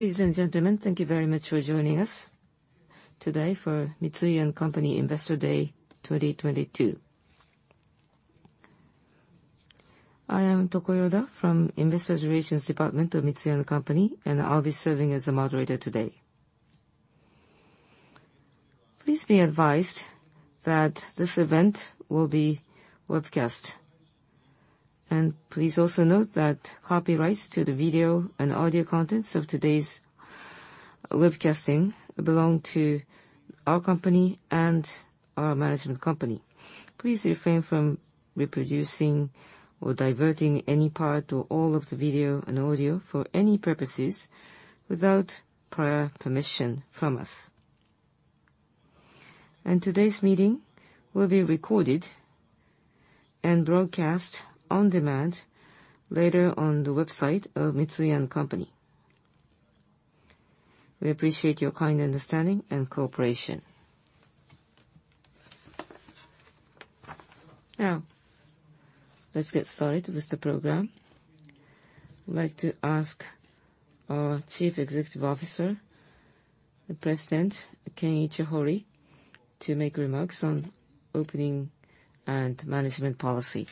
Ladies and gentlemen, thank you very much for joining us today for Mitsui & Co. Investor Day 2022. I am Tokuda from Investor Relations Department of Mitsui & Co., and I'll be serving as the moderator today. Please be advised that this event will be webcast. Please also note that copyrights to the video and audio contents of today's webcasting belong to our company and our management company. Please refrain from reproducing or diverting any part or all of the video and audio for any purposes without prior permission from us. Today's meeting will be recorded and broadcast on demand later on the website of Mitsui & Co. We appreciate your kind understanding and cooperation. Now, let's get started with the program. I'd like to ask our Chief Executive Officer and President, Kenichi Hori, to make remarks on opening and management policy.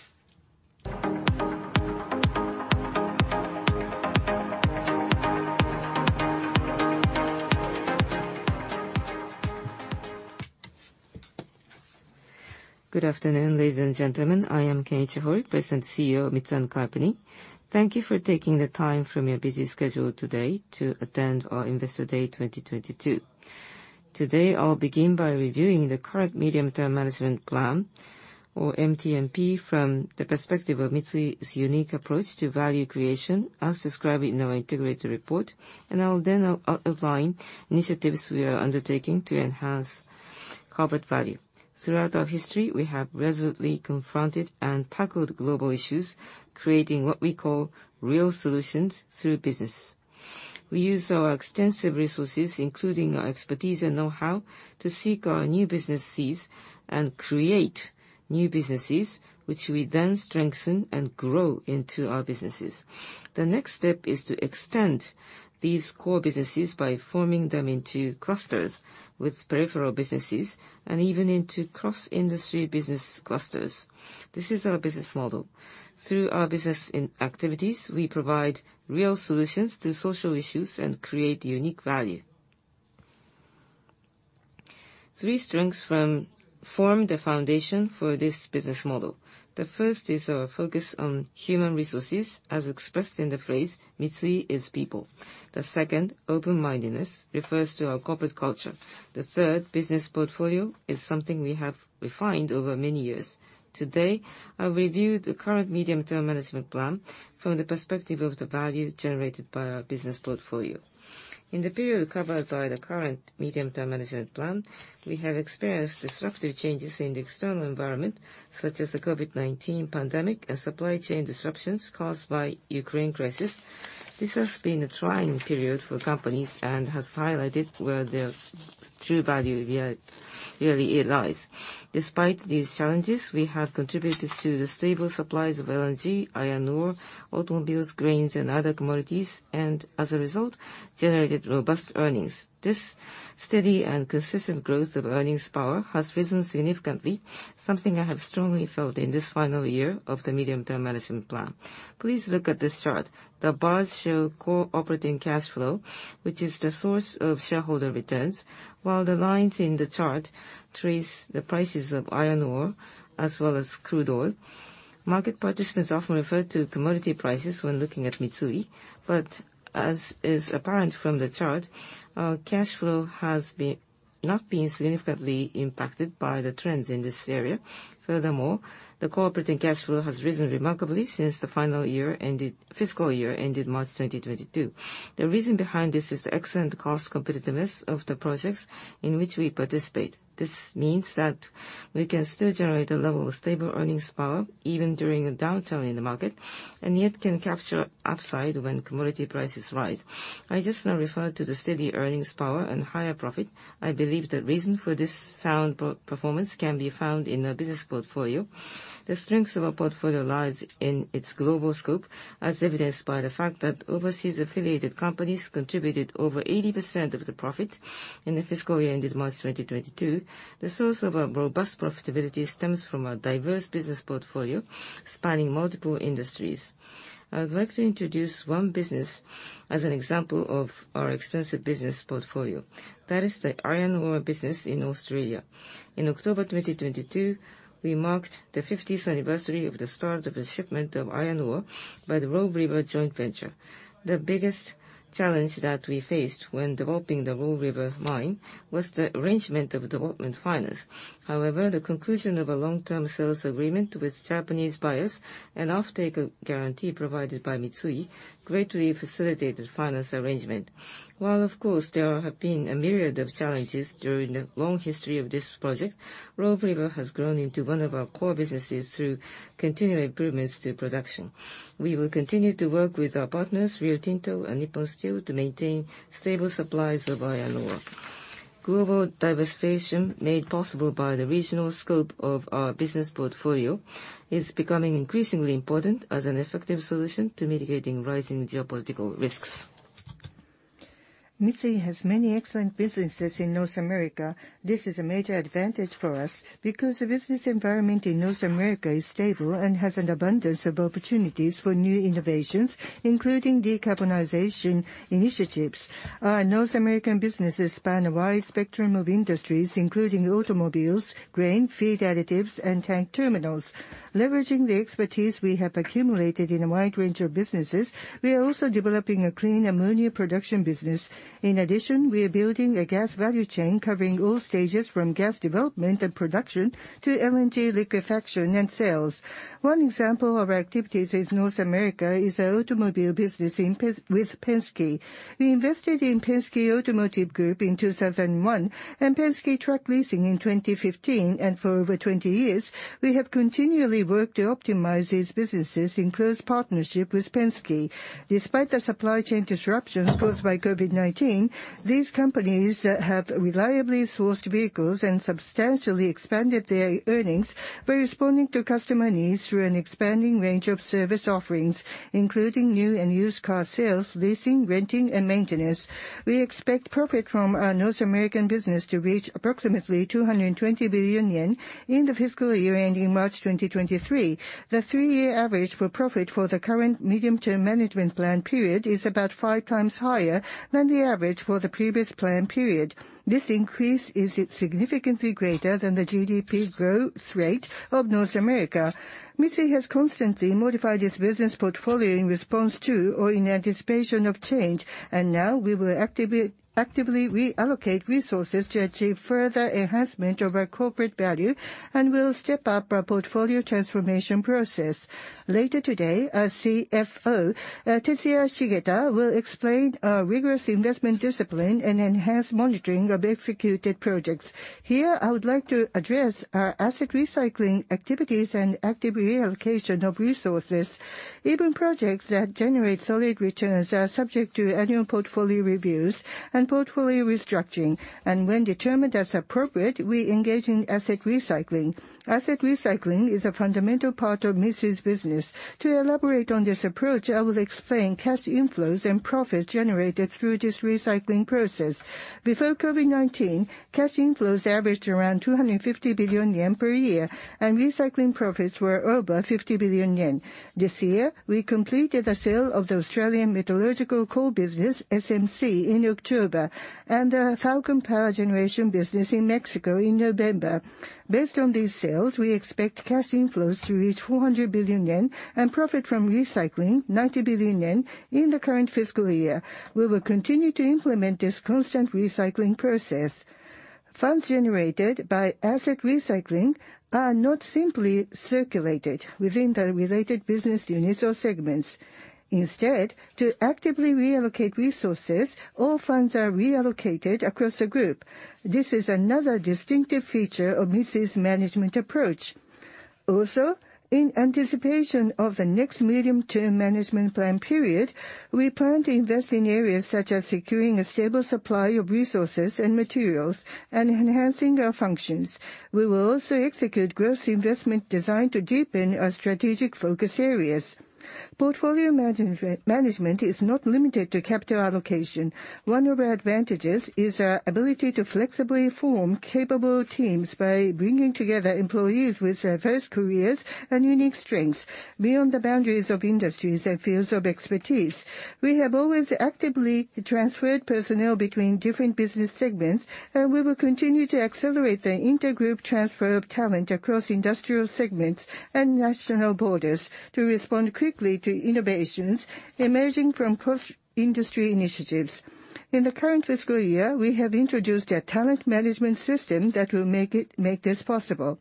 Good afternoon, ladies and gentlemen. I am Kenichi Hori, President and CEO of Mitsui & Co. Thank you for taking the time from your busy schedule today to attend our Investor Day 2022. Today, I'll begin by reviewing the current Medium-Term Management Plan, or MTMP, from the perspective of Mitsui's unique approach to value creation, as described in our integrated report. I will then outline initiatives we are undertaking to enhance corporate value. Throughout our history, we have resolutely confronted and tackled global issues, creating what we call real solutions through business. We use our extensive resources, including our expertise and know-how, to seek our new businesses and create new businesses, which we then strengthen and grow into our businesses. The next step is to extend these core businesses by forming them into clusters with peripheral businesses and even into cross-industry business clusters. This is our business model. Through our business in activities, we provide real solutions to social issues and create unique value. Three strengths form the foundation for this business model. The first is our focus on human resources, as expressed in the phrase, "Mitsui is people." The second, open-mindedness, refers to our corporate culture. The third, business portfolio, is something we have refined over many years. Today, I'll review the current Medium-Term Management Plan from the perspective of the value generated by our business portfolio. In the period covered by the current Medium-Term Management Plan, we have experienced disruptive changes in the external environment, such as the COVID-19 pandemic and supply chain disruptions caused by the Ukraine crisis. This has been a trying period for companies and has highlighted where their true value really lies. Despite these challenges, we have contributed to the stable supplies of LNG, iron ore, automobiles, grains, and other commodities, and as a result, generated robust earnings. This steady and consistent growth of earnings power has risen significantly, something I have strongly felt in this final year of the Medium-Term Management Plan. Please look at this chart. The bars show Core Operating Cash Flow, which is the source of shareholder returns, while the lines in the chart trace the prices of iron ore as well as crude oil. Market participants often refer to commodity prices when looking at Mitsui, but as is apparent from the chart, our cash flow has not been significantly impacted by the trends in this area. Furthermore, the Core Operating Cash Flow has risen remarkably since the final year ended March 2022. The reason behind this is the excellent cost competitiveness of the projects in which we participate. This means that we can still generate a level of stable earnings power even during a downturn in the market, and yet can capture upside when commodity prices rise. I just now referred to the steady earnings power and higher profit. I believe the reason for this sound performance can be found in our business portfolio. The strength of our portfolio lies in its global scope, as evidenced by the fact that overseas-affiliated companies contributed over 80% of the profit in the fiscal year ended March 2022. The source of our robust profitability stems from our diverse business portfolio spanning multiple industries. I would like to introduce one business as an example of our extensive business portfolio. That is the iron ore business in Australia. In October 2022, we marked the 50th anniversary of the start of the shipment of iron ore by the Robe River Joint Venture. The biggest challenge that we faced when developing the Robe River mine was the arrangement of development finance. However, the conclusion of a long-term sales agreement with Japanese buyers and off-take guarantee provided by Mitsui greatly facilitated finance arrangement. While of course there have been a myriad of challenges during the long history of this project, Robe River has grown into one of our core businesses through continued improvements to production. We will continue to work with our partners, Rio Tinto and Nippon Steel, to maintain stable supplies of iron ore. Global diversification made possible by the regional scope of our business portfolio is becoming increasingly important as an effective solution to mitigating rising geopolitical risks. Mitsui has many excellent businesses in North America. This is a major advantage for us because the business environment in North America is stable and has an abundance of opportunities for new innovations, including decarbonization initiatives. Our North American businesses span a wide spectrum of industries, including automobiles, grain, feed additives, and tank terminals. Leveraging the expertise we have accumulated in a wide range of businesses, we are also developing a clean ammonia production business. In addition, we are building a gas value chain covering all stages from gas development and production to LNG liquefaction and sales. One example of our activities in North America is our automobile business with Penske. We invested in Penske Automotive Group in 2001, and Penske Truck Leasing in 2015. For over 20 years, we have continually worked to optimize these businesses in close partnership with Penske. Despite the supply chain disruptions caused by COVID-19, these companies have reliably sourced vehicles and substantially expanded their earnings by responding to customer needs through an expanding range of service offerings, including new and used car sales, leasing, renting, and maintenance. We expect profit from our North American business to reach approximately 220 billion yen in the fiscal year ending March 2023. The 3-year average for profit for the current Medium-Term Management Plan period is about 5 times higher than the average for the previous plan period. This increase is significantly greater than the GDP growth rate of North America. Mitsui has constantly modified its business portfolio in response to or in anticipation of change. Now we will actively reallocate resources to achieve further enhancement of our corporate value and will step up our portfolio transformation process. Later today, our CFO, Tetsuya Shigeta, will explain our rigorous investment discipline and enhanced monitoring of executed projects. Here, I would like to address our asset recycling activities and active reallocation of resources. Even projects that generate solid returns are subject to annual portfolio reviews and portfolio restructuring. When determined that's appropriate, we engage in asset recycling. Asset recycling is a fundamental part of Mitsui's business. To elaborate on this approach, I will explain cash inflows and profits generated through this recycling process. Before COVID-19, cash inflows averaged around 250 billion yen per year, and recycling profits were over 50 billion yen. This year, we completed the sale of the Australian Metallurgical Coal business, SMC, in October, and our Falcon Power Generation business in Mexico in November. Based on these sales, we expect cash inflows to reach 400 billion yen, and profit from recycling 90 billion yen in the current fiscal year. We will continue to implement this constant recycling process. Funds generated by asset recycling are not simply circulated within the related business units or segments. Instead, to actively reallocate resources, all funds are reallocated across the group. This is another distinctive feature of Mitsui's management approach. Also, in anticipation of the next Medium-Term Management Plan period, we plan to invest in areas such as securing a stable supply of resources and materials and enhancing our functions. We will also execute growth investment designed to deepen our strategic focus areas. Portfolio management is not limited to capital allocation. One of our advantages is our ability to flexibly form capable teams by bringing together employees with diverse careers and unique strengths beyond the boundaries of industries and fields of expertise. We have always actively transferred personnel between different business segments. We will continue to accelerate the inter-group transfer of talent across industrial segments and national borders to respond quickly to innovations emerging from cross-industry initiatives. In the current fiscal year, we have introduced a talent management system that will make this possible.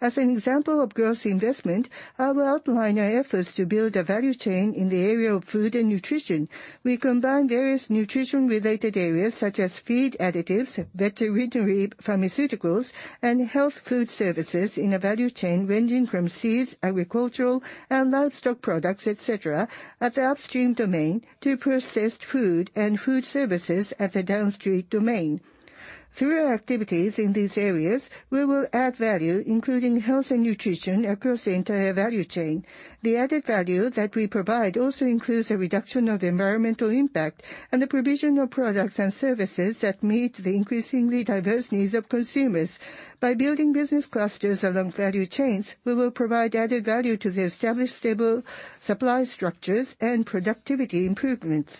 As an example of growth investment, I will outline our efforts to build a value chain in the area of food and nutrition. We combine various nutrition-related areas such as feed additives, veterinary pharmaceuticals, and health food services in a value chain ranging from seeds, agricultural, and livestock products, et cetera, at the upstream domain, to processed food and food services at the downstream domain. Through our activities in these areas, we will add value, including health and nutrition across the entire value chain. The added value that we provide also includes a reduction of environmental impact and the provision of products and services that meet the increasingly diverse needs of consumers. By building business clusters along value chains, we will provide added value to the established stable supply structures and productivity improvements.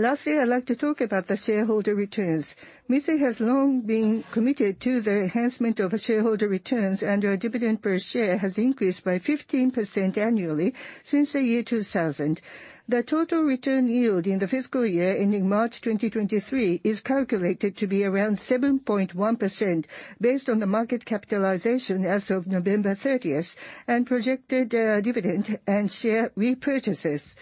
Lastly, I'd like to talk about the shareholder returns. Mitsui has long been committed to the enhancement of shareholder returns, and our dividend per share has increased by 15% annually since the year 2000. The total return yield in the fiscal year ending March 2023 is calculated to be around 7.1% based on the market capitalization as of November 30th and projected dividend and share repurchases.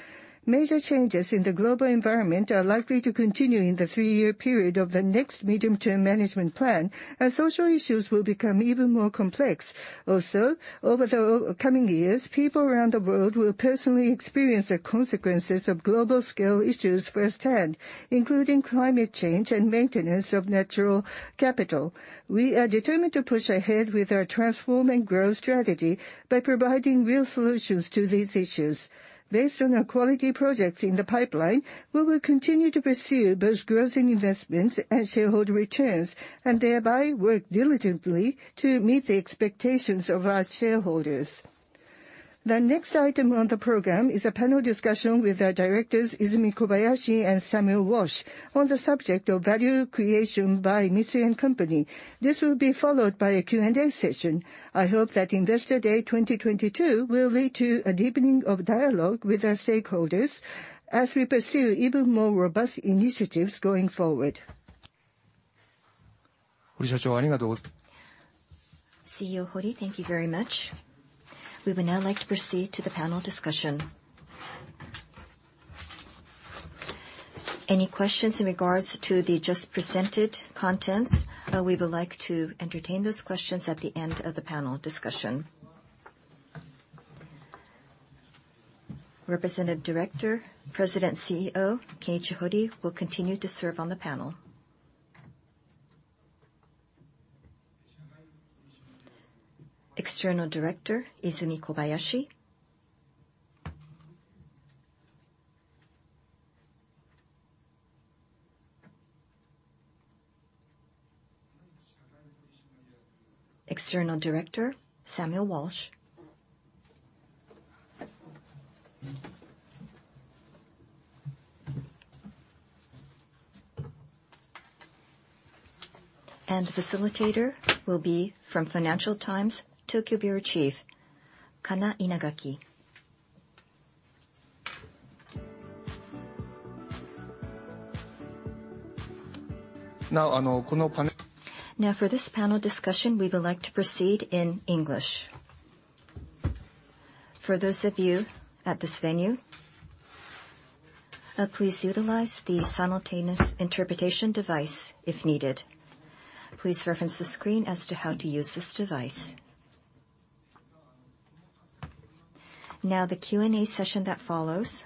Major changes in the global environment are likely to continue in the 3-year period of the next medium and social issues will become even more complex. Also, over the coming years, people around the world will personally experience the consequences of global scale issues firsthand, including climate change and maintenance of natural capital. We are determined to push ahead with our transform and grow strategy by providing real solutions to these issues. Based on our quality projects in the pipeline, we will continue to pursue both growth in investments and shareholder returns and thereby work diligently to meet the expectations of our shareholders. The next item on the program is a panel discussion with our directors, Izumi Kobayashi and Samuel Walsh, on the subject of value creation by Mitsui & Co. This will be followed by a Q&A session. I hope that Investor Day 2022 will lead to a deepening of dialogue with our stakeholders as we pursue even more robust initiatives going forward. CEO Hori, thank you very much. We would now like to proceed to the panel discussion. Any questions in regards to the just presented contents, we would like to entertain those questions at the end of the panel discussion. Representative Director, President, CEO Kenichi Hori will continue to serve on the panel. External Director Izumi Kobayashi. External Director Samuel Walsh. Facilitator will be from Financial Times, Tokyo Bureau Chief, Kana Inagaki. Now, for this panel discussion, we would like to proceed in English. For those of you at this venue, please utilize the simultaneous interpretation device if needed. Please reference the screen as to how to use this device. Now, the Q&A session that follows,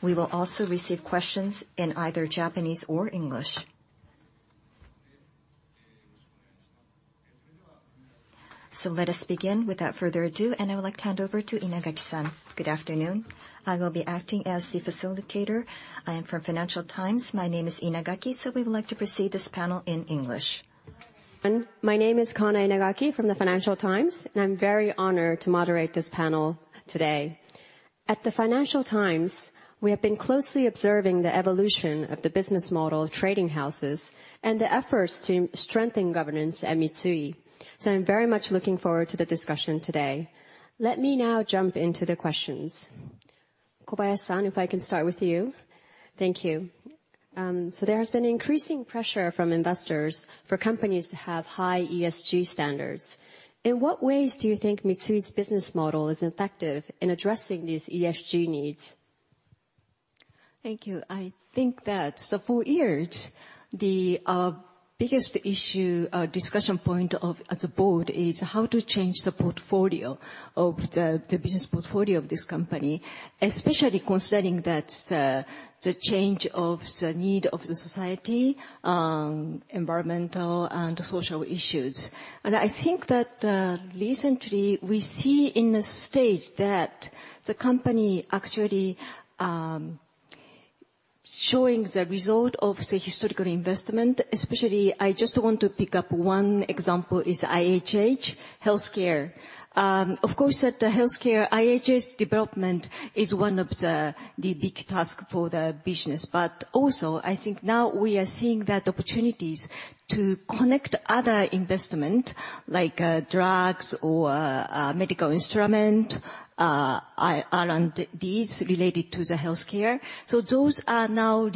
we will also receive questions in either Japanese or English. Let us begin without further ado, and I would like to hand over to Inagaki-san. Good afternoon. I will be acting as the facilitator. I am from Financial Times. My name is Inagaki. We would like to proceed this panel in English. My name is Kana Inagaki from the Financial Times, and I'm very honored to moderate this panel today. At the Financial Times, we have been closely observing the evolution of the business model of trading houses and the efforts to strengthen governance at Mitsui. I'm very much looking forward to the discussion today. Let me now jump into the questions. Kobayashi-san, if I can start with you. Thank you. There has been increasing pressure from investors for companies to have high ESG standards. In what ways do you think Mitsui's business model is effective in addressing these ESG needs? Thank you. I think that for years, the biggest issue, discussion point at the Board is how to change the business portfolio of this company, especially considering that the change of the need of the society, environmental and social issues. I think that recently we see in the stage that the company actually showing the result of the historical investment, especially I just want to pick up one example is IHH Healthcare. Of course, that the healthcare IHH's development is one of the big tasks for the business. Also I think now we are seeing that opportunities to connect other investment like drugs or medical instrument are on these related to the healthcare. Those are now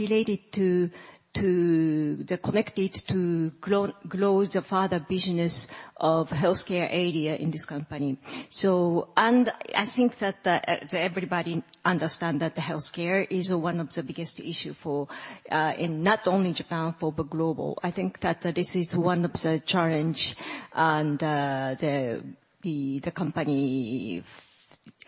connected to grow the further business of healthcare area in this company. I think that everybody understand that the healthcare is one of the biggest issues in not only Japan but global. I think that this is one of the challenges and the company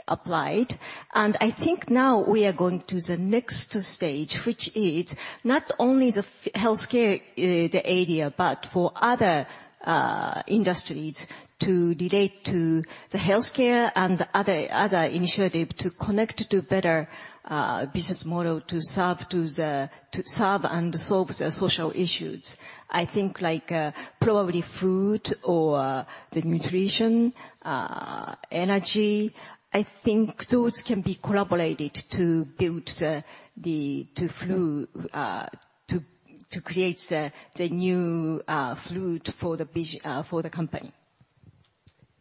applied. I think now we are going to the next stage, which is not only the healthcare area, but for other industries related to healthcare and other initiative to connect to better business model to serve and solve the social issues. I think like probably food or the nutrition, energy. I think those can be collaborated to build the to create the new food for the company.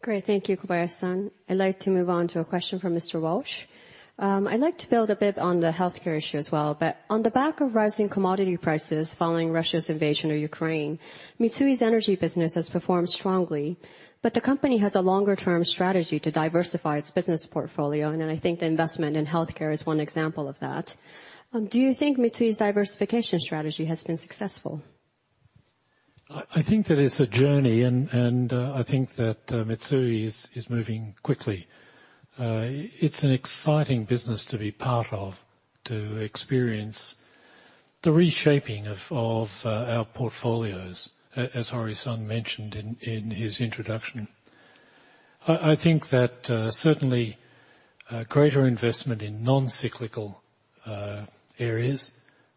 Great. Thank you, Kobayashi-san. I'd like to move on to a question for Mr. Walsh. I'd like to build a bit on the healthcare issue as well. On the back of rising commodity prices following Russia's invasion of Ukraine, Mitsui's energy business has performed strongly. The company has a longer-term strategy to diversify its business portfolio, I think the investment in healthcare is one example of that. Do you think Mitsui's diversification strategy has been successful? I think that it's a journey and I think that Mitsui is moving quickly. It's an exciting business to be part of, to experience the reshaping of our portfolios, as Hori-san mentioned in his introduction. I think that certainly greater investment in non-cyclical areas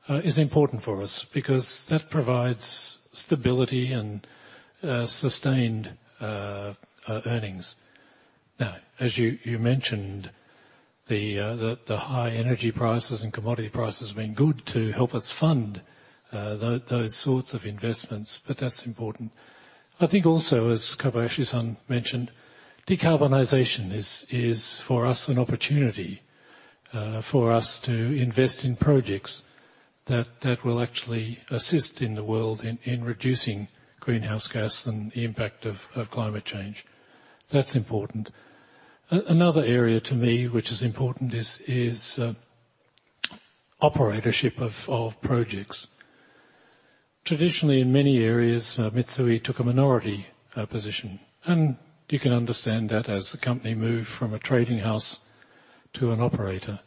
is important for us because that provides stability and sustained earnings. Now, as you mentioned, the high energy prices and commodity prices have been good to help us fund those sorts of investments, but that's important. I think also, as Kobayashi-san mentioned, decarbonization is for us an opportunity for us to invest in projects that will actually assist in the world in reducing greenhouse gas and the impact of climate change. That's important. Another area to me which is important is operatorship of projects. Traditionally, in many areas, Mitsui took a minority position, and you can understand that as the company moved from a trading house to an operator,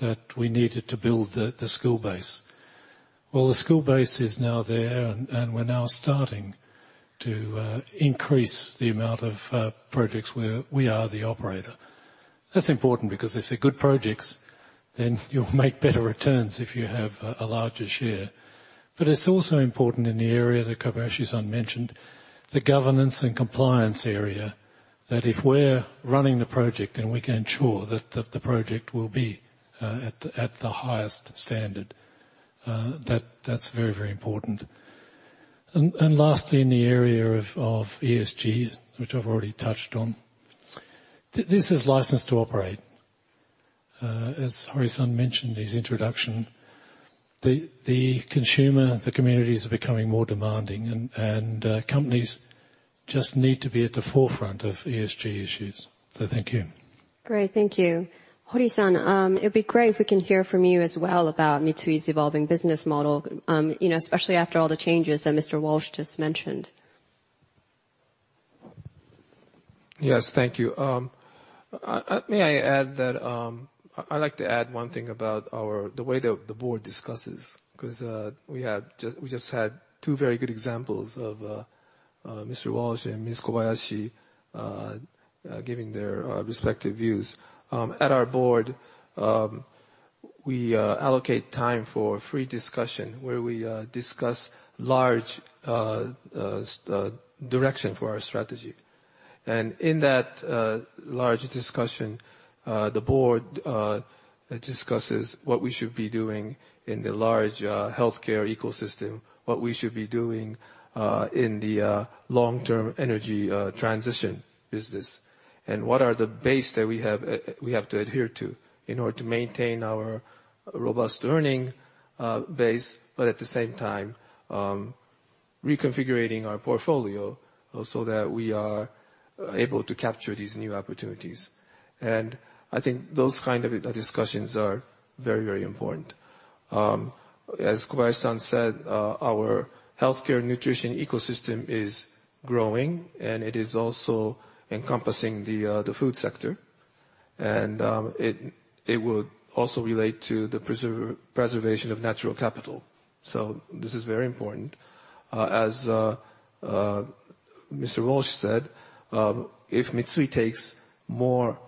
that we needed to build the skill base. Well, the skill base is now there and we're now starting to increase the amount of projects where we are the operator. That's important because if they're good projects, then you'll make better returns if you have a larger share. It's also important in the area that Kobayashi-san mentioned, the governance and compliance area, that if we're running the project, then we can ensure that the project will be at the highest standard. That's very important. Lastly, in the area of ESG, which I've already touched on, this is licensed to operate. As Hori-san mentioned in his introduction, the consumer, the communities are becoming more demanding and companies just need to be at the forefront of ESG issues. Thank you. Great. Thank you. Hori-san, it'd be great if we can hear from you as well about Mitsui's evolving business model, you know, especially after all the changes that Mr. Walsh just mentioned. Yes. Thank you. May I add that I'd like to add one thing about the way the board discusses, 'cause we just had two very good examples of Mr. Walsh and Ms. Kobayashi giving their respective views. At our board, we allocate time for free discussion where we discuss large direction for our strategy. In that large discussion, the Board discusses what we should be doing in the large healthcare ecosystem, what we should be doing in the long-term energy transition business, and what are the base that we have, we have to adhere to in order to maintain our robust earning base, but at the same time, reconfiguring our portfolio so that we are able to capture these new opportunities. I think those kind of discussions are very important. As Kobayashi-san said, our healthcare nutrition ecosystem is growing, and it is also encompassing the food sector, and it would also relate to the preservation of natural capital. This is very important. As Mr. Walsh said, if Mitsui takes more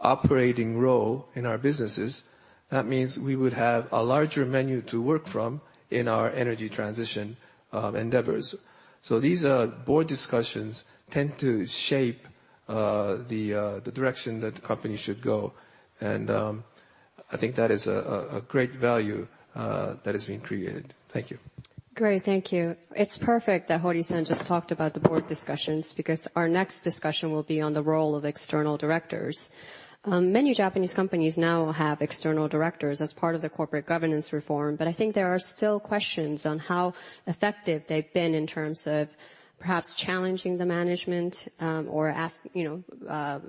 operating role in our businesses, that means we would have a larger menu to work from in our energy transition endeavors. These board discussions tend to shape the direction that the company should go. I think that is a great value that is being created. Thank you. Great. Thank you. It's perfect that Hori-san just talked about the board discussions because our next discussion will be on the role of External Directors. Many Japanese companies now have External Directors as part of their corporate governance reform. I think there are still questions on how effective they've been in terms of perhaps challenging the management, or ask, you know,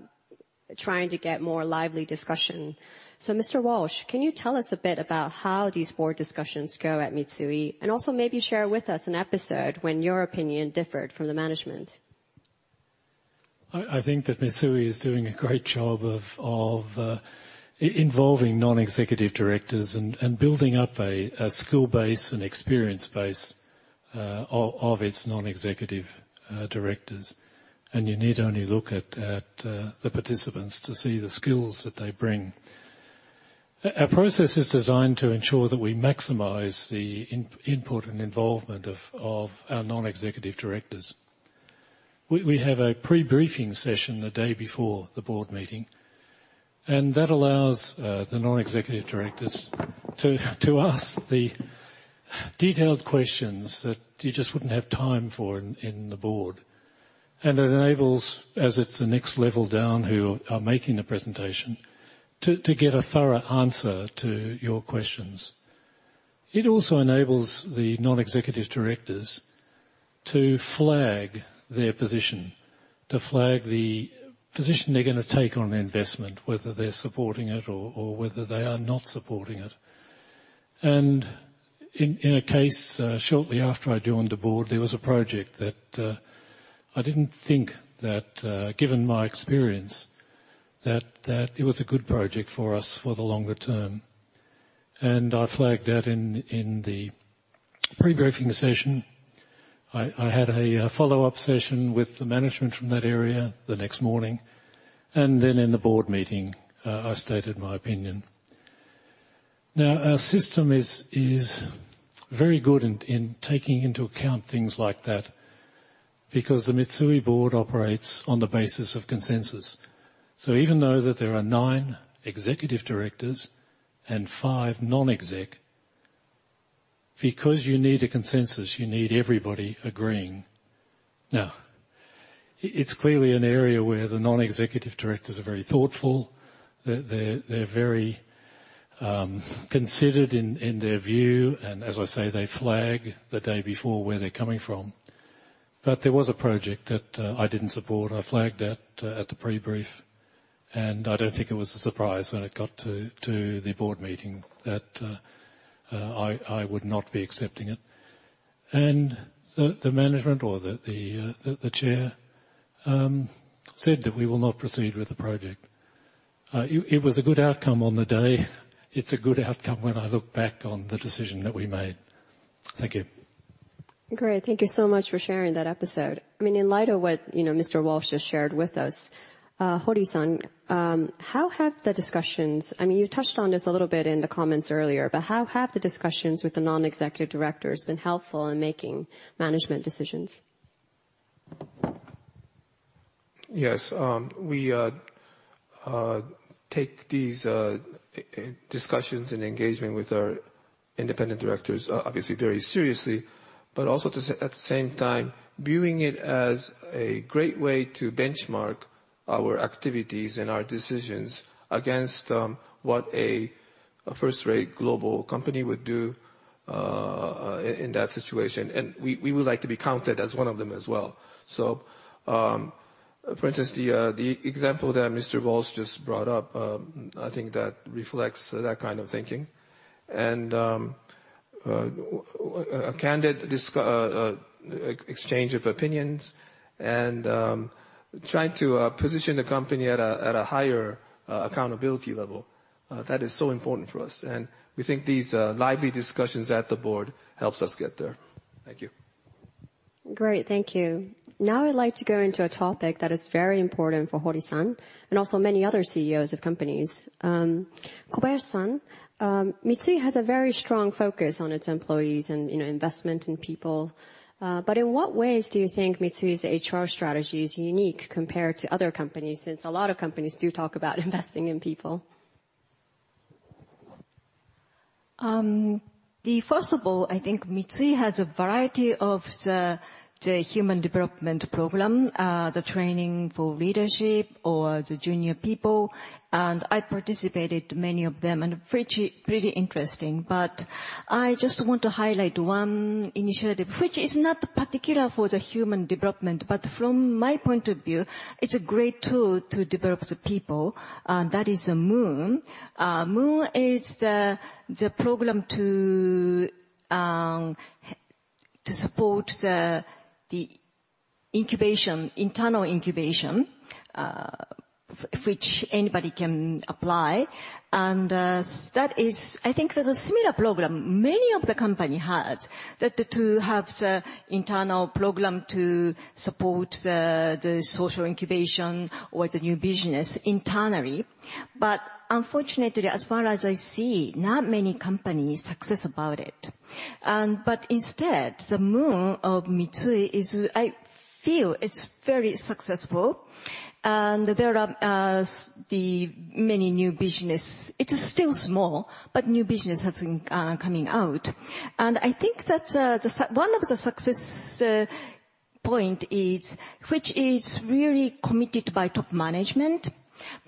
trying to get more lively discussion. Mr. Walsh, can you tell us a bit about how these board discussions go at Mitsui? Also maybe share with us an episode when your opinion differed from the management. I think that Mitsui is doing a great job of involving non-executive directors and building up a skill base and experience base of its non-executive directors. You need only look at the participants to see the skills that they bring. Our process is designed to ensure that we maximize the input and involvement of our non-executive directors. We have a pre-briefing session the day before the board meeting. That allows the non-executive directors to ask the detailed questions that you just wouldn't have time for in the board. It enables, as it's the next level down who are making the presentation, to get a thorough answer to your questions. It also enables the non-executive directors to flag their position, to flag the position they're gonna take on an investment, whether they're supporting it or whether they are not supporting it. In a case, shortly after I joined the Board, there was a project that I didn't think that given my experience that it was a good project for us for the longer term. I flagged that in the pre-briefing session. I had a follow-up session with the management from that area the next morning, in the Board meeting, I stated my opinion. Our system is very good in taking into account things like that, because the Mitsui Board operates on the basis of consensus. Even though that there are nine executive directors and five non-exec, because you need a consensus, you need everybody agreeing. It's clearly an area where the non-executive directors are very thoughtful. They're very considered in their view. As I say, they flag the day before where they're coming from. There was a project that I didn't support. I flagged that at the pre-brief, and I don't think it was a surprise when it got to the Board meeting that I would not be accepting it. The management or the Chair said that we will not proceed with the project. It was a good outcome on the day. It's a good outcome when I look back on the decision that we made. Thank you. Great. Thank you so much for sharing that episode. I mean, in light of what, you know, Mr. Walsh just shared with us, Hori-san, how have the discussions, I mean, you touched on this a little bit in the comments earlier, but how have the discussions with the non-executive directors been helpful in making management decisions? Yes. We take these discussions and engagement with our independent directors obviously very seriously, but also at the same time, viewing it as a great way to benchmark our activities and our decisions against what a first-rate global company would do in that situation. We, we would like to be counted as one of them as well. For instance, the example that Mr. Walsh just brought up, I think that reflects that kind of thinking. A candid exchange of opinions and trying to position the company at a higher accountability level that is so important for us. We think these lively discussions at the board helps us get there. Thank you. Great. Thank you. Now I'd like to go into a topic that is very important for Hori-san and also many other CEOs of companies. Kobayashi-san, Mitsui has a very strong focus on its employees and, you know, investment in people. In what ways do you think Mitsui's HR strategy is unique compared to other companies, since a lot of companies do talk about investing in people? First of all, I think Mitsui has a variety of the human development program, the training for leadership or the junior people, and I participated many of them, and pretty interesting. I just want to highlight one initiative, which is not particular for the human development, but from my point of view, it's a great tool to develop the people, and that is the Moon program. Moon is the program to support the incubation, internal incubation, which anybody can apply. I think there's a similar program many of the company has that to have the internal program to support the social incubation or the new business internally. Unfortunately, as far as I see, not many companies are successful with it. Instead, the Moon of Mitsui is, I feel it's very successful, and there are many new businesses. It's still small, but new business has been coming out. I think that one of the success point is which is really committed by top management,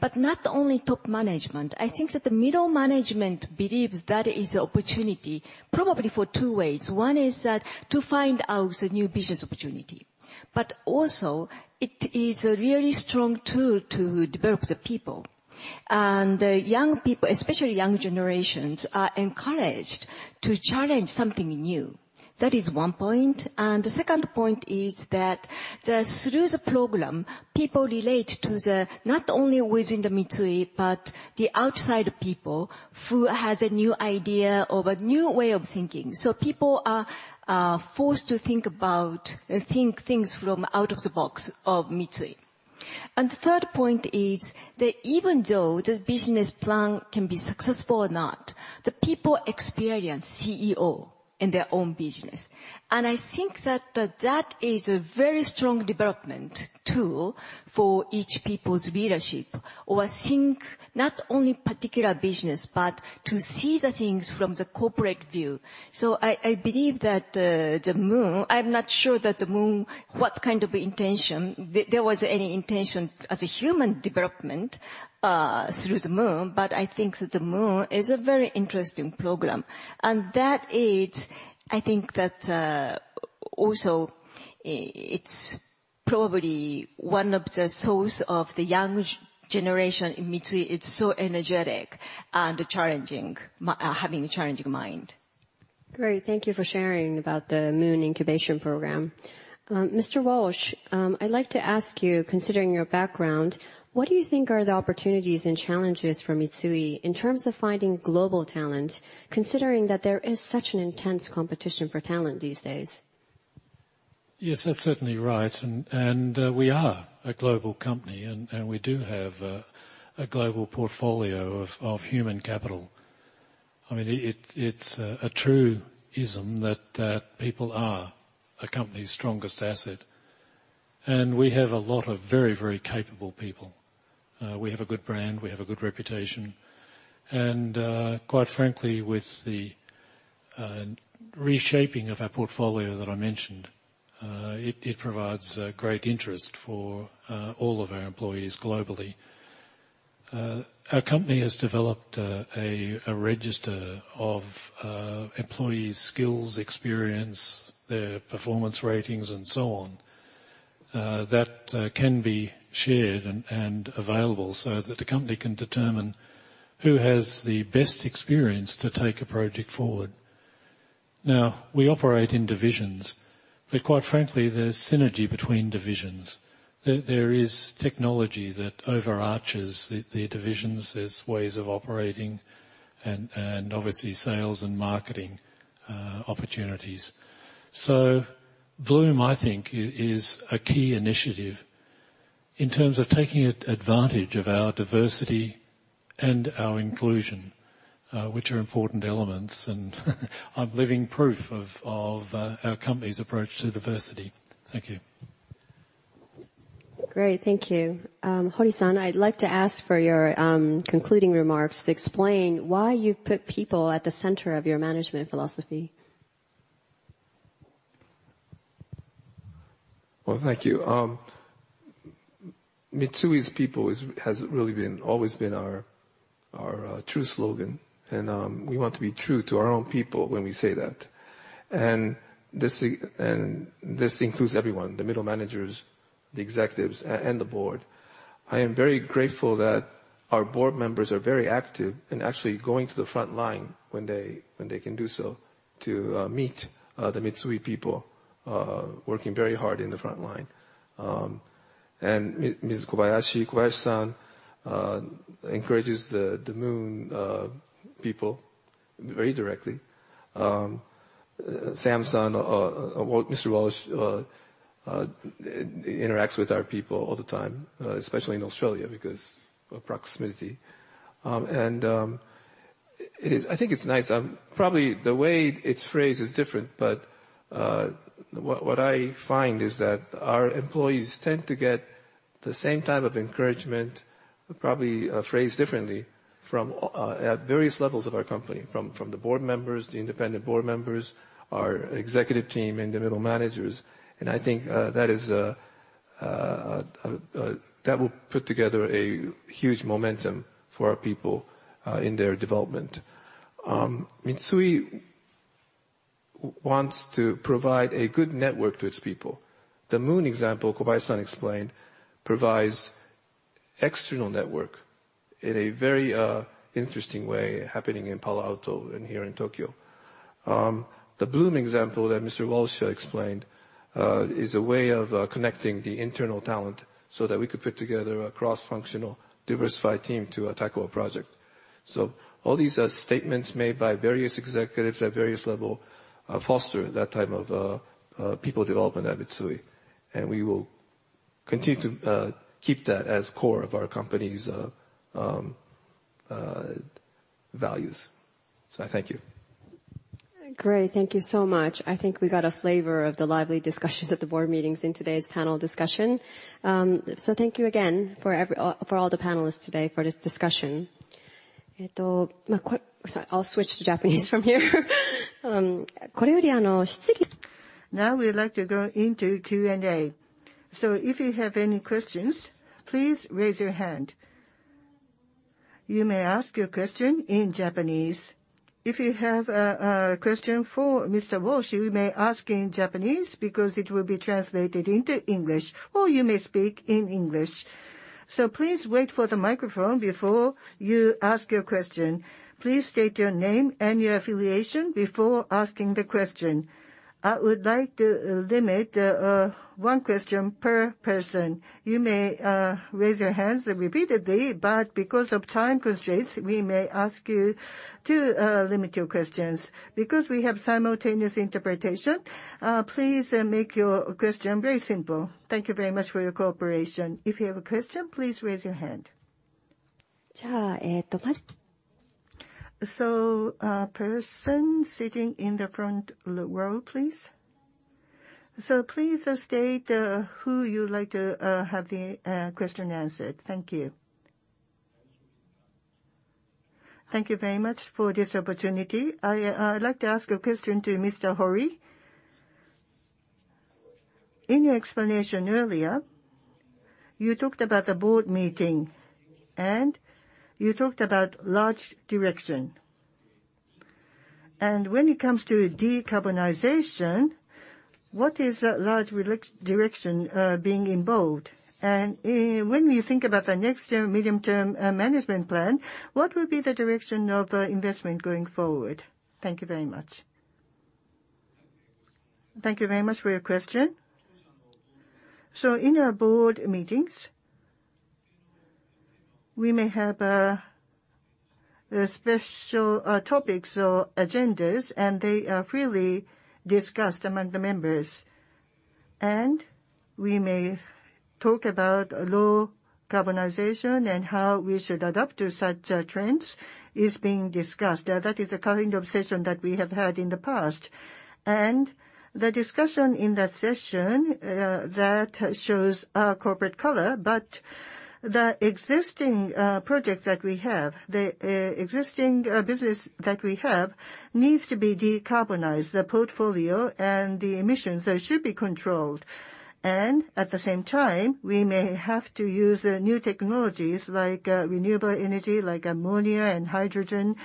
but not only top management. I think that the middle management believes that is an opportunity probably for two ways. One is that to find out the new business opportunity, but also it is a really strong tool to develop the people. The young people, especially young generations, are encouraged to challenge something new. That is one point. The second point is that through the program, people relate to the, not only within the Mitsui, but outside people who have a new idea or a new way of thinking. People are forced to think things from out of the box of Mitsui. The third point is that even though the business plan can be successful or not, the people experience being a CEO in their own business. I think that is a very strong development tool for each people's leadership, or think not only particular business, but to see the things from the corporate view. I believe that the Moon, I'm not sure that the Moon, what kind of intention, there was any intention as a human development through the Moon. I think that the Moon is a very interesting program, and that is, I think that also it's probably one of the source of the young generation in Mitsui. It's so energetic and challenging, having a challenging mind. Great. Thank you for sharing about the Moon incubation program. Mr. Walsh, I'd like to ask you, considering your background, what do you think are the opportunities and challenges for Mitsui in terms of finding global talent, considering that there is such an intense competition for talent these days? Yes, that's certainly right. We are a global company and we do have a global portfolio of human capital. I mean, it's a truism that people are a company's strongest asset. We have a lot of very capable people. We have a good brand, we have a good reputation. Quite frankly, with the reshaping of our portfolio that I mentioned, it provides great interest for all of our employees globally. Our company has developed a register of employees' skills, experience, their performance ratings and so on that can be shared and available so that the company can determine who has the best experience to take a project forward. We operate in divisions, but quite frankly, there's synergy between divisions. There is technology that over-arches the divisions. There's ways of operating and obviously sales and marketing opportunities. Bloom, I think is a key initiative in terms of taking advantage of our diversity and our inclusion, which are important elements, and I'm living proof of our company's approach to diversity. Thank you. Great, thank you. Hori-san, I'd like to ask for your concluding remarks to explain why you put people at the center of your management philosophy. Well, thank you. Mitsui's people has always been our true slogan. We want to be true to our own people when we say that. This includes everyone, the middle managers, the executives and the board. I am very grateful that our board members are very active in actually going to the frontline when they can do so to meet the Mitsui people working very hard in the frontline. Ms. Kobayashi-san encourages the Moon people very directly. Sam-san or Mr. Walsh interacts with our people all the time, especially in Australia because of proximity. I think it's nice. Probably the way it's phrased is different, but what I find is that our employees tend to get the same type of encouragement, probably phrased differently from at various levels of our company. From the board members, the independent board members, our executive team and the middle managers. I think that is that will put together a huge momentum for our people in their development. Mitsui wants to provide a good network to its people. The Moon example Kobayashi-san explained provides external network in a very interesting way happening in Palo Alto and here in Tokyo. The Bloom example that Mr. Walsh explained is a way of connecting the internal talent so that we could put together a cross-functional diversified team to tackle a project. All these statements made by various executives at various level foster that type of people development at Mitsui & Co., Ltd., and we will continue to keep that as core of our company's values. Thank you. Great. Thank you so much. I think we got a flavor of the lively discussions at the board meetings in today's panel discussion. Thank you again for all the panelists today for this discussion. Sorry. I'll switch to Japanese from here. Now we'd like to go into Q&A. If you have any questions, please raise your hand. You may ask your question in Japanese. If you have a question for Mr. Walsh, you may ask in Japanese because it will be translated into English, or you may speak in English. Please wait for the microphone before you ask your question. Please state your name and your affiliation before asking the question. I would like to limit one question per person. You may raise your hands repeatedly, but because of time constraints, we may ask you to limit your questions. Because we have simultaneous interpretation, please make your question very simple. Thank you very much for your cooperation. If you have a question, please raise your hand. Person sitting in the front row, please. Please state who you'd like to have the question answered. Thank you. Thank you very much for this opportunity. I'd like to ask a question to Mr. Hori. In your explanation earlier, you talked about the board meeting and you talked about large direction. When it comes to decarbonization. What is the large direction being involved? When you think about the next year Medium-Term Management Plan, what will be the direction of investment going forward? Thank you very much. Thank you very much for your question. In our Board meetings, we may have special topics or agendas, and they are freely discussed among the members. We may talk about low carbonization and how we should adapt to such trends is being discussed. That is the kind of session that we have had in the past. The discussion in that session that shows our corporate color, but the existing projects that we have, the existing business that we have needs to be decarbonized. The portfolio and the emissions, they should be controlled. At the same time, we may have to use new technologies like renewable energy, like ammonia and hydrogen.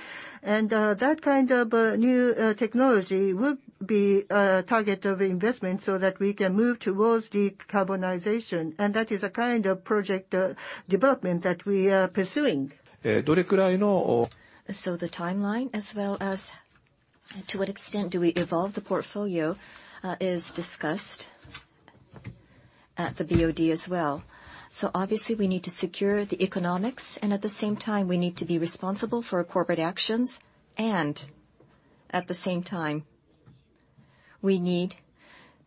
That kind of new technology would be target of investment so that we can move towards decarbonization. That is a kind of project development that we are pursuing. The timeline as well as to what extent do we evolve the portfolio is discussed at the BOD as well. Obviously we need to secure the economics, and at the same time, we need to be responsible for our corporate actions. At the same time, we need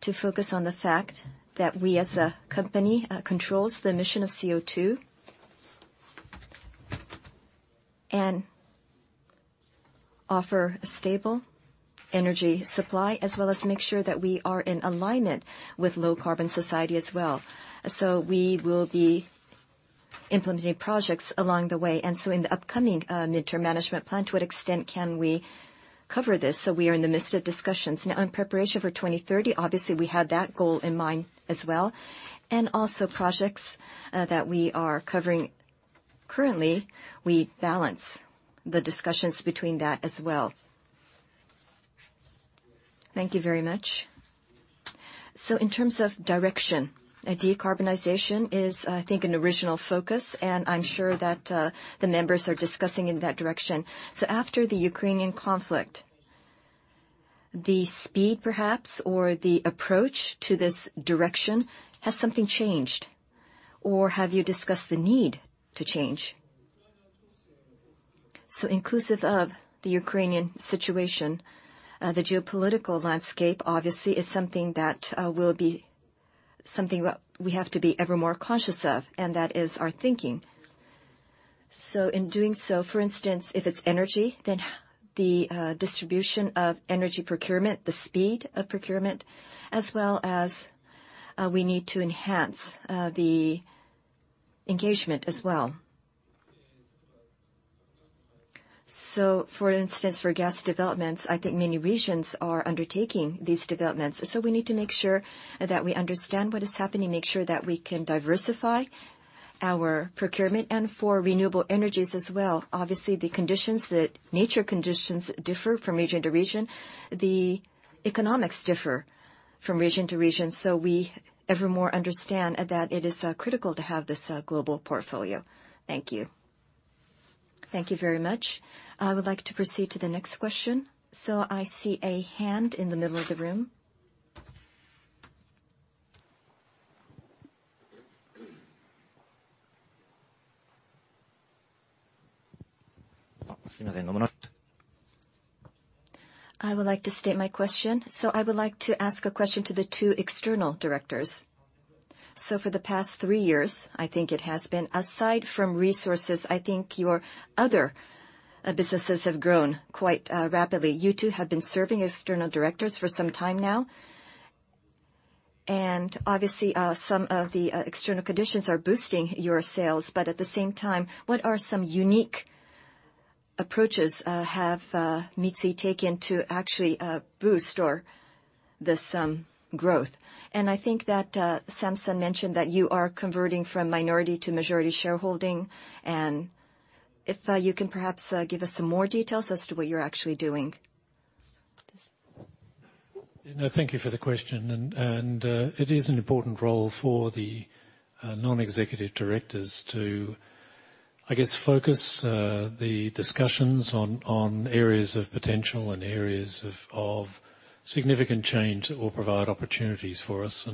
to focus on the fact that we, as a company, controls the emission of CO2 and offer a stable energy supply, as well as make sure that we are in alignment with low carbon society as well. We will be implementing projects along the way. In the upcoming Medium-Term Management Plan, to what extent can we cover this? We are in the midst of discussions. Now in preparation for 2030, obviously, we have that goal in mind as well. Also projects, that we are covering currently, we balance the discussions between that as well. Thank you very much. In terms of direction, a decarbonization is, I think, an original focus, and I'm sure that, the members are discussing in that direction. After the Ukrainian conflict, the speed perhaps, or the approach to this direction, has something changed or have you discussed the need to change? Inclusive of the Ukrainian situation, the geopolitical landscape obviously is something that will be something what we have to be ever more conscious of, and that is our thinking. In doing so, for instance, if it's energy, then the distribution of energy procurement, the speed of procurement, as well as we need to enhance the engagement as well. For instance, for gas developments, I think many regions are undertaking these developments. We need to make sure that we understand what is happening, make sure that we can diversify our procurement and for renewable energies as well. Obviously, the conditions that, nature conditions differ from region to region. The economics differ from region to region, so we ever more understand that it is critical to have this global portfolio. Thank you. Thank you very much. I would like to proceed to the next question. I see a hand in the middle of the room. I would like to state my question. I would like to ask a question to the two External Directors. For the past three years, I think it has been, aside from resources, I think your other businesses have grown quite rapidly. You two have been serving as External Directors for some time now. Obviously, some of the external conditions are boosting your sales, but at the same time, what unique approaches have Mitsui taken to actually boost this growth? I think that Sam-san mentioned that you are converting from minority to majority shareholding. If, you can perhaps, give us some more details as to what you're actually doing. Thank you for the question. It is an important role for the non-executive directors to, I guess, focus the discussions on areas of potential and areas of significant change or provide opportunities for us.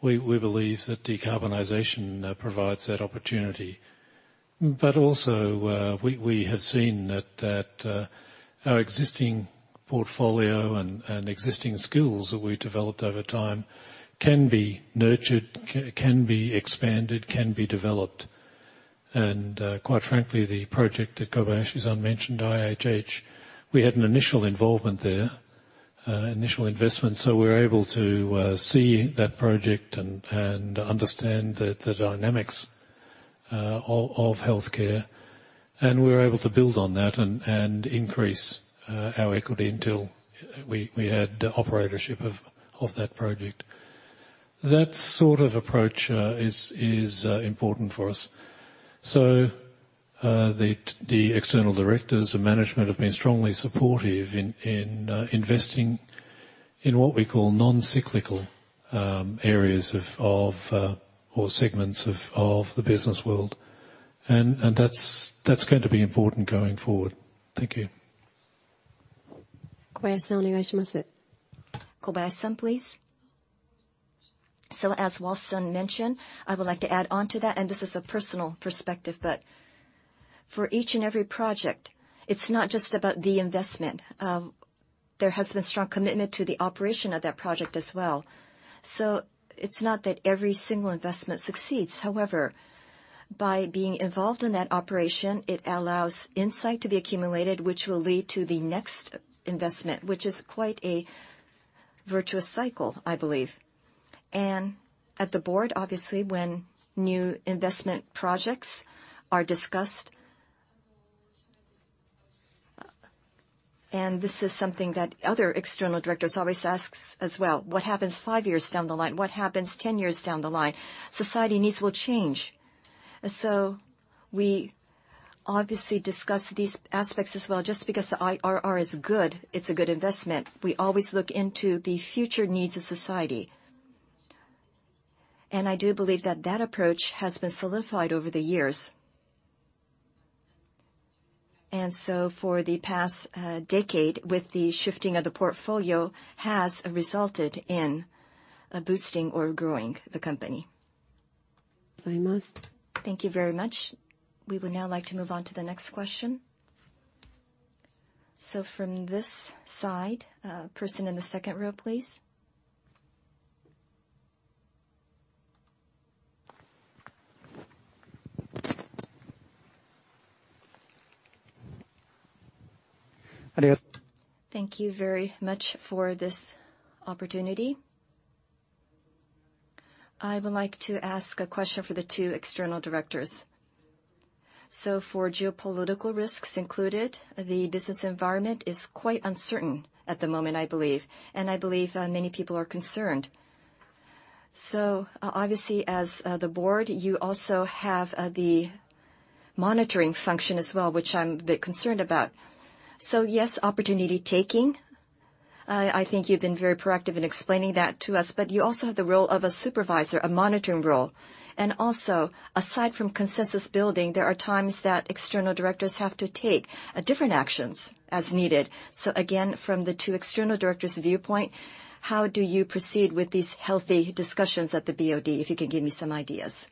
We believe that decarbonization provides that opportunity. Also, we have seen that our existing portfolio and existing skills that we developed over time can be nurtured, can be expanded, can be developed. Quite frankly, the project that Kobayashi-san mentioned, IHH, we had an initial involvement there, initial investment, so we're able to see that project and understand the dynamics of healthcare, and we're able to build on that and increase our equity until we had operatorship of that project. That sort of approach is important for us. The External Directors and management have been strongly supportive in investing in what we call non-cyclical areas or segments of the business world. That's going to be important going forward. Thank you. Kobayashi-san, please. As Walsh-san mentioned, I would like to add on to that, and this is a personal perspective, but for each and every project, it's not just about the investment. There has been strong commitment to the operation of that project as well. It's not that every single investment succeeds. However, by being involved in that operation, it allows insight to be accumulated, which will lead to the next investment, which is quite a virtuous cycle, I believe. At the board, obviously, when new investment projects are discussed, this is something that other External Directors always ask as well, "What happens five years down the line? What happens 10 years down the line?" Society needs will change. We obviously discuss these aspects as well. Just because the IRR is good, it's a good investment, we always look into the future needs of society. I do believe that that approach has been solidified over the years. For the past decade, with the shifting of the portfolio, has resulted in boosting or growing the company. Thank you very much. We would now like to move on to the next question. From this side, person in the second row, please. Thank you very much for this opportunity. I would like to ask a question for the two External Directors. For geopolitical risks included, the business environment is quite uncertain at the moment, I believe, and I believe, many people are concerned. Obviously, as the board, you also have the monitoring function as well, which I'm a bit concerned about. Yes, opportunity taking, I think you've been very proactive in explaining that to us, but you also have the role of a supervisor, a monitoring role. Aside from consensus building, there are times that External Directors have to take different actions as needed. From the two External Directors' viewpoint, how do you proceed with these healthy discussions at the BOD, if you could give me some ideas?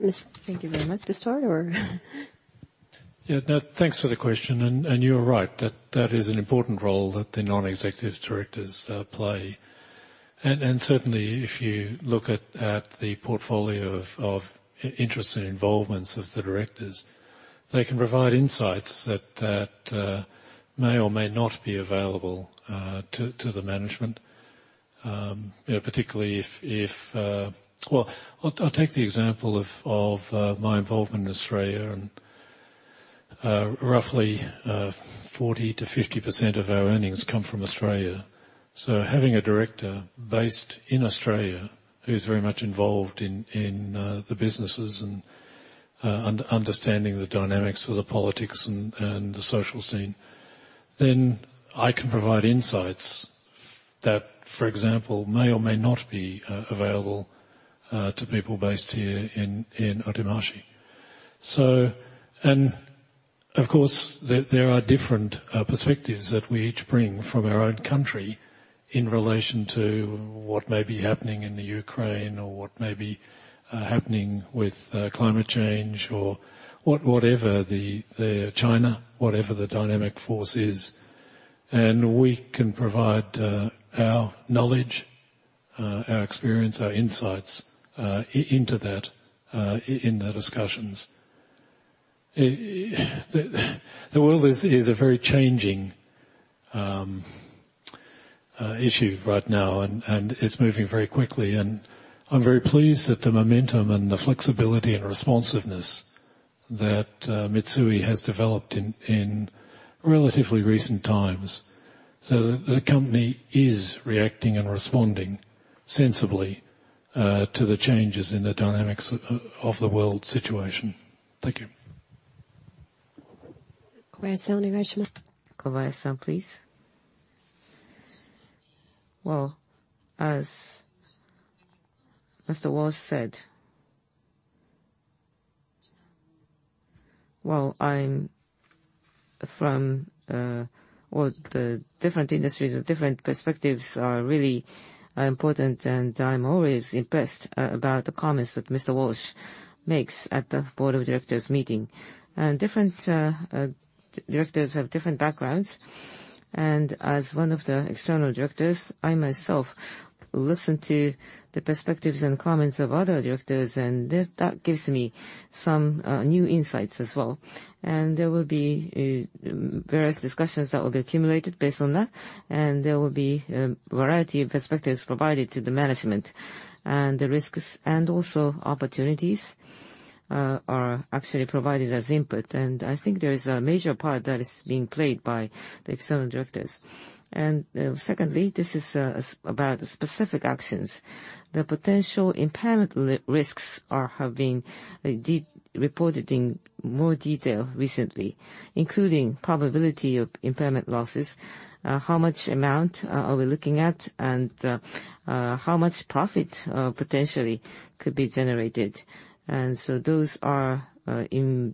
Thank you very much. Would you like to start or... Yeah. No, thanks for the question. You're right, that is an important role that the non-executive directors play. Certainly, if you look at the portfolio of interests and involvements of the directors, they can provide insights that may or may not be available to the management. You know, particularly if. Well, I'll take the example of my involvement in Australia. Roughly, 40% to 50% of our earnings come from Australia. Having a director based in Australia who's very much involved in the businesses and understanding the dynamics of the politics and the social scene, then I can provide insights that, for example, may or may not be available to people based here in Otemachi. Of course, there are different perspectives that we each bring from our own country in relation to what may be happening in Ukraine or what may be happening with climate change or whatever, China, whatever the dynamic force is. We can provide our knowledge, our experience, our insights into that in the discussions. The world is a very changing issue right now, and it's moving very quickly. I'm very pleased at the momentum and the flexibility and responsiveness that Mitsui has developed in relatively recent times. The company is reacting and responding sensibly to the changes in the dynamics of the world situation. Thank you. Kobayashi-san, please. As Mr. Walsh said, I'm from a different industry and having different perspectives are really important, and I'm always impressed about the comments that Mr. Walsh makes at the Board of Directors meeting. Different directors have different backgrounds. As one of the External Directors, I myself listen to the perspectives and comments of other directors, and that gives me some new insights as well. There will be various discussions that will be accumulated based on that, and there will be a variety of perspectives provided to the management. The risks and also opportunities are actually provided as input. I think there is a major part that is being played by the External Directors. Secondly, this is about specific actions. The potential impairment risks are have been reported in more detail recently, including probability of impairment losses, how much amount are we looking at, and how much profit potentially could be generated. Those are in-depth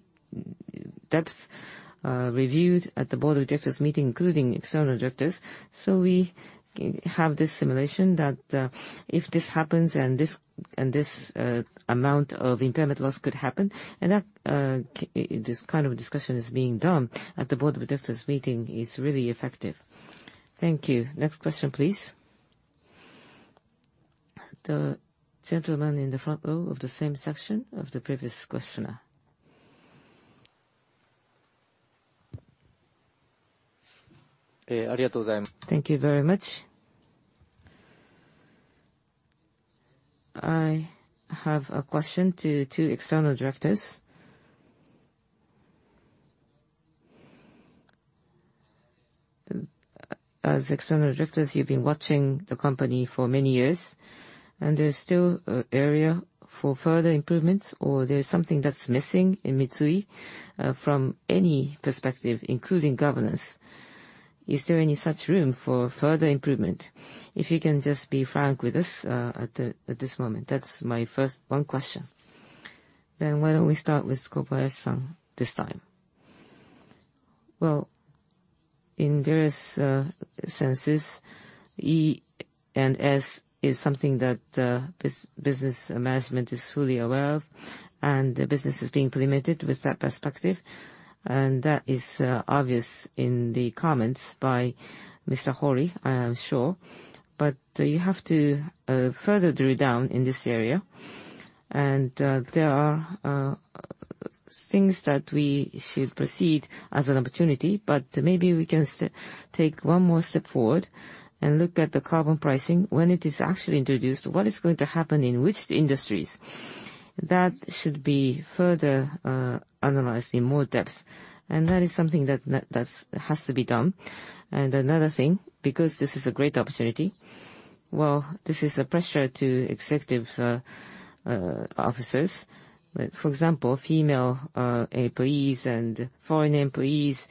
reviewed at the Board of Directors meeting, including External Directors. We have this simulation that if this happens and this, and this amount of impairment loss could happen, and that this kind of discussion is being done at the Board of Directors meeting is really effective. Thank you. Next question, please. The gentleman in the front row of the same section of the previous questioner. Thank you very much. I have a question to two External Directors. As External Directors, you've been watching the company for many years, and there's still area for further improvements or there's something that's missing in Mitsui from any perspective, including governance. Is there any such room for further improvement? If you can just be frank with us at this moment. That's my first one question. Why don't we start with Kobayashi-san this time? Well, in various senses, E and S is something that this business management is fully aware of, and the business is being implemented with that perspective. That is obvious in the comments by Mr. Hori, I am sure. You have to further drill down in this area. There are things that we should proceed as an opportunity, but maybe we can take one more step forward and look at the carbon pricing. When it is actually introduced, what is going to happen in which industries? That should be further analyzed in more depth. That is something that has to be done. Another thing, because this is a great opportunity, well, this is a pressure to executive officers. For example, female employees and foreign employees,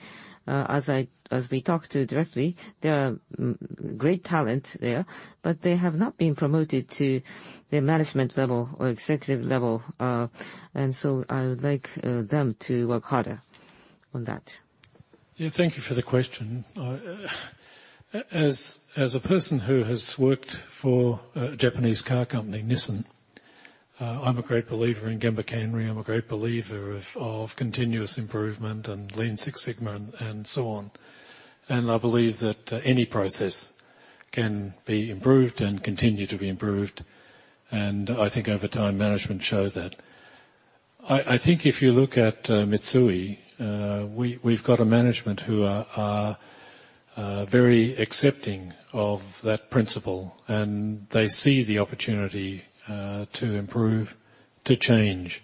as we talk to directly, there are great talent there, but they have not been promoted to the management level or executive level, and so I would like them to work harder on that. Yeah, thank you for the question. As a person who has worked for a Japanese car company, Nissan, I'm a great believer in Gemba Kanri, I'm a great believer of continuous improvement and Lean Six Sigma and so on. I believe that any process can be improved and continue to be improved. I think over time, management shows that. I think if you look at Mitsui, we've got a management who are very accepting of that principle, and they see the opportunity to improve, to change.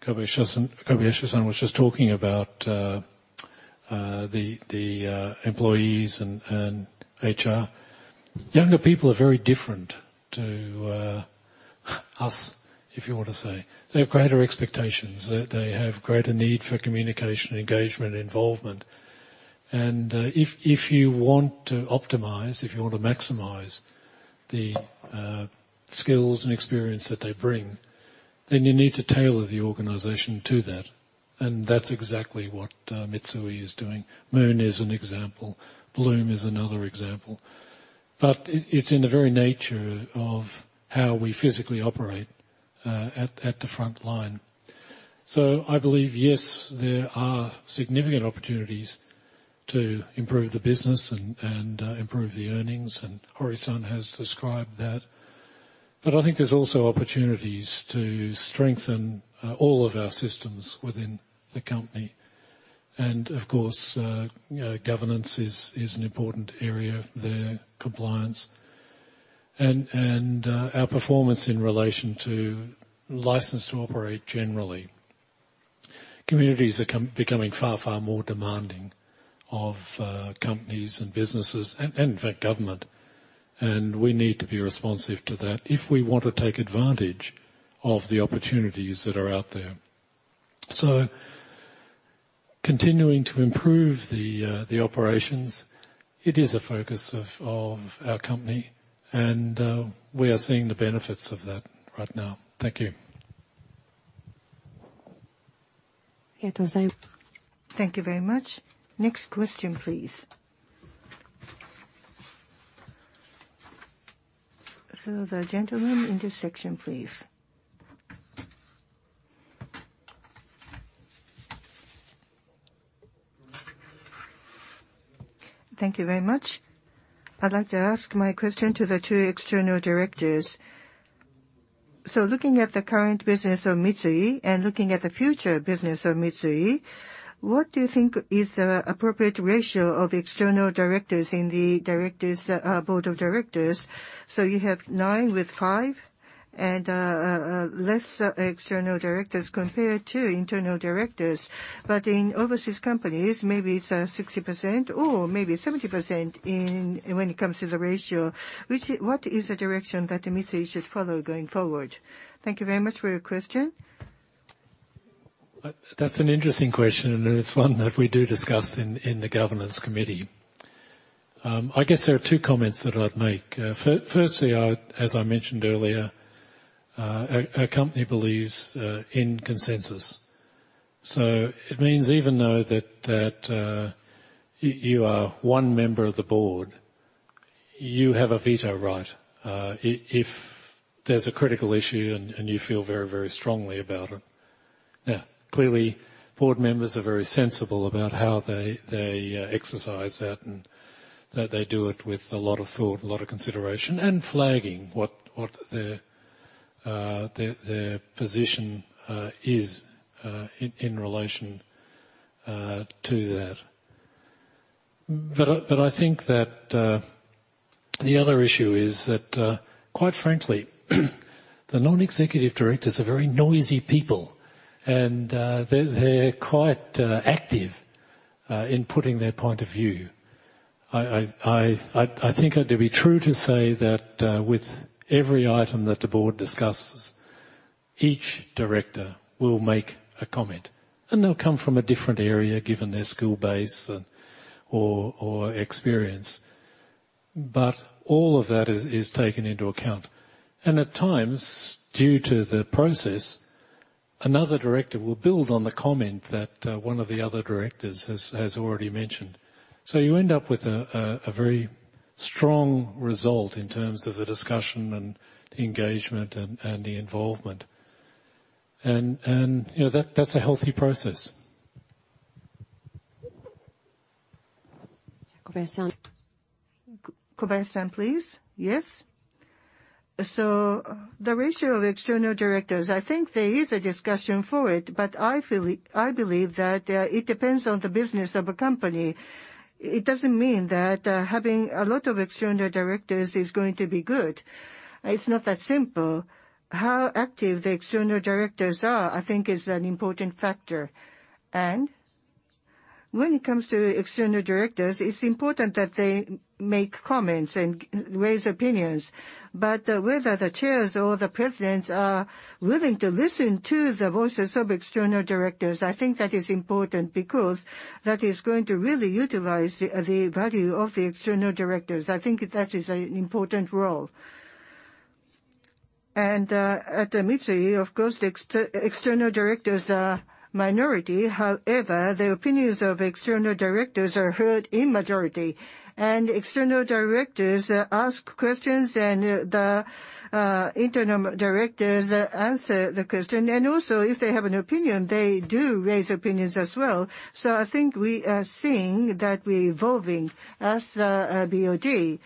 Kobayashi-san was just talking about the employees and HR. Younger people are very different to us, if you want to say. They have greater expectations. They have greater need for communication, engagement, involvement. If you want to optimize, if you want to maximize the skills and experience that they bring, then you need to tailor the organization to that. That's exactly what Mitsui is doing. Moon is an example. Bloom is another example. It's in the very nature of how we physically operate at the frontline. I believe, yes, there are significant opportunities to improve the business and improve the earnings, and Hori-san has described that. I think there's also opportunities to strengthen all of our systems within the company. Of course, you know, governance is an important area, the compliance. Our performance in relation to license to operate generally. Communities are becoming far, far more demanding of companies and businesses and in fact, government. We need to be responsive to that if we want to take advantage of the opportunities that are out there. Continuing to improve the operations, it is a focus of our company, and we are seeing the benefits of that right now. Thank you. Thank you very much. Next question, please. The gentleman in this section, please. Thank you very much. I'd like to ask my question to the two External Directors. Looking at the current business of Mitsui, and looking at the future business of Mitsui, what do you think is the appropriate ratio of External Directors in the Board of Directors? You have nine with five, and less External Directors compared to Internal Directors. In overseas companies, maybe it's 60% or maybe 70% when it comes to the ratio. What is the direction that Mitsui should follow going forward? Thank you very much for your question. That's an interesting question. It's one that we do discuss in the governance committee. I guess there are two comments that I'd make. Firstly, I, as I mentioned earlier, our company believes in consensus. It means even though that you are one member of the board, you have a veto right if there's a critical issue and you feel very, very strongly about it. Clearly, board members are very sensible about how they exercise that, and they do it with a lot of thought, a lot of consideration, and flagging what their position is in relation to that. I think that the other issue is that, quite frankly, the non-executive directors are very noisy people, and they're quite active in putting their point of view. I think it'd be true to say that with every item that the Board discusses, each director will make a comment, and they'll come from a different area, given their skill base or experience. All of that is taken into account. At times, due to the process, another director will build on the comment that one of the other directors has already mentioned. You end up with a very strong result in terms of the discussion and the engagement and the involvement. You know, that's a healthy process. Kobayashi-san. Kobayashi-san, please. Yes. The ratio of External Directors, I think there is a discussion for it, but I believe that it depends on the business of a company. It doesn't mean that having a lot of External Directors is going to be good. It's not that simple. How active the External Directors are, I think, is an important factor. When it comes to External Directors, it's important that they make comments and raise opinions. Whether the chairs or the presidents are willing to listen to the voices of External Directors, I think that is important because that is going to really utilize the value of the External Directors. I think that is an important role. At Mitsui, of course, the External Directors are minority. However, the opinions of External Directors are heard in majority. External Directors ask questions, and the Internal Directors answer the question. Also, if they have an opinion, they do raise opinions as well. I think we are seeing that we're evolving as a BoD.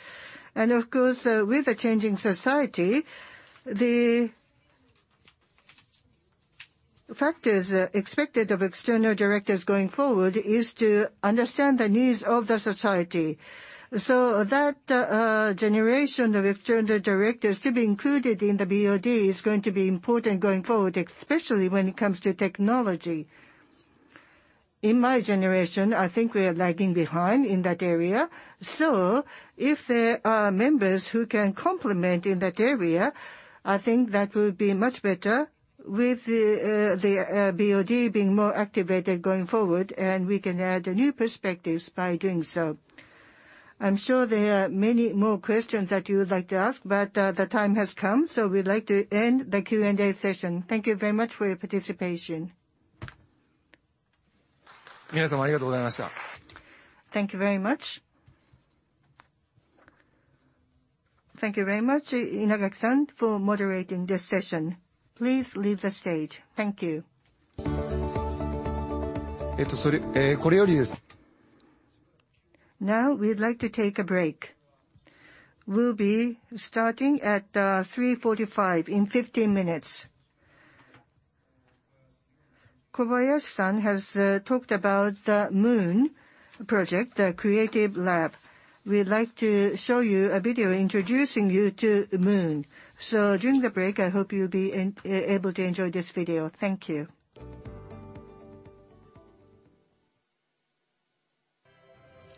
Of course, with the changing society, the factors expected of External Directors going forward is to understand the needs of the society. That generation of External Directors to be included in the BoD is going to be important going forward, especially when it comes to technology. In my generation, I think we are lagging behind in that area. If there are members who can complement in that area, I think that would be much better with the BoD being more activated going forward, and we can add new perspectives by doing so. I'm sure there are many more questions that you would like to ask, but the time has come, so we'd like to end the Q&A session. Thank you very much for your participation. Thank you very much. Thank you very much, Inagaki-san, for moderating this session. Please leave the stage. Thank you. We'd like to take a break. We'll be starting at 3:45, in 15 minutes. Kobayashi-san has talked about the Moon project, the creative lab. We'd like to show you a video introducing you to Moon. During the break, I hope you'll be able to enjoy this video. Thank you.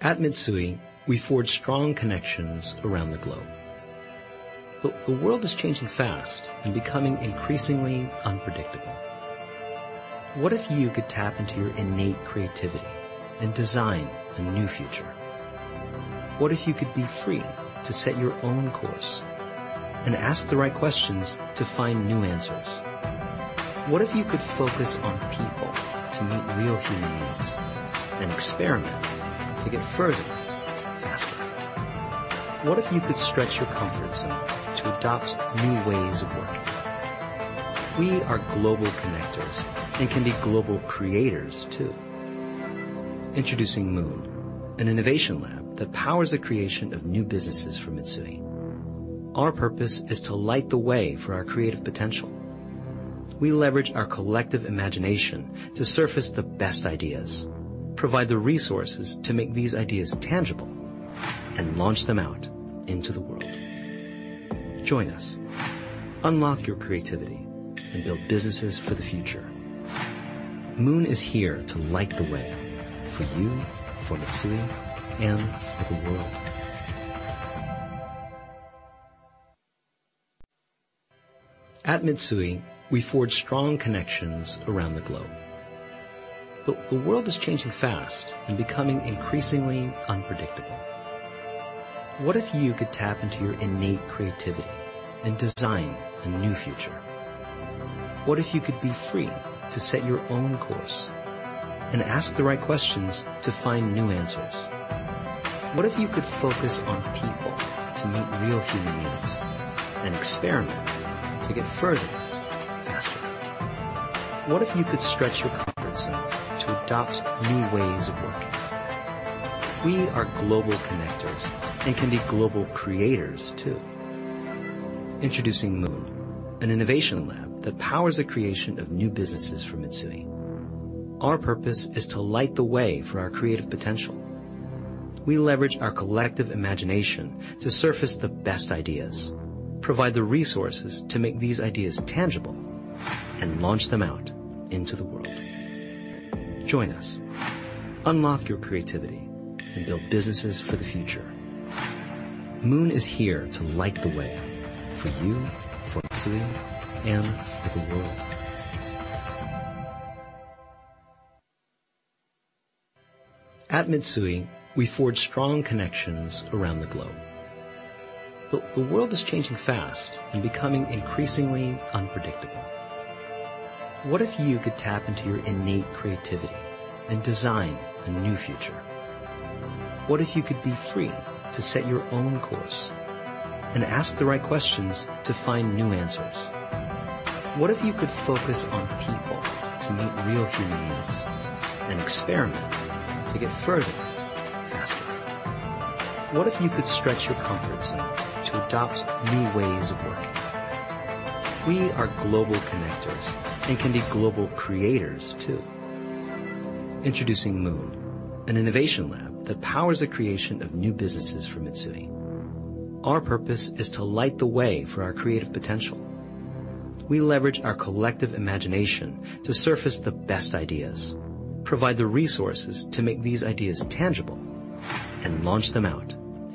At Mitsui, we forge strong connections around the globe.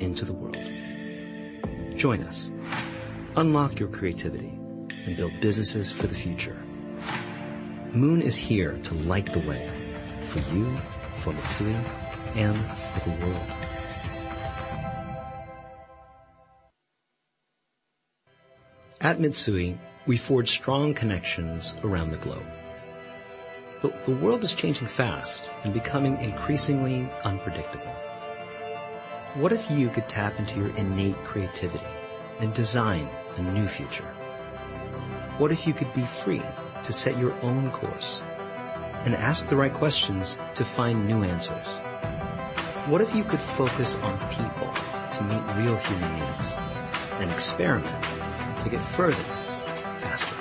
The world is changing fast and becoming increasingly unpredictable. What if you could tap into your innate creativity and design a new future? What if you could be free to set your own course and ask the right questions to find new answers? What if you could focus on people to meet real human needs and experiment to get further, faster?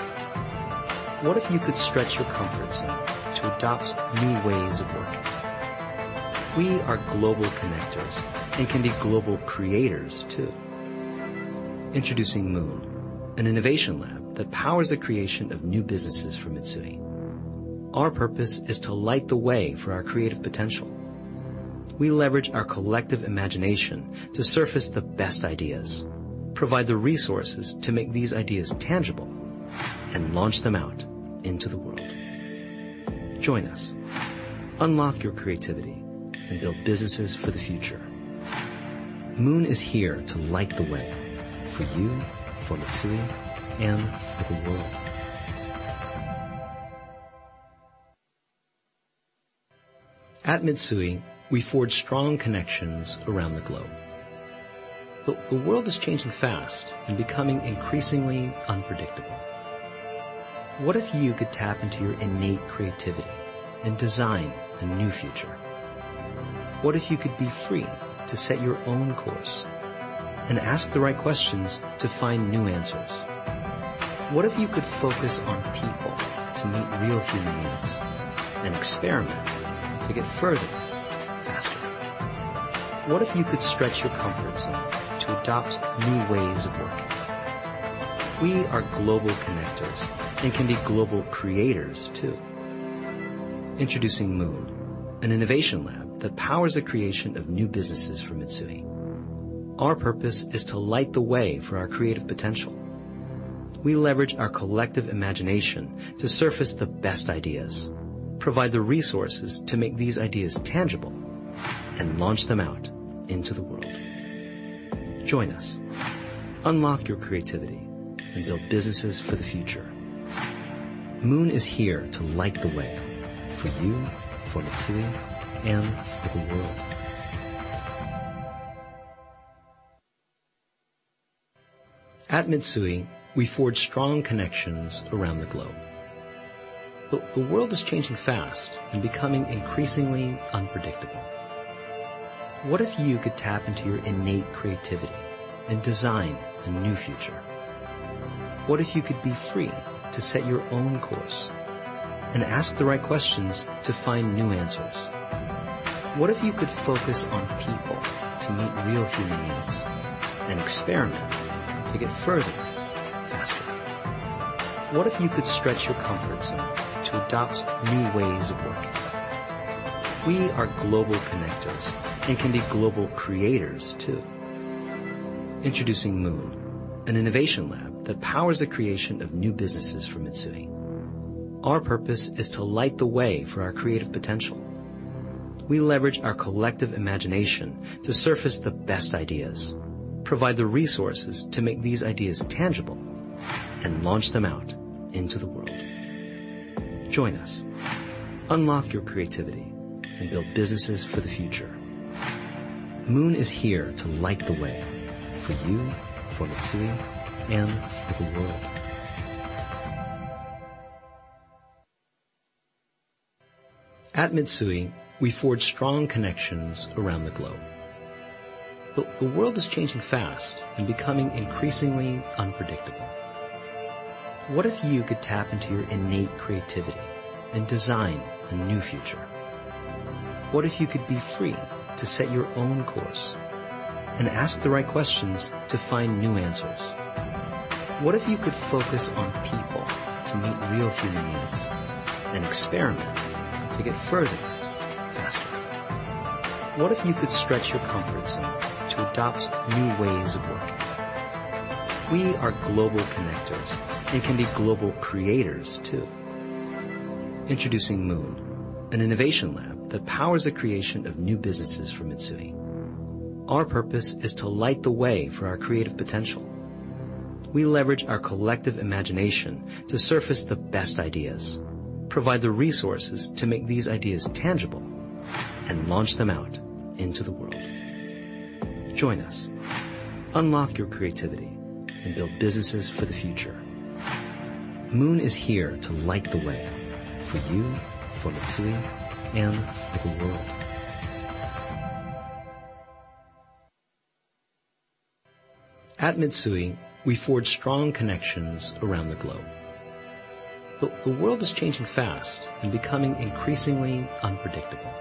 What if you could stretch your comfort zone to adopt new ways of working? We are global connectors and can be global creators too. Introducing Moon, an innovation lab that powers the creation of new businesses for Mitsui. Our purpose is to light the way for our creative potential. We leverage our collective imagination to surface the best ideas, provide the resources to make these ideas tangible, and launch them out into the world. Join us. Unlock your creativity and build businesses for the future. Moon is here to light the way for you, for Mitsui, and for the world. At Mitsui, we forge strong connections around the globe. The world is changing fast and becoming increasingly unpredictable.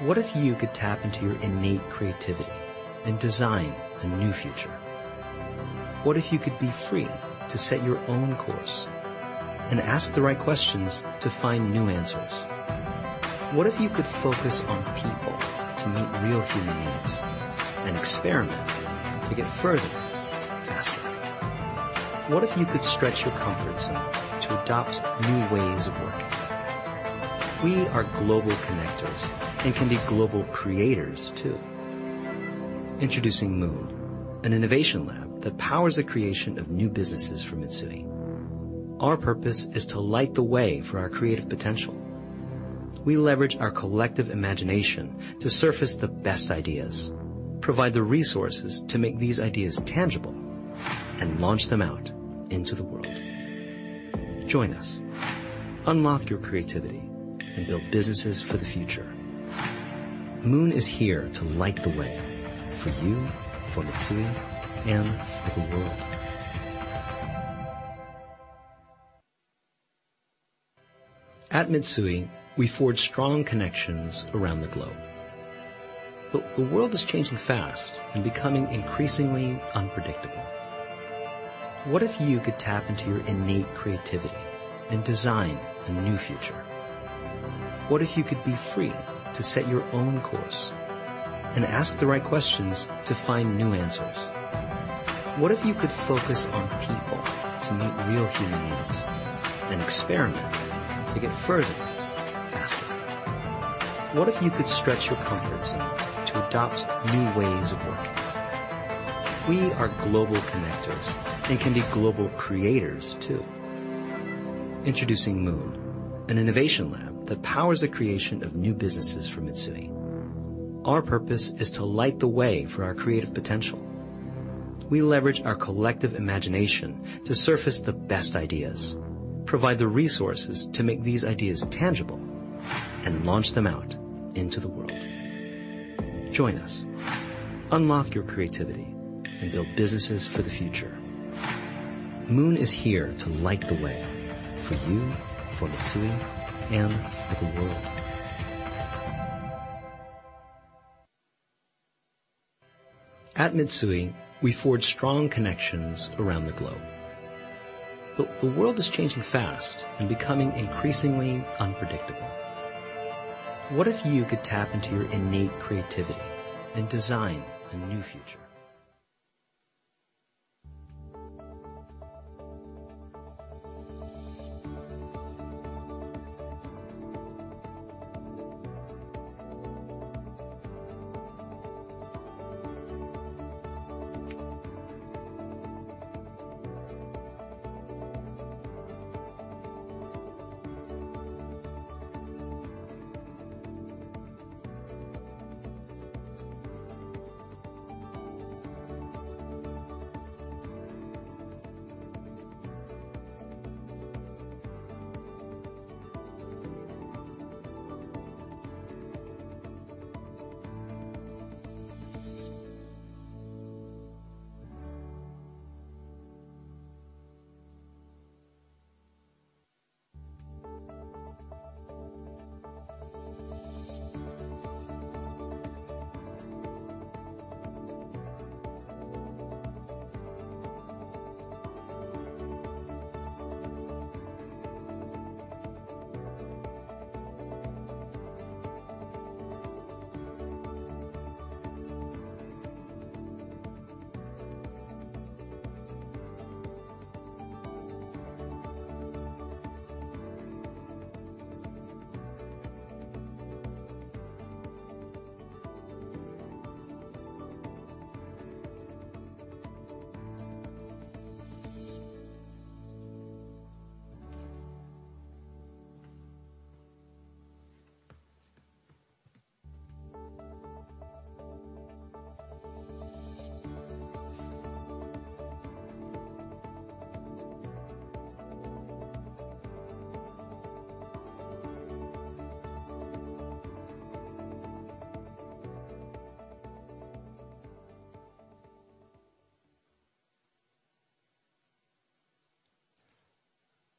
What if you could tap into your innate creativity and design a new future? What if you could be free to set your own course and ask the right questions to find new answers? What if you could focus on people to meet real human needs and experiment to get further, faster? What if you could stretch your comfort zone to adopt new ways of working? We are global connectors and can be global creators too. Introducing Moon, an innovation lab that powers the creation of new businesses for Mitsui. Our purpose is to light the way for our creative potential. We leverage our collective imagination to surface the best ideas, provide the resources to make these ideas tangible, and launch them out into the world. Join us. Unlock your creativity and build businesses for the future. Moon is here to light the way for you, for Mitsui, and for the world. At Mitsui, we forge strong connections around the globe. The world is changing fast and becoming increasingly unpredictable. What if you could tap into your innate creativity and design a new future? What if you could be free to set your own course and ask the right questions to find new answers? What if you could focus on people to meet real human needs and experiment to get further, faster? What if you could stretch your comfort zone to adopt new ways of working? We are global connectors and can be global creators too. Introducing Moon, an innovation lab that powers the creation of new businesses for Mitsui. Our purpose is to light the way for our creative potential. We leverage our collective imagination to surface the best ideas, provide the resources to make these ideas tangible, and launch them out into the world. Join us. Unlock your creativity and build businesses for the future. Moon is here to light the way for you, for Mitsui,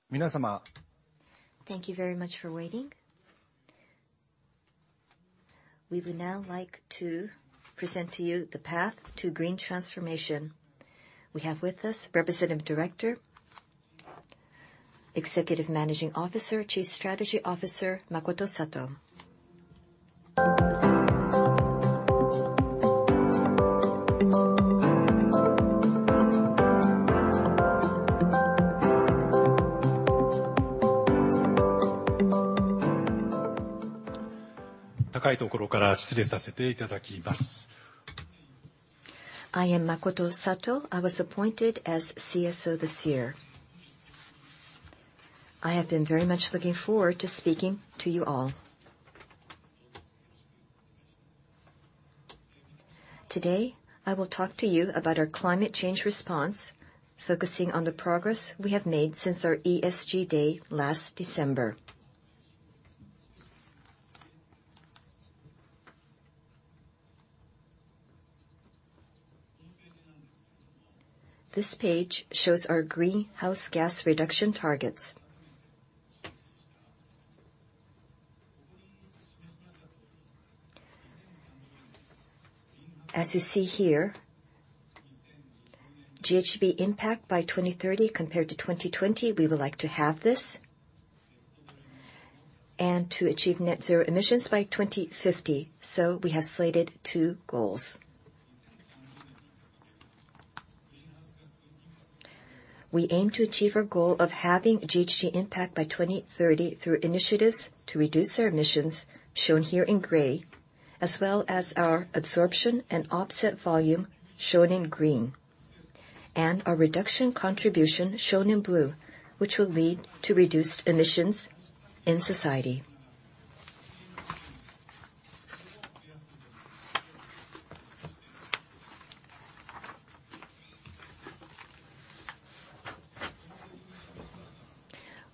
Thank you very much for waiting. We would now like to present to you the Path to Green Transformation. We have with us Representative Director, Executive Managing Officer, Chief Strategy Officer, Makoto Sato. I am Makoto Sato. I was appointed as CSO this year. I have been very much looking forward to speaking to you all. Today, I will talk to you about our climate change response, focusing on the progress we have made since our ESG day last December. This page shows our greenhouse gas reduction targets. As you see here, GHG impact by 2030 compared to 2020, we would like to halve this. To achieve net zero emissions by 2050, we have slated two goals. We aim to achieve our goal of halving GHG impact by 2030 through initiatives to reduce our emissions, shown here in gray, as well as our absorption and offset volume, shown in green, and our reduction contribution, shown in blue, which will lead to reduced emissions in society.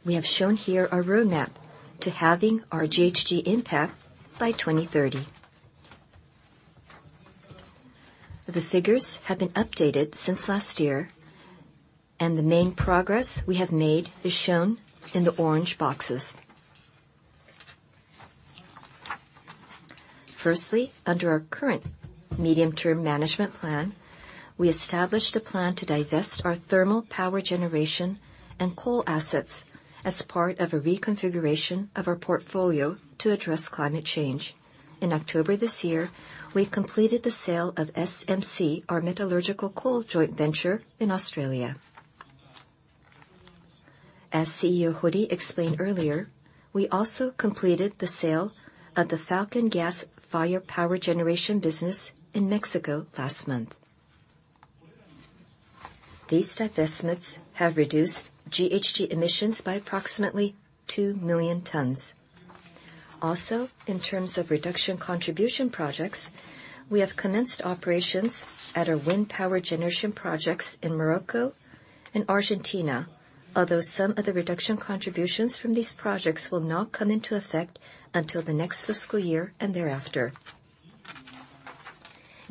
We have shown here our roadmap to halving our GHG impact by 2030. The figures have been updated since last year, the main progress we have made is shown in the orange boxes. Firstly, under our current Medium-Term Management Plan, we established a plan to divest our thermal power generation and coal assets as part of a reconfiguration of our portfolio to address climate change. In October this year, we completed the sale of SMC, our metallurgical coal joint venture in Australia. As CEO Hori explained earlier, we also completed the sale of the Falcon Gas-Fired Power Generation business in Mexico last month. These divestments have reduced GHG emissions by approximately 2 million tons. In terms of reduction contribution projects, we have commenced operations at our wind power generation projects in Morocco and Argentina. Some of the reduction contributions from these projects will not come into effect until the next fiscal year and thereafter.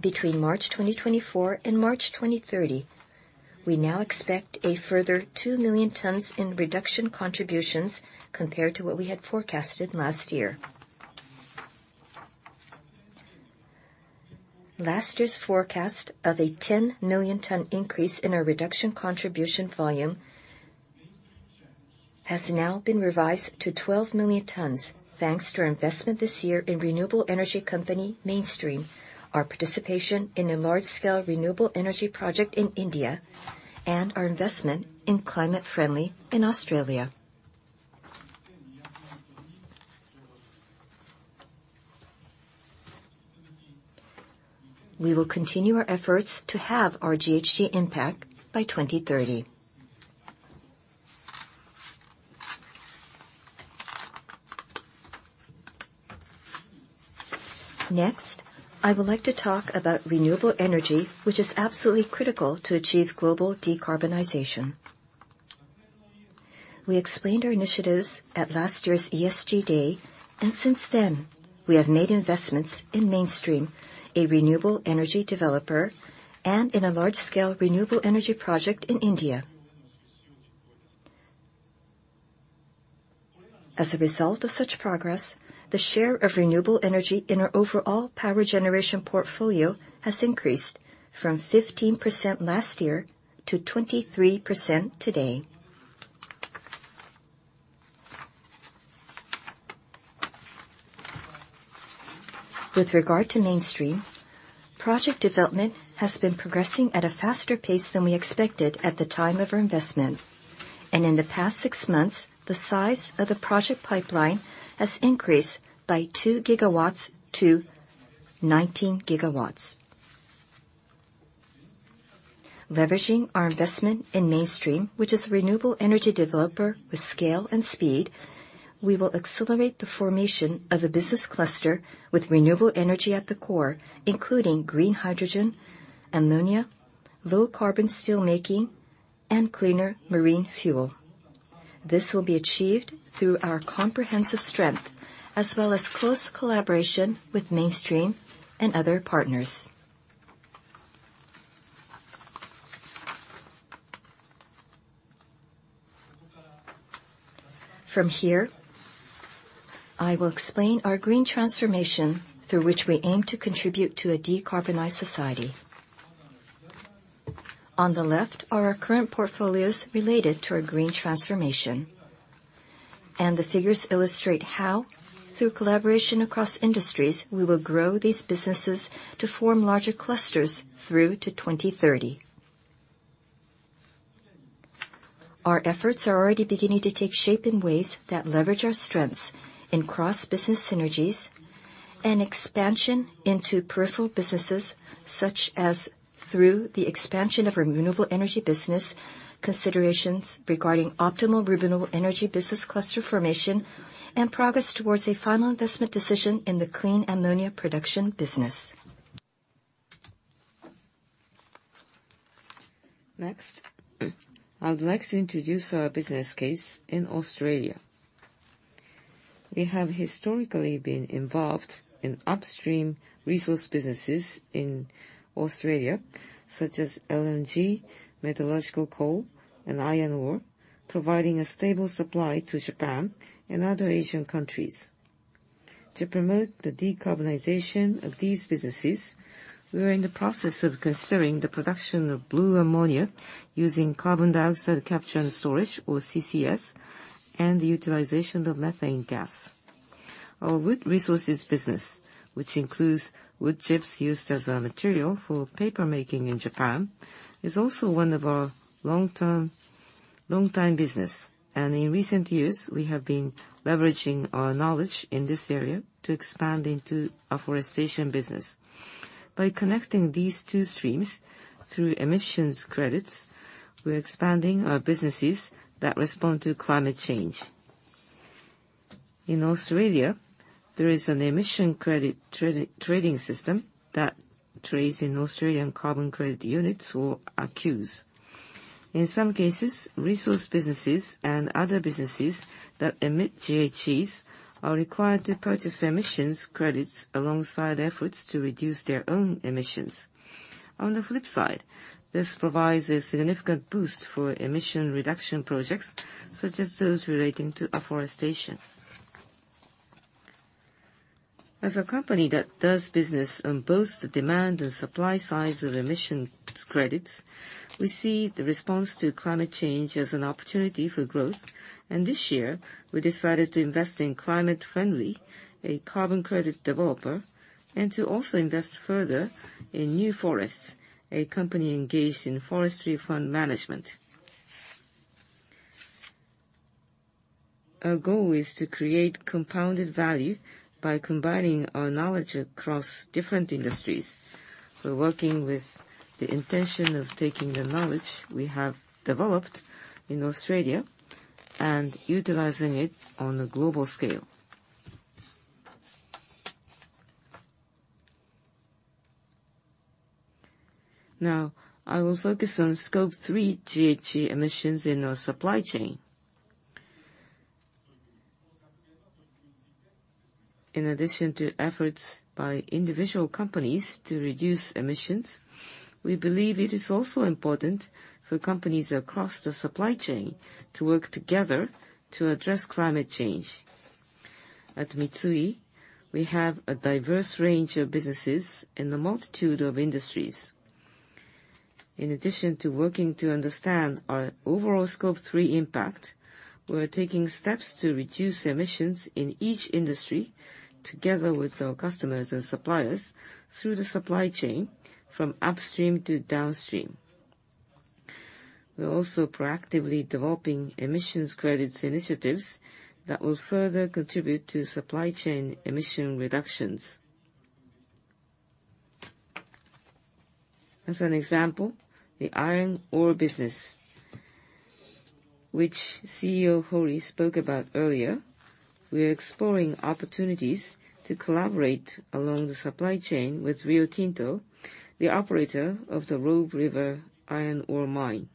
Between March 2024 and March 2030, we now expect a further 2 million tons in reduction contributions compared to what we had forecasted last year. Last year's forecast of a 10 million ton increase in our reduction contribution volume has now been revised to 12 million tons, thanks to our investment this year in renewable energy company, Mainstream, our participation in a large-scale renewable energy project in India, and our investment in Climate Friendly in Australia. We will continue our efforts to halve our GHG impact by 2030. I would like to talk about renewable energy, which is absolutely critical to achieve global decarbonization. We explained our initiatives at last year's ESG Day. Since then, we have made investments in Mainstream, a renewable energy developer, and in a large-scale renewable energy project in India. As a result of such progress, the share of renewable energy in our overall power generation portfolio has increased from 15% last year to 23% today. With regard to Mainstream, project development has been progressing at a faster pace than we expected at the time of our investment. In the past 6 months, the size of the project pipeline has increased by 2 GW to 19 GW. Leveraging our investment in Mainstream, which is a renewable energy developer with scale and speed, we will accelerate the formation of a business cluster with renewable energy at the core, including green hydrogen, ammonia, low-carbon steelmaking, and cleaner marine fuel. This will be achieved through our comprehensive strength, as well as close collaboration with Mainstream and other partners. From here, I will explain our green transformation through which we aim to contribute to a decarbonized society. On the left are our current portfolios related to our green transformation. The figures illustrate how, through collaboration across industries, we will grow these businesses to form larger clusters through to 2030. Our efforts are already beginning to take shape in ways that leverage our strengths in cross-business synergies and expansion into peripheral businesses, such as through the expansion of renewable energy business, considerations regarding optimal renewable energy business cluster formation, and progress towards a final investment decision in the clean ammonia production business. Next, I would like to introduce our business case in Australia. We have historically been involved in upstream resource businesses in Australia, such as LNG, metallurgical coal, and iron ore, providing a stable supply to Japan and other Asian countries. To promote the decarbonization of these businesses, we are in the process of considering the production of blue ammonia using carbon dioxide capture and storage, or CCS, and the utilization of methane gas. Our wood resources business, which includes wood chips used as a material for paper making in Japan, is also one of our long-term, long-time business. In recent years, we have been leveraging our knowledge in this area to expand into afforestation business. By connecting these two streams through emissions credits, we're expanding our businesses that respond to climate change. In Australia, there is an emission credit trading system that trades in Australian carbon credit units or ACCUs. In some cases, resource businesses and other businesses that emit GHGs are required to purchase emissions credits alongside efforts to reduce their own emissions. On the flip side, this provides a significant boost for emission reduction projects, such as those relating to afforestation. As a company that does business on both the demand and supply sides of emissions credits, we see the response to climate change as an opportunity for growth. This year, we decided to invest in Climate Friendly, a carbon credit developer, and to also invest further in New Forests, a company engaged in forestry fund management. Our goal is to create compounded value by combining our knowledge across different industries. We're working with the intention of taking the knowledge we have developed in Australia and utilizing it on a global scale. I will focus on scope 3 GHG emissions in our supply chain. In addition to efforts by individual companies to reduce emissions, we believe it is also important for companies across the supply chain to work together to address climate change. At Mitsui, we have a diverse range of businesses in a multitude of industries. In addition to working to understand our overall scope 3 impact, we're taking steps to reduce emissions in each industry together with our customers and suppliers through the supply chain from upstream to downstream. We're also proactively developing emissions credits initiatives that will further contribute to supply chain emission reductions. As an example, the iron ore business, which CEO Hori spoke about earlier, we are exploring opportunities to collaborate along the supply chain with Rio Tinto, the operator of the Robe River iron ore mine.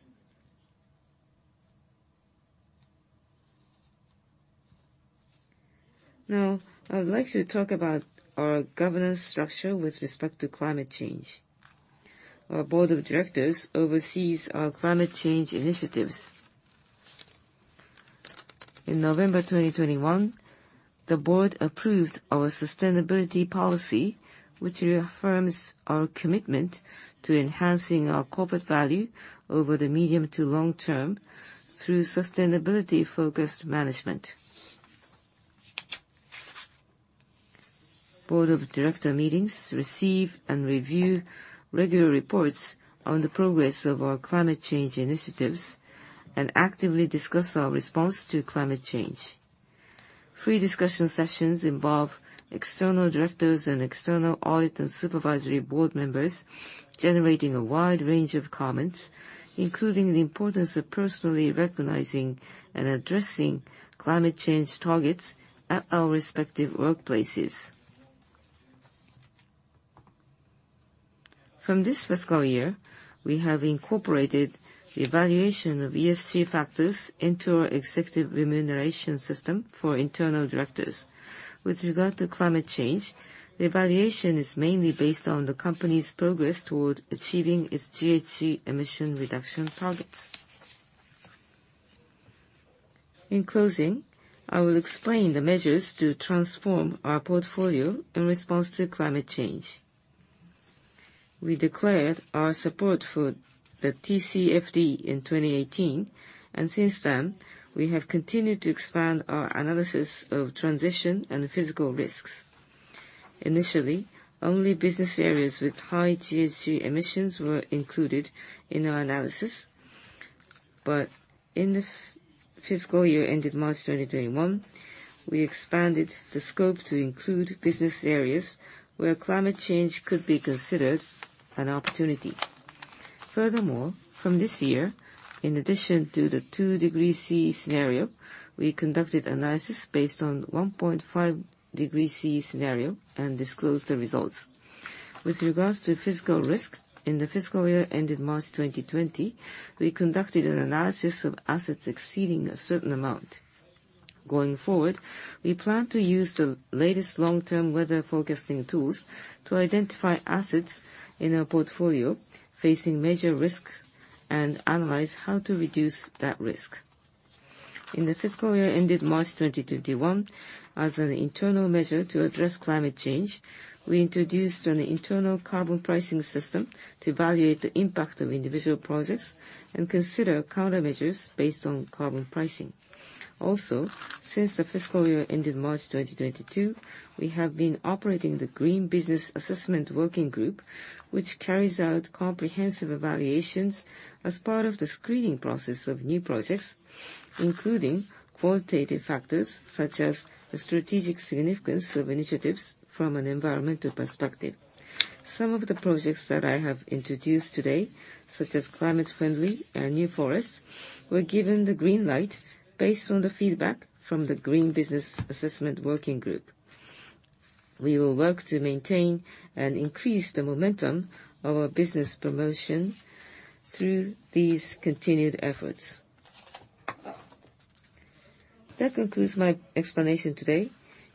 Now, I would like to talk about our governance structure with respect to climate change. Our Board of Directors oversees our climate change initiatives. In November 2021, the Board approved our Sustainability Policy, which reaffirms our commitment to enhancing our corporate value over the medium to long term through sustainability-focused management. Board of Directors meetings receive and review regular reports on the progress of our climate change initiatives and actively discuss our response to climate change. Free discussion sessions involve External Directors and external audit and supervisory board members, generating a wide range of comments, including the importance of personally recognizing and addressing climate change targets at our respective workplaces. From this fiscal year, we have incorporated the evaluation of ESG into our executive remuneration system for Internal Directors. With regard to climate change, the evaluation is mainly based on the company's progress toward achieving its GHG emission reduction targets. In closing, I will explain the measures to transform our portfolio in response to climate change. We declared our support for the TCFD in 2018. Since then, we have continued to expand our analysis of transition and physical risks. Initially, only business areas with high GHG emissions were included in our analysis. In the fiscal year ended March 2021, we expanded the scope to include business areas where climate change could be considered an opportunity. From this year, in addition to the 2 degree Celsius scenario, we conducted analysis based on 1.5 degree Celsius scenario and disclosed the results. With regards to physical risk, in the fiscal year ended March 2020, we conducted an analysis of assets exceeding a certain amount. Going forward, we plan to use the latest long-term weather forecasting tools to identify assets in our portfolio facing major risks and analyze how to reduce that risk. In the fiscal year ended March 2021, as an internal measure to address climate change, we introduced an internal carbon pricing system to evaluate the impact of individual projects and consider countermeasures based on carbon pricing. Since the fiscal year ended March 2022, we have been operating the Green Business Assessment Working Group, which carries out comprehensive evaluations as part of the screening process of new projects, including qualitative factors such as the strategic significance of initiatives from an environmental perspective. Some of the projects that I have introduced today, such as Climate Friendly and New Forests, were given the green light based on the feedback from the Green Business Assessment Working Group. We will work to maintain and increase the momentum of our business promotion through these continued efforts. That concludes my explanation today.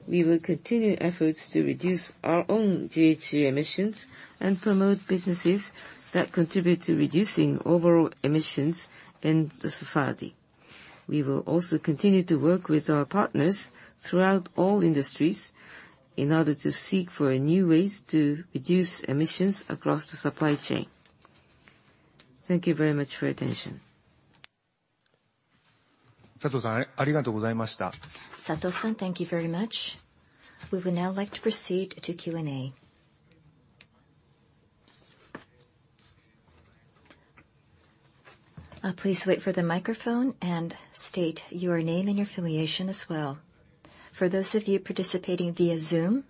We will continue efforts to reduce our own GHG emissions and promote businesses that contribute to reducing overall emissions in the society. We will also continue to work with our partners throughout all industries in order to seek for new ways to reduce emissions across the supply chain. Thank you very much for your attention. Sato-san, thank you very much. We would now like to proceed to Q&A. Please wait for the microphone and state your name and your affiliation as well. For those of you participating via Zoom,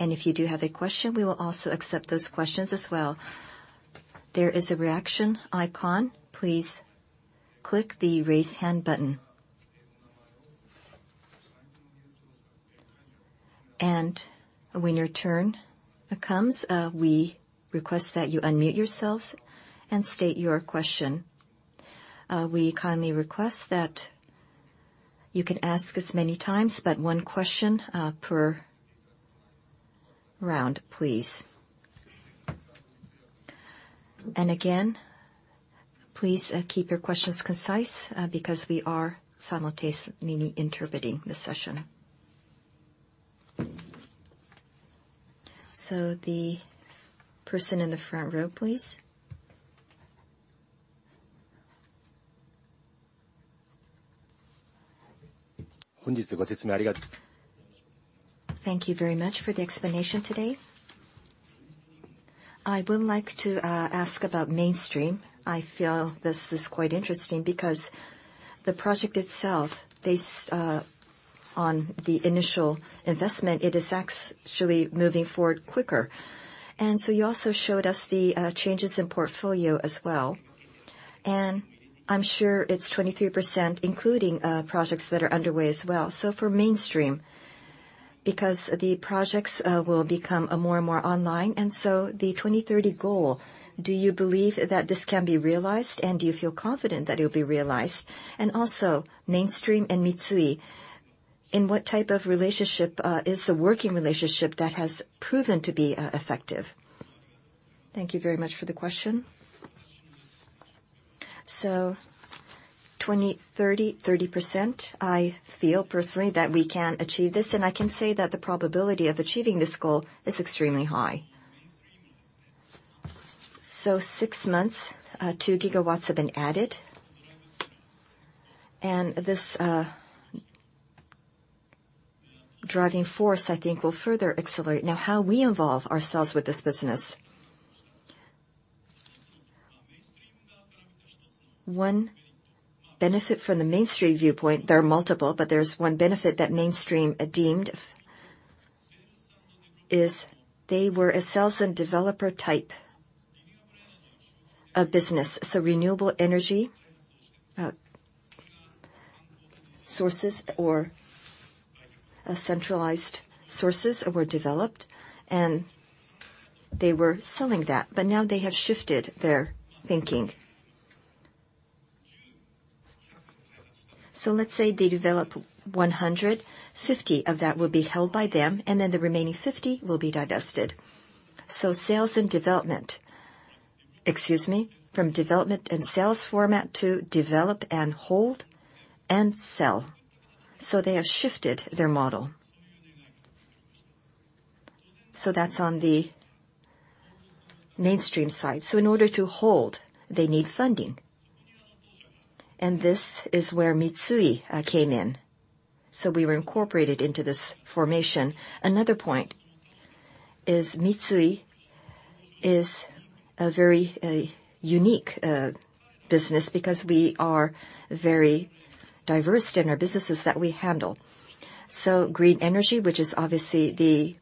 if you do have a question, we will also accept those questions as well. There is a reaction icon. Please click the Raise Hand button. When your turn comes, we request that you unmute yourselves and state your question. We kindly request that you can ask as many times, but one question per round, please. Again, please keep your questions concise because we are simultaneously interpreting the session. The person in the front row, please. Thank you very much for the explanation today. I would like to ask about Mainstream. I feel this is quite interesting because the project itself based on the initial investment, it is actually moving forward quicker. You also showed us the changes in portfolio as well, and I'm sure it's 23% including projects that are underway as well. For Mainstream, because the projects will become more and more online, the 2030 goal, do you believe that this can be realized, and do you feel confident that it will be realized? Mainstream and Mitsui, what type of relationship is the working relationship that has proven to be effective? Thank you very much for the question. 2030, 30%, I feel personally that we can achieve this, and I can say that the probability of achieving this goal is extremely high. So six months, 2 GW have been added. This driving force, I think will further accelerate now how we involve ourselves with this business. One benefit from the Mainstream viewpoint, there are multiple, but there's one benefit that Mainstream deemed is they were a sales and developer type of business. Renewable energy sources or centralized sources were developed, and they were selling that, but now they have shifted their thinking. Let's say they develop 100, 50 of that will be held by them, and then the remaining 50 will be divested. Sales and development. Excuse me, from development and sales format to develop and hold and sell. They have shifted their model. That's on the Mainstream side. In order to hold, they need funding. This is where Mitsui came in. We were incorporated into this formation. Another point is Mitsui is a very unique business because we are very diverse in our businesses that we handle. Green energy, which is obviously the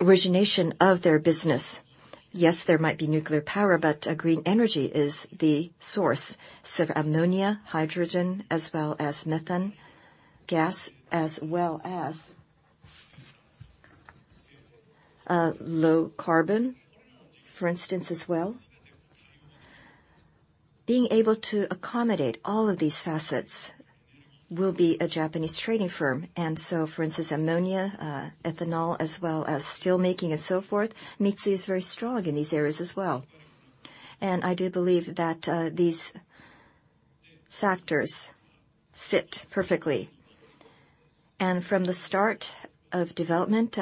origination of their business. Yes, there might be nuclear power, but green energy is the source. Ammonia, hydrogen, as well as methane gas, as well as low carbon, for instance, as well. Being able to accommodate all of these facets will be a Japanese trading firm. For instance, ammonia, ethanol, as well as steelmaking and so forth, Mitsui is very strong in these areas as well. I do believe that these factors fit perfectly. From the start of development,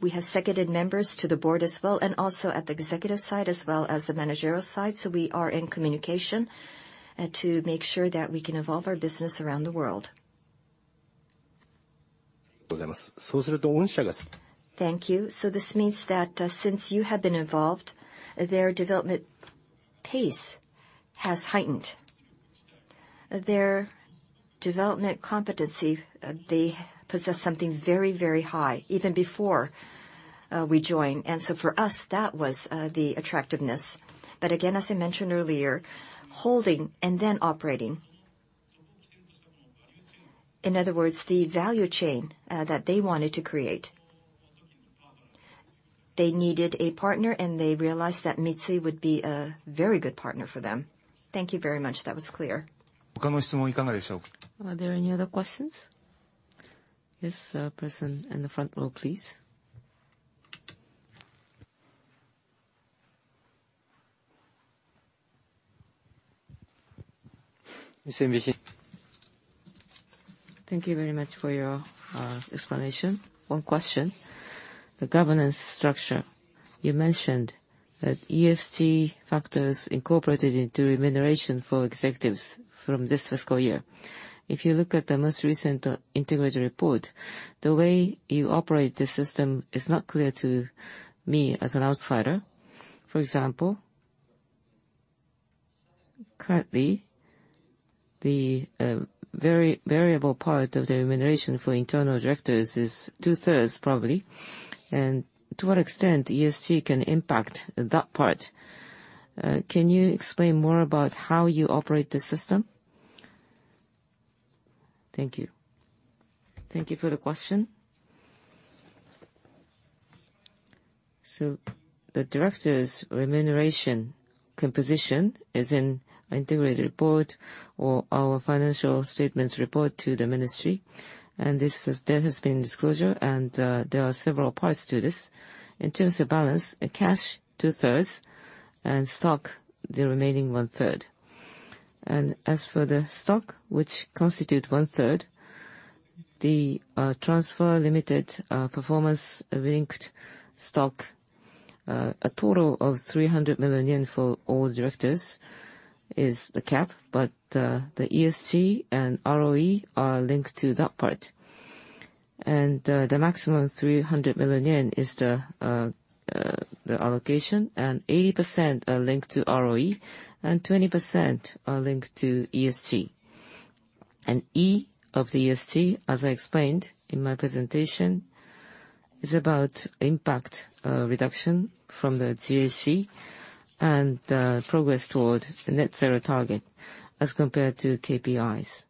we have seconded members to the board as well, and also at the executive side as well as the managerial side. We are in communication to make sure that we can evolve our business around the world. Thank you. This means that, since you have been involved, their development pace has heightened. Their development competency, they possess something very, very high, even before we joined. For us, that was the attractiveness. Again, as I mentioned earlier, holding and then operating. In other words, the value chain that they wanted to create. They needed a partner, and they realized that Mitsui would be a very good partner for them. Thank you very much. That was clear. Are there any other questions? Yes, person in the front row, please. Thank you very much for your explanation. One question. The governance structure, you mentioned that ESG factors incorporated into remuneration for executives from this fiscal year. If you look at the most recent integrated report, the way you operate the system is not clear to me as an outsider. For example, currently, the variable part of the remuneration for Internal Directors is 2/3 probably, and to what extent ESG can impact that part. Can you explain more about how you operate the system? Thank you. Thank you for the question. The director's remuneration composition is in our integrated report or our financial statements report to the ministry, this has been disclosure. There are several parts to this. In terms of balance, cash 2/3 and stock the remaining 1/3. As for the stock, which constitute 1/3, the transfer-limited performance-linked stock, a total of 300 million yen for all directors is the cap, but the ESG and ROE are linked to that part. The maximum 300 million yen is the allocation. 80% are linked to ROE, and 20% are linked to ESG. E of the ESG, as I explained in my presentation, is about impact reduction from the GHG and progress toward the net zero target as compared to KPIs.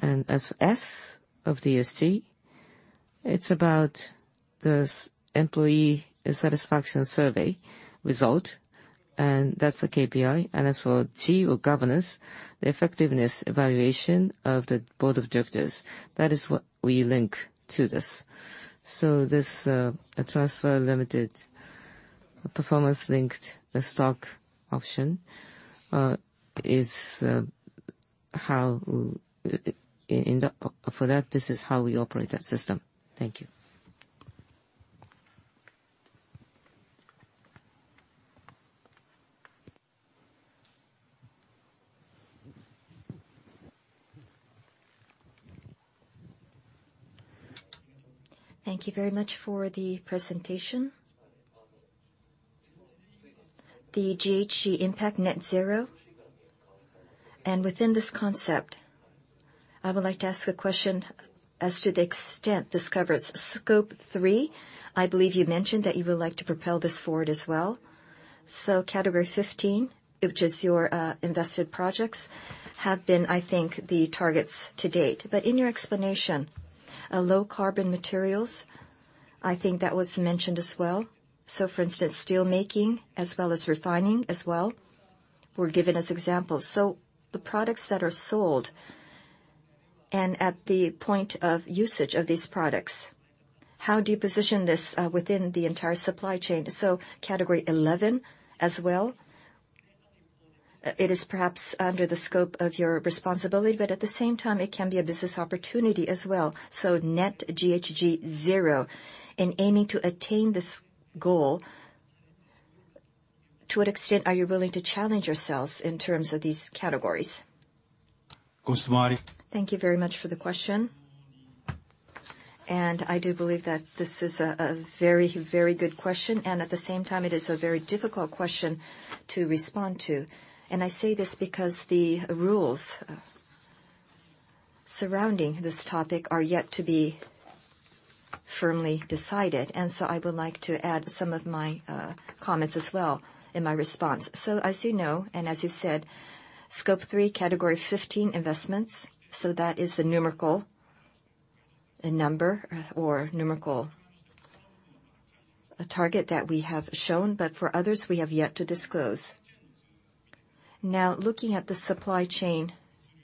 As S of the ESG, it's about the employee satisfaction survey result, and that's the KPI. As for G or governance, the effectiveness evaluation of the Board of Directors, that is what we link to this. This transfer limited performance-linked stock option is how we operate that system. Thank you. Thank you very much for the presentation. The GHG impact net zero, and within this concept, I would like to ask a question as to the extent this covers scope 3. I believe you mentioned that you would like to propel this forward as well. Category 15, which is your invested projects, have been, I think, the targets to date. In your explanation, a low carbon materials, I think that was mentioned as well. For instance, steel making as well as refining as well were given as examples. The products that are sold and at the point of usage of these products, how do you position this within the entire supply chain? Category 11 as well. It is perhaps under the scope of your responsibility, but at the same time it can be a business opportunity as well. Net GHG zero in aiming to attain this goal, to what extent are you willing to challenge yourselves in terms of these categories? Thank you very much for the question. I do believe that this is a very, very good question, and at the same time it is a very difficult question to respond to. I say this because the rules surrounding this topic are yet to be firmly decided. I would like to add some of my comments as well in my response. As you know, and as you said, scope 3, category 15 investments, so that is the numerical, a number or numerical target that we have shown, but for others we have yet to disclose. Looking at the supply chain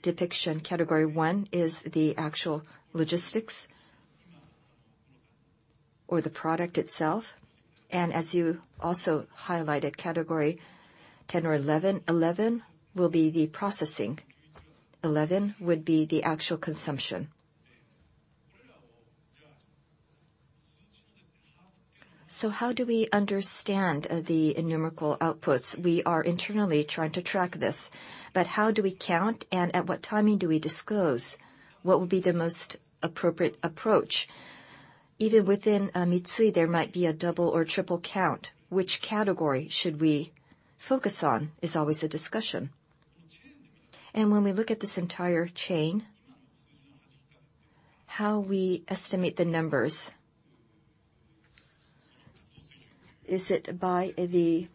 depiction, category 1 is the actual logistics or the product itself. As you also highlighted, category 10 or 11. 11 will be the processing. 11 would be the actual consumption. How do we understand the numerical outputs? We are internally trying to track this, but how do we count, and at what timing do we disclose? What would be the most appropriate approach? Even within Mitsui, there might be a double or triple count. Which category should we focus on is always a discussion. When we look at this entire chain, how we estimate the numbers, is it by the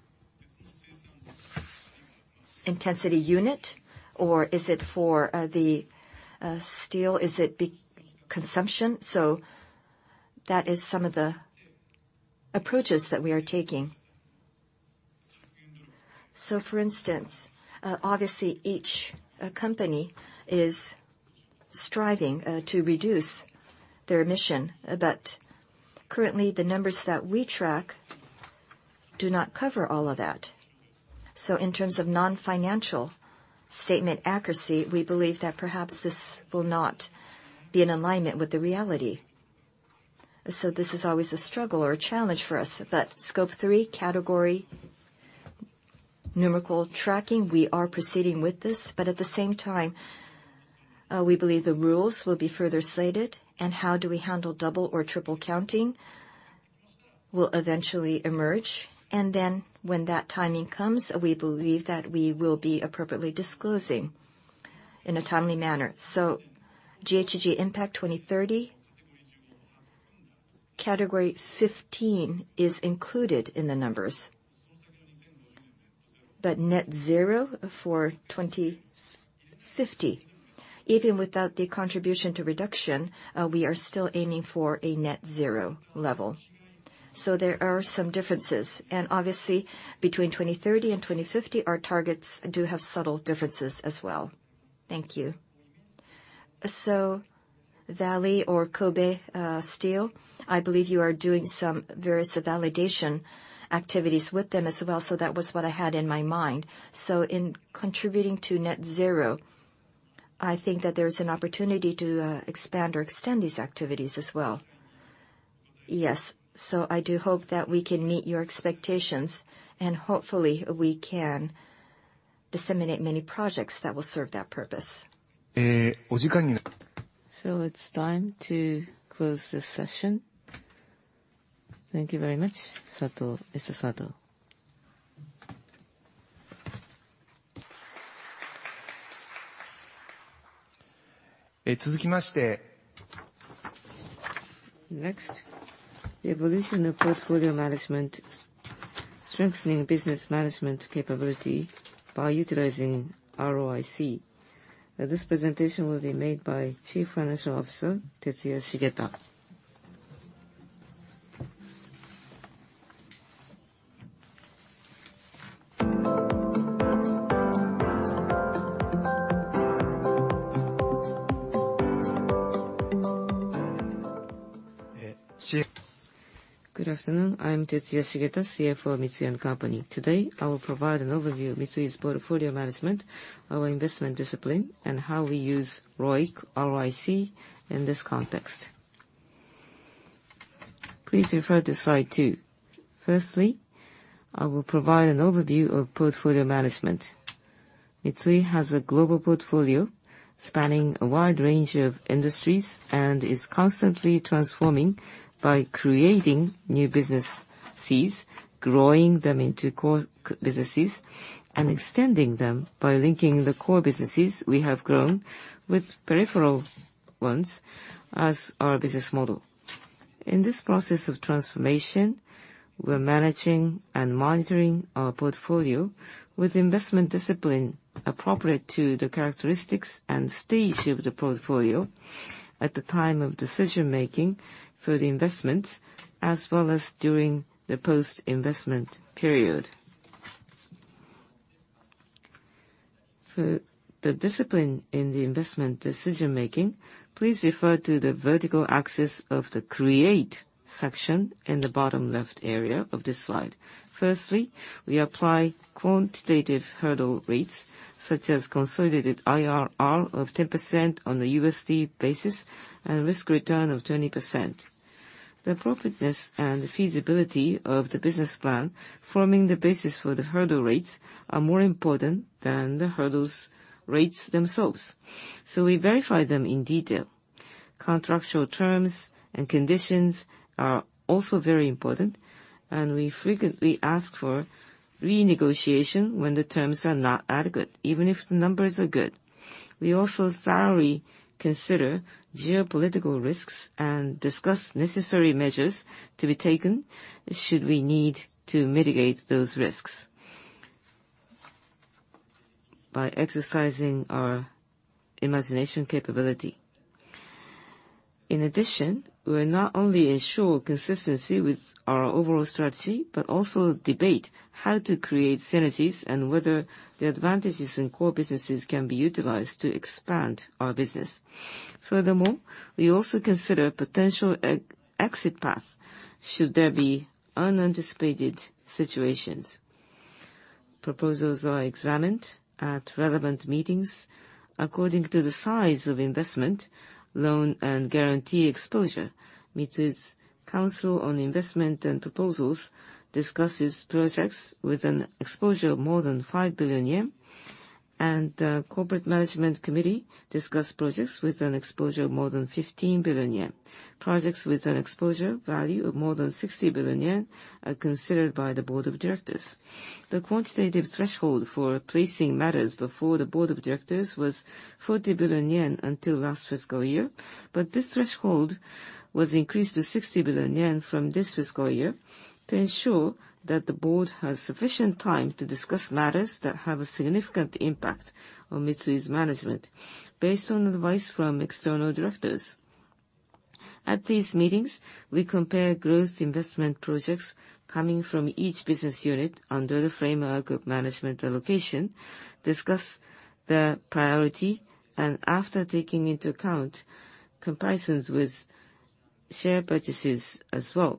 intensity unit or is it for, the, steel? Is it the consumption? That is some of the approaches that we are taking. For instance, obviously each company is striving to reduce their emission, but currently the numbers that we track do not cover all of that. In terms of non-financial statement accuracy, we believe that perhaps this will not be in alignment with the reality. This is always a struggle or a challenge for us. Scope 3 category numerical tracking, we are proceeding with this, but at the same time, we believe the rules will be further slated and how do we handle double or triple counting will eventually emerge. When that timing comes, we believe that we will be appropriately disclosing in a timely manner. GHG impact 2030, category 15 is included in the numbers. Net zero for 2050, even without the contribution to reduction, we are still aiming for a net zero level. There are some differences. Obviously between 2030 and 2050, our targets do have subtle differences as well. Thank you. Vale S.A. or Kobe Steel, I believe you are doing some various validation activities with them as well. That was what I had in my mind. In contributing to net zero, I think that there's an opportunity to expand or extend these activities as well. Yes. I do hope that we can meet your expectations, and hopefully we can disseminate many projects that will serve that purpose. It's time to close this session. Thank you very much, Sato. Mr. Sato. The evolution of portfolio management, strengthening business management capability by utilizing ROIC. This presentation will be made by Chief Financial Officer, Tetsuya Shigeta. Good afternoon. I am Tetsuya Shigeta, CFO of Mitsui & Co. Today, I will provide an overview of Mitsui's portfolio management, our investment discipline, and how we use ROIC, R-O-I-C, in this context. Please refer to slide 2. Firstly, I will provide an overview of portfolio management. Mitsui has a global portfolio spanning a wide range of industries, and is constantly transforming by creating new businesses, growing them into core businesses, and extending them by linking the core businesses we have grown with peripheral ones as our business model. In this process of transformation, we're managing and monitoring our portfolio with investment discipline appropriate to the characteristics and stage of the portfolio at the time of decision-making for the investments, as well as during the post-investment period. For the discipline in the investment decision-making, please refer to the vertical axis of the create section in the bottom left area of this slide. Firstly, we apply quantitative hurdle rates, such as consolidated IRR of 10% on the USD basis and risk return of 20%. The profitability and feasibility of the business plan forming the basis for the hurdle rates are more important than the hurdles rates themselves, so we verify them in detail. Contractual terms and conditions are also very important, and we frequently ask for renegotiation when the terms are not adequate, even if the numbers are good. We also thoroughly consider geopolitical risks and discuss necessary measures to be taken should we need to mitigate those risks by exercising our imagination capability. In addition, we'll not only ensure consistency with our overall strategy, but also debate how to create synergies and whether the advantages in core businesses can be utilized to expand our business. Furthermore, we also consider potential exit path should there be unanticipated situations. Proposals are examined at relevant meetings according to the size of investment, loan, and guarantee exposure. Mitsui's Council on Investment and Proposals discusses projects with an exposure of more than 5 billion yen, and Corporate Management Committee discuss projects with an exposure of more than 15 billion yen. Projects with an exposure value of more than 60 billion yen are considered by the Board of Directors. The quantitative threshold for placing matters before the Board of Directors was 40 billion yen until last fiscal year. This threshold was increased to 60 billion yen from this fiscal year to ensure that the Board has sufficient time to discuss matters that have a significant impact on Mitsui's management based on advice from External Directors. At these meetings, we compare growth investment projects coming from each Business Unit under the framework of management allocation, discuss the priority, and after taking into account comparisons with share purchases as well,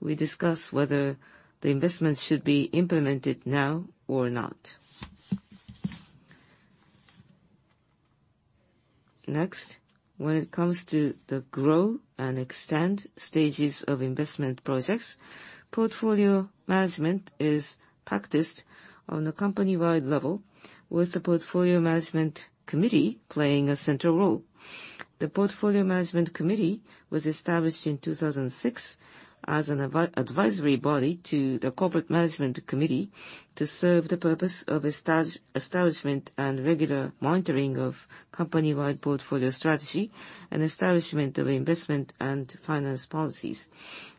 we discuss whether the investments should be implemented now or not. When it comes to the grow and extend stages of investment projects, portfolio management is practiced on the company-wide level, with the Portfolio Management Committee playing a central role. The Portfolio Management Committee was established in 2006 as an advisory body to the Corporate Management Committee to serve the purpose of establishment and regular monitoring of company-wide portfolio strategy and establishment of investment and finance policies.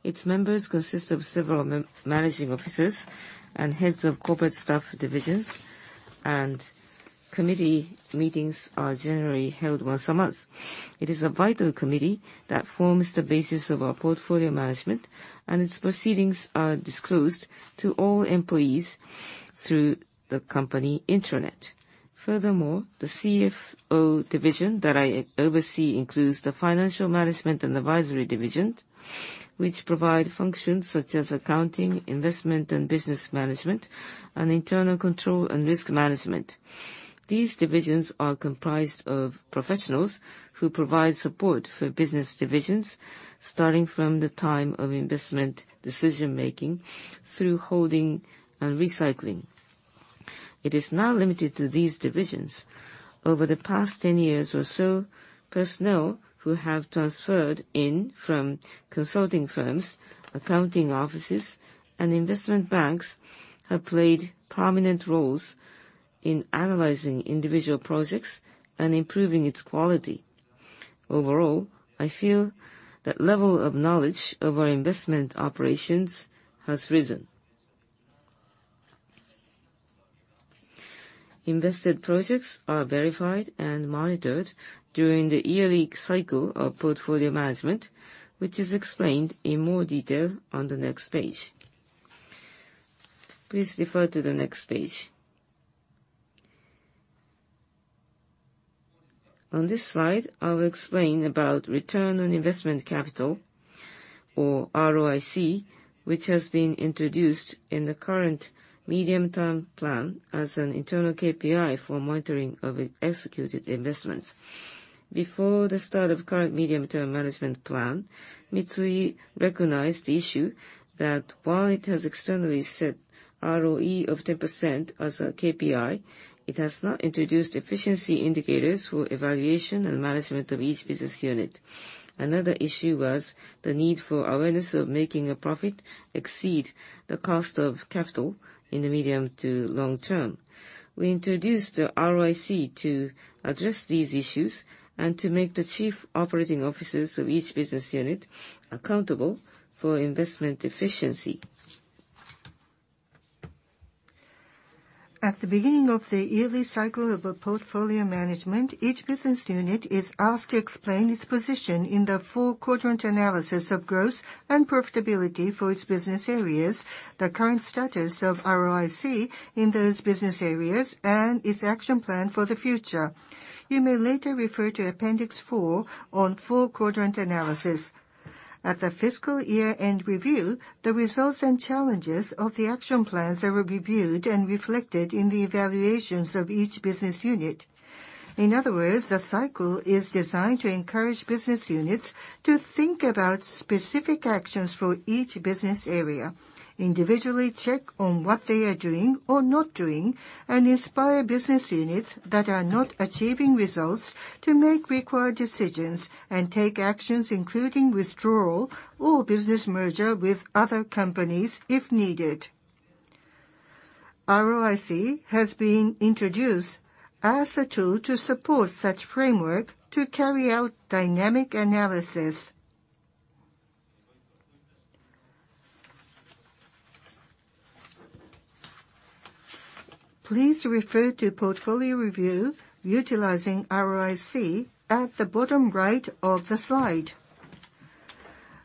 Its members consist of several managing officers and heads of corporate staff divisions, and committee meetings are generally held once a month. It is a vital committee that forms the basis of our portfolio management, and its proceedings are disclosed to all employees through the company intranet. Furthermore, the CFO division that I oversee includes the Financial Management and Advisory Division which provide functions such as accounting, investment, and business management, and internal control and risk management. These divisions are comprised of professionals who provide support for business divisions, starting from the time of investment decision-making through holding and recycling. It is not limited to these divisions. Over the past 10 years or so, personnel who have transferred in from consulting firms, accounting offices, and investment banks have played prominent roles in analyzing individual projects and improving its quality. Overall, I feel that level of knowledge of our investment operations has risen. Invested projects are verified and monitored during the yearly cycle of portfolio management, which is explained in more detail on the next page. Please refer to the next page. On this slide, I will explain about return on investment capital, or ROIC, which has been introduced in the current medium-term plan as an internal KPI for monitoring of executed investments. Before the start of current Medium-Term Management Plan, Mitsui recognized the issue that while it has externally set ROE of 10% as a KPI, it has not introduced efficiency indicators for evaluation and management of each business unit. Another issue was the need for awareness of making a profit exceed the cost of capital in the medium to long term. We introduced the ROIC to address these issues and to make the Chief Operating Officers of each business unit accountable for investment efficiency. At the beginning of the yearly cycle of a portfolio management, each business unit is asked to explain its position in the Four-Quadrant Analysis of growth and profitability for its business areas, the current status of ROIC in those business areas, and its action plan for the future. You may later refer to Appendix 4 on Four-Quadrant Analysis. At the fiscal year-end review, the results and challenges of the action plans are reviewed and reflected in the evaluations of each business unit. In other words, the cycle is designed to encourage business units to think about specific actions for each business area, individually check on what they are doing or not doing, and inspire business units that are not achieving results to make required decisions and take actions, including withdrawal or business merger with other companies if needed. ROIC has been introduced as a tool to support such framework to carry out dynamic analysis. Please refer to portfolio review utilizing ROIC at the bottom right of the slide.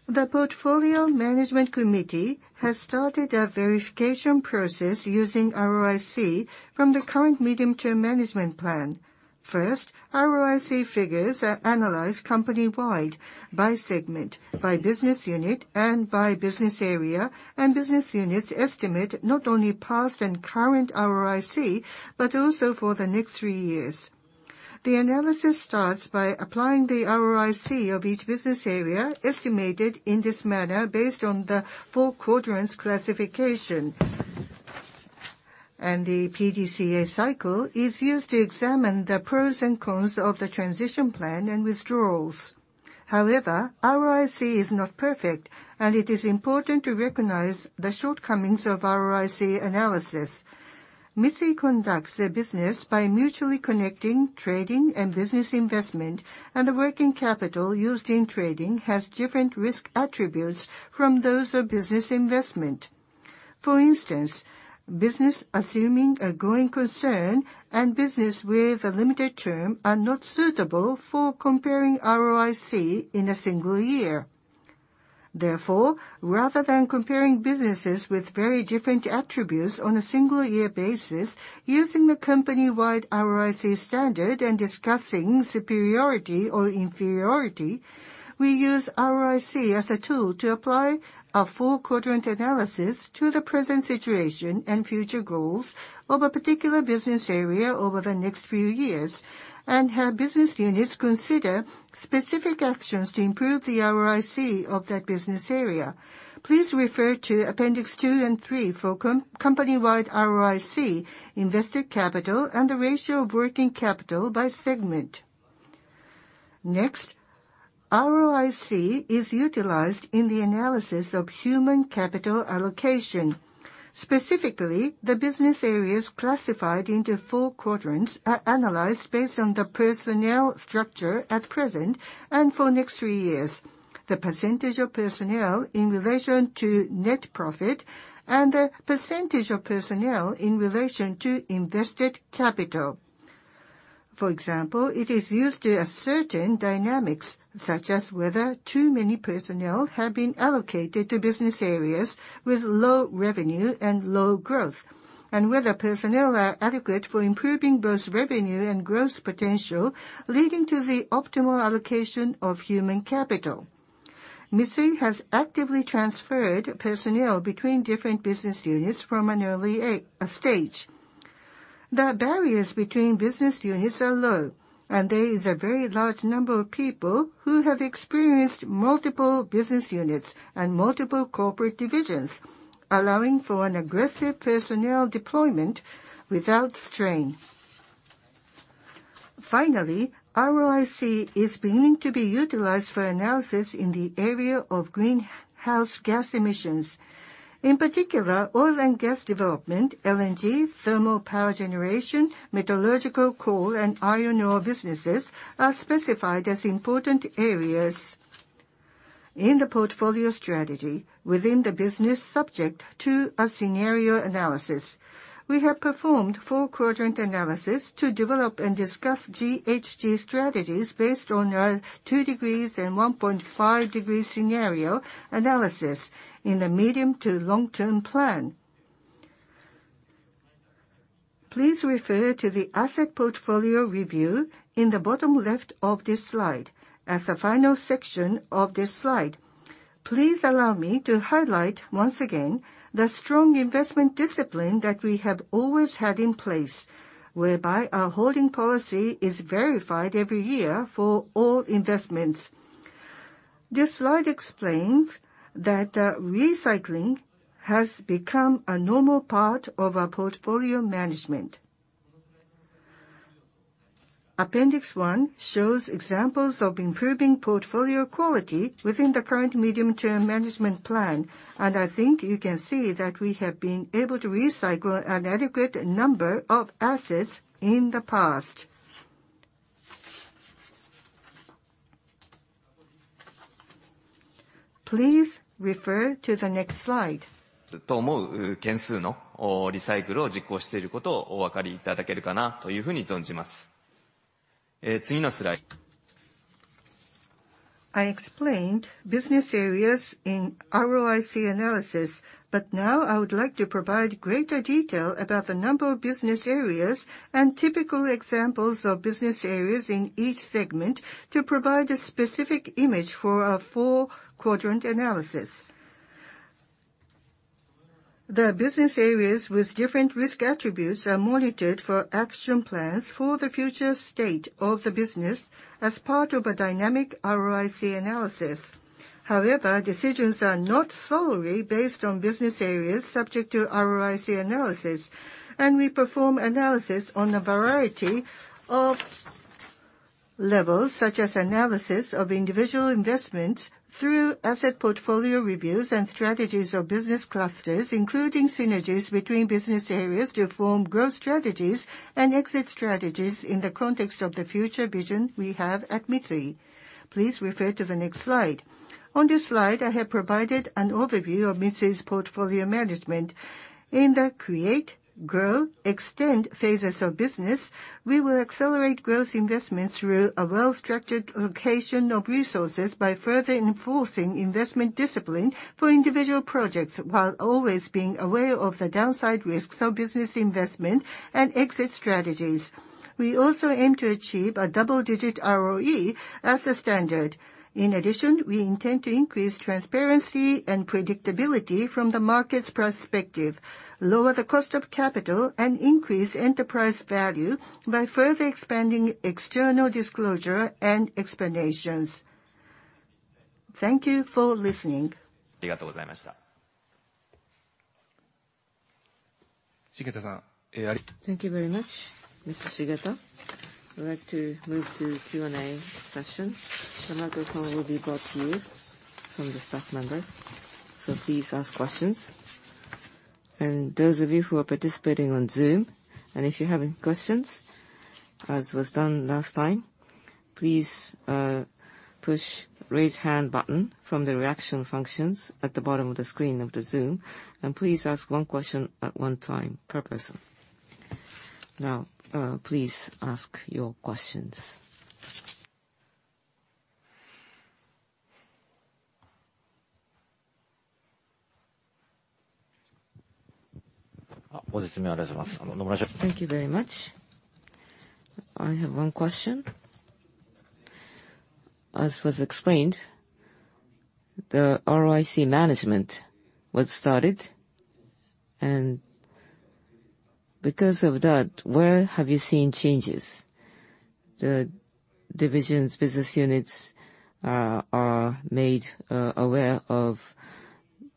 The Portfolio Management Committee has started a verification process using ROIC from the current Medium-Term Management Plan. First, ROIC figures are analyzed company-wide by segment, by business unit, and by business area, and business units estimate not only past and current ROIC, but also for the next 3 years. The analysis starts by applying the ROIC of each business area estimated in this manner based on the four-quadrants classification. The PDCA cycle is used to examine the pros and cons of the transition plan and withdrawals. However, ROIC is not perfect, and it is important to recognize the shortcomings of ROIC analysis. Mitsui conducts a business by mutually connecting trading and business investment, and the working capital used in trading has different risk attributes from those of business investment. For instance, business assuming a growing concern and business with a limited term are not suitable for comparing ROIC in a single year. Therefore rather than comparing businesses with very different attributes on a single year basis using the company-wide ROIC standard and discussing superiority or inferiority, we use ROIC as a tool to apply a Four-Quadrant Analysis to the present situation and future goals of a particular business area over the next few years and have business units consider specific actions to improve the ROIC of that business area. Please refer to appendix 2 and 3 for company-wide ROIC, invested capital, and the ratio of working capital by segment. ROIC is utilized in the analysis of human capital allocation. Specifically, the business areas classified into 4 quadrants are analyzed based on the personnel structure at present and for next 3 years, the percentage of personnel in relation to net profit and the percentage of personnel in relation to invested capital. For example, it is used to ascertain dynamics, such as whether too many personnel have been allocated to business areas with low revenue and low growth, and whether personnel are adequate for improving both revenue and growth potential, leading to the optimal allocation of human capital. Mitsui has actively transferred personnel between different business units from an early stage. The barriers between business units are low, and there is a very large number of people who have experienced multiple business units and multiple corporate divisions, allowing for an aggressive personnel deployment without strain. Finally, ROIC is beginning to be utilized for analysis in the area of greenhouse gas emissions. In particular, oil and gas development, LNG, thermal power generation, metallurgical coal and iron ore businesses are specified as important areas. In the portfolio strategy within the business subject to a scenario analysis, we have performed Four-Quadrant Analysis to develop and discuss GHG strategies based on 2 degrees Celsius and 1.5 degrees Celsius scenario analysis in the medium to long-term plan. Please refer to the asset portfolio review in the bottom left of this slide. As a final section of this slide, please allow me to highlight once again the strong investment discipline that we have always had in place, whereby our holding policy is verified every year for all investments. This slide explains that recycling has become a normal part of our portfolio management. Appendix 1 shows examples of improving portfolio quality within the current Medium-Term Management Plan, and I think you can see that we have been able to recycle an adequate number of assets in the past. Please refer to the next slide. I explained business areas in ROIC analysis, but now I would like to provide greater detail about the number of business areas and typical examples of business areas in each segment to provide a specific image for our four-quadrant analysis. The business areas with different risk attributes are monitored for action plans for the future state of the business as part of a dynamic ROIC analysis. However, decisions are not solely based on business areas subject to ROIC analysis, and we perform analysis on a variety of levels, such as analysis of individual investments through asset portfolio reviews and strategies or business clusters, including synergies between business areas to form growth strategies and exit strategies in the context of the future vision we have at Mitsui. Please refer to the next slide. On this slide, I have provided an overview of Mitsui's portfolio management. In the Create, Grow, Extend phases of business, we will accelerate growth investments through a well-structured allocation of resources by further enforcing investment discipline for individual projects, while always being aware of the downside risks of business investment and exit strategies. We also aim to achieve a double-digit ROE as a standard. In addition, we intend to increase transparency and predictability from the market's perspective, lower the cost of capital, and increase enterprise value by further expanding external disclosure and explanations. Thank you for listening. Thank you very much, Mr. Shigeta. We'd like to move to Q&A session. The microphone will be brought to you from the staff member, so please ask questions. Those of you who are participating on Zoom, and if you have any questions, as was done last time, please push Raise Hand button from the Reaction functions at the bottom of the screen of the Zoom, and please ask one question at one time per person. Please ask your questions. Thank you very much. I have one question. As was explained, the ROIC management was started, and because of that, where have you seen changes? The divisions, business units, are made aware of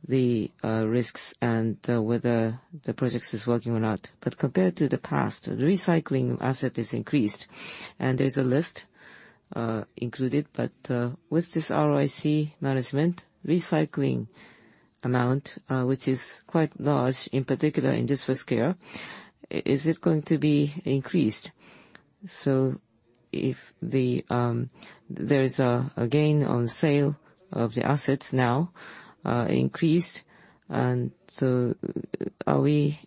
the risks and whether the projects is working or not. Compared to the past, the recycling asset is increased, and there's a list included. With this ROIC management, recycling amount, which is quite large, in particular in this first year, is it going to be increased? If the, there is a gain on sale of the assets now, increased, are we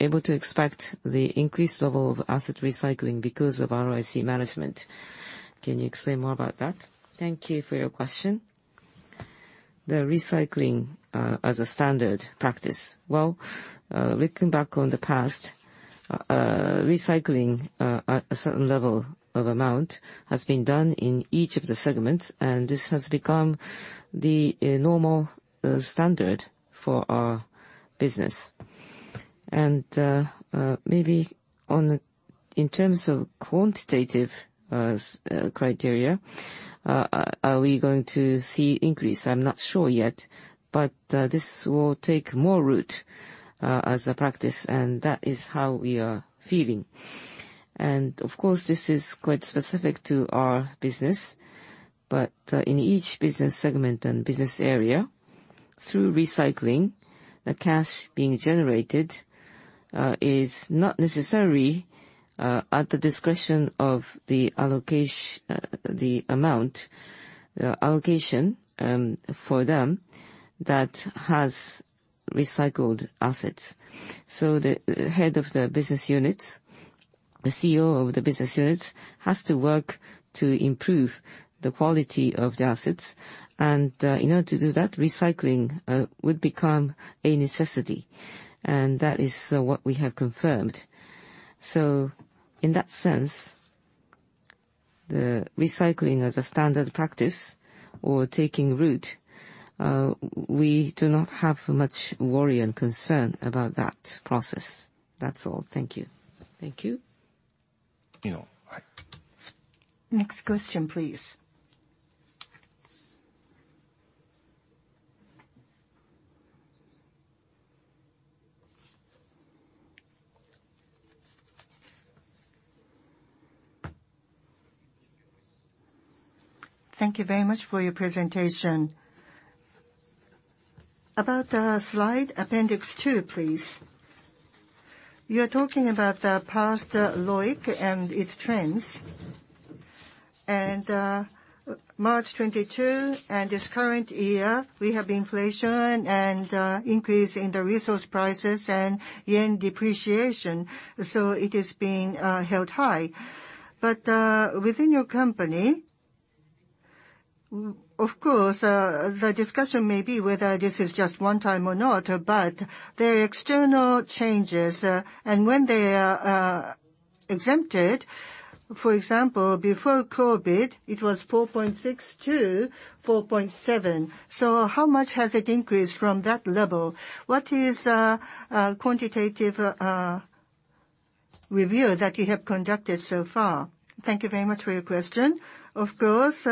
able to expect the increased level of asset recycling because of ROIC management? Can you explain more about that? Thank you for your question. The recycling as a standard practice. Looking back on the past, recycling at a certain level of amount has been done in each of the segments, this has become the normal standard for our business. Maybe in terms of quantitative criteria, are we going to see increase? I'm not sure yet. This will take more root as a practice, that is how we are feeling. Of course, this is quite specific to our business, in each business segment and business area, through recycling, the cash being generated is not necessary at the discretion of the amount, the allocation, for them that has recycled assets. The head of the business units, the CEO of the business units, has to work to improve the quality of the assets. In order to do that, recycling would become a necessity. That is what we have confirmed. In that sense, the recycling as a standard practice or taking root, we do not have much worry and concern about that process. That's all. Thank you. Thank you. Next question, please. Thank you very much for your presentation. About the slide appendix 2, please. You are talking about the past ROIC and its trends. March 2022 and this current year, we have inflation and increase in the resource prices and yen depreciation, so it is being held high. Within your company, of course, the discussion may be whether this is just one time or not, but there are external changes. When they are exempted, for example, before COVID, it was 4.6% to 4.7%. How much has it increased from that level? What is quantitative review that you have conducted so far? Thank you very much for your question. Of course,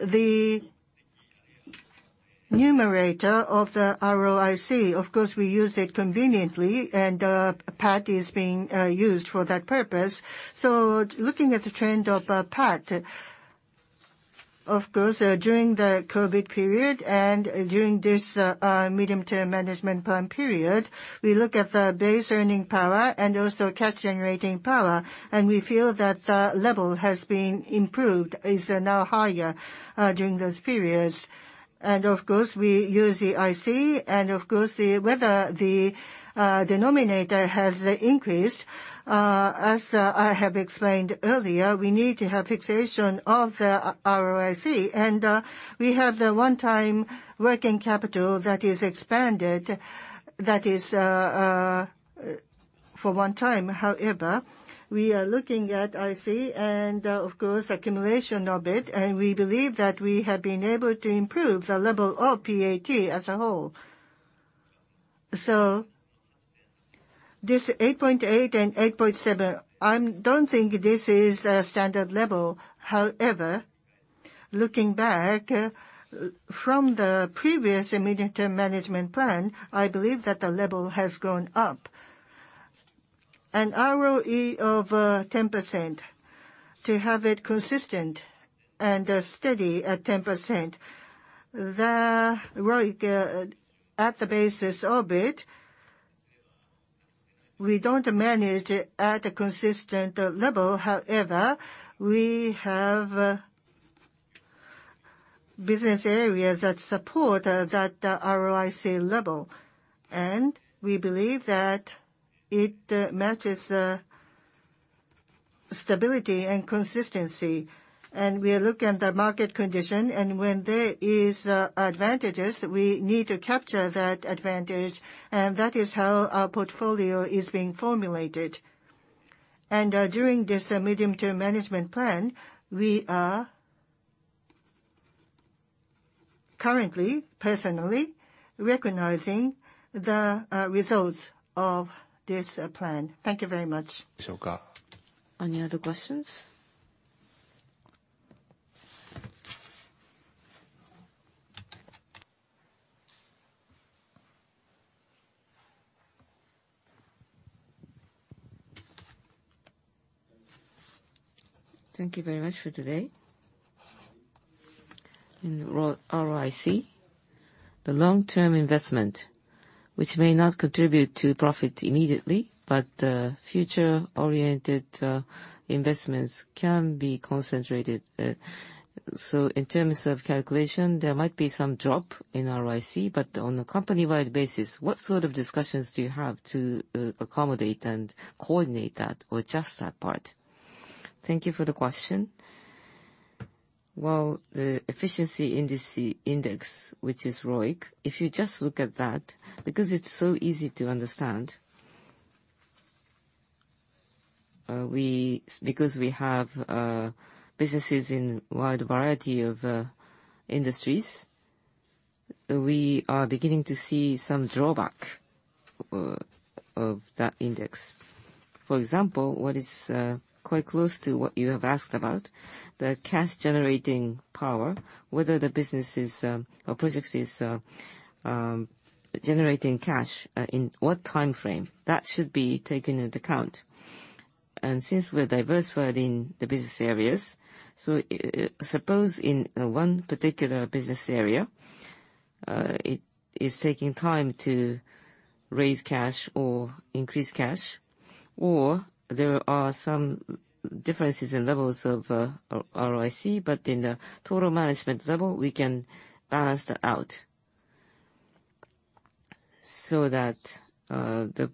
the numerator of the ROIC, of course, we use it conveniently, and PAT is being used for that purpose. Looking at the trend of PAT, of course, during the COVID period and during this Medium-Term Management Plan period, we look at the base earning power and also cash-generating power, and we feel that the level has been improved, is now higher during those periods. Of course, we use the IC and of course, whether the denominator has increased. As I have explained earlier, we need to have fixation of the ROIC. We have the one-time working capital that is expanded. That is for one time. However, we are looking at IC and, of course, accumulation of it, and we believe that we have been able to improve the level of PAT as a whole. This 8.8% and 8.7%, don't think this is a standard level. However, looking back from the previous Medium-Term Management Plan, I believe that the level has gone up. An ROE of 10% to have it consistent and steady at 10%. The ROIC, at the basis of it, we don't manage it at a consistent level. However, we have business areas that support that ROIC level, and we believe that it matches the stability and consistency. We look at the market condition, and when there is advantages, we need to capture that advantage, and that is how our portfolio is being formulated. During this Medium-Term Management Plan, we are currently, personally, recognizing the results of this plan. Thank you very much. Any other questions? Thank you very much for today. In ROIC, the long-term investment, which may not contribute to profit immediately, but future-oriented investments can be concentrated. In terms of calculation, there might be some drop in ROIC, but on a company-wide basis, what sort of discussions do you have to accommodate and coordinate that or just that part? Thank you for the question. Well, the efficiency index, which is ROIC, if you just look at that, because it's so easy to understand, because we have businesses in wide variety of industries, we are beginning to see some drawback of that index. For example, what is quite close to what you have asked about, the cash generating power, whether the business is or projects is generating cash in what timeframe, that should be taken into account. Since we're diversified in the business areas, I suppose in one particular business area, it is taking time to raise cash or increase cash, or there are some differences in levels of ROIC, but in the total management level, we can balance that out so that the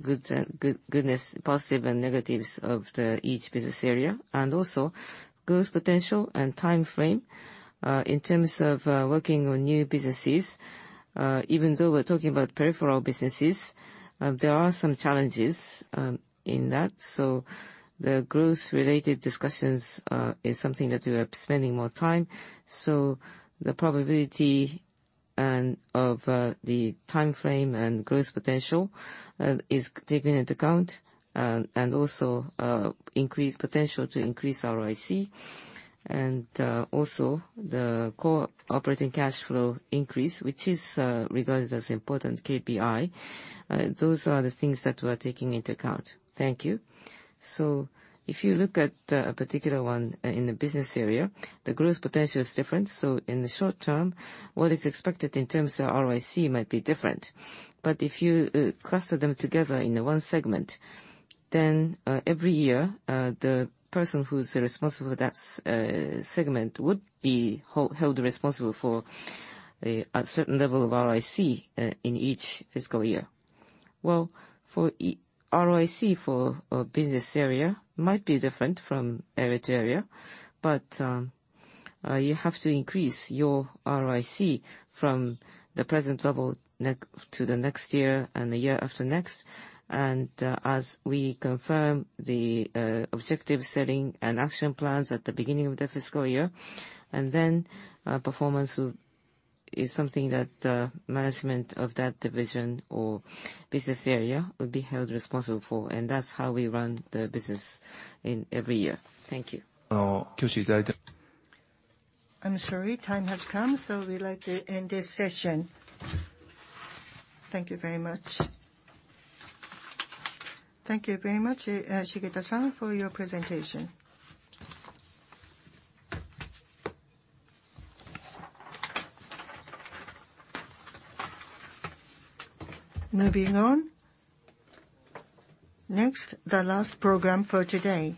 goods and goodness, positive and negatives of the each business area. Also growth potential and timeframe, in terms of working on new businesses. Even though we're talking about peripheral businesses, there are some challenges in that. The growth-related discussions is something that we are spending more time. The probability and the timeframe and growth potential is taken into account, and also increase potential to increase ROIC. Also the Core Operating Cash Flow increase, which is regarded as important KPI. Those are the things that we're taking into account. Thank you. If you look at a particular one in the business area, the growth potential is different. In the short term, what is expected in terms of ROIC might be different. If you cluster them together into one segment, then every year the person who's responsible for that segment would be held responsible for a certain level of ROIC in each fiscal year. Well, for ROIC for a business area might be different from area to area, but you have to increase your ROIC from the present level to the next year and the year after next. As we confirm the objective setting and action plans at the beginning of the fiscal year, and then performance is something that management of that division or business area will be held responsible for. That's how we run the business in every year. Thank you. I'm sorry, time has come, so we'd like to end this session. Thank you very much. Thank you very much, Shigeta-san, for your presentation. Moving on. The last program for today,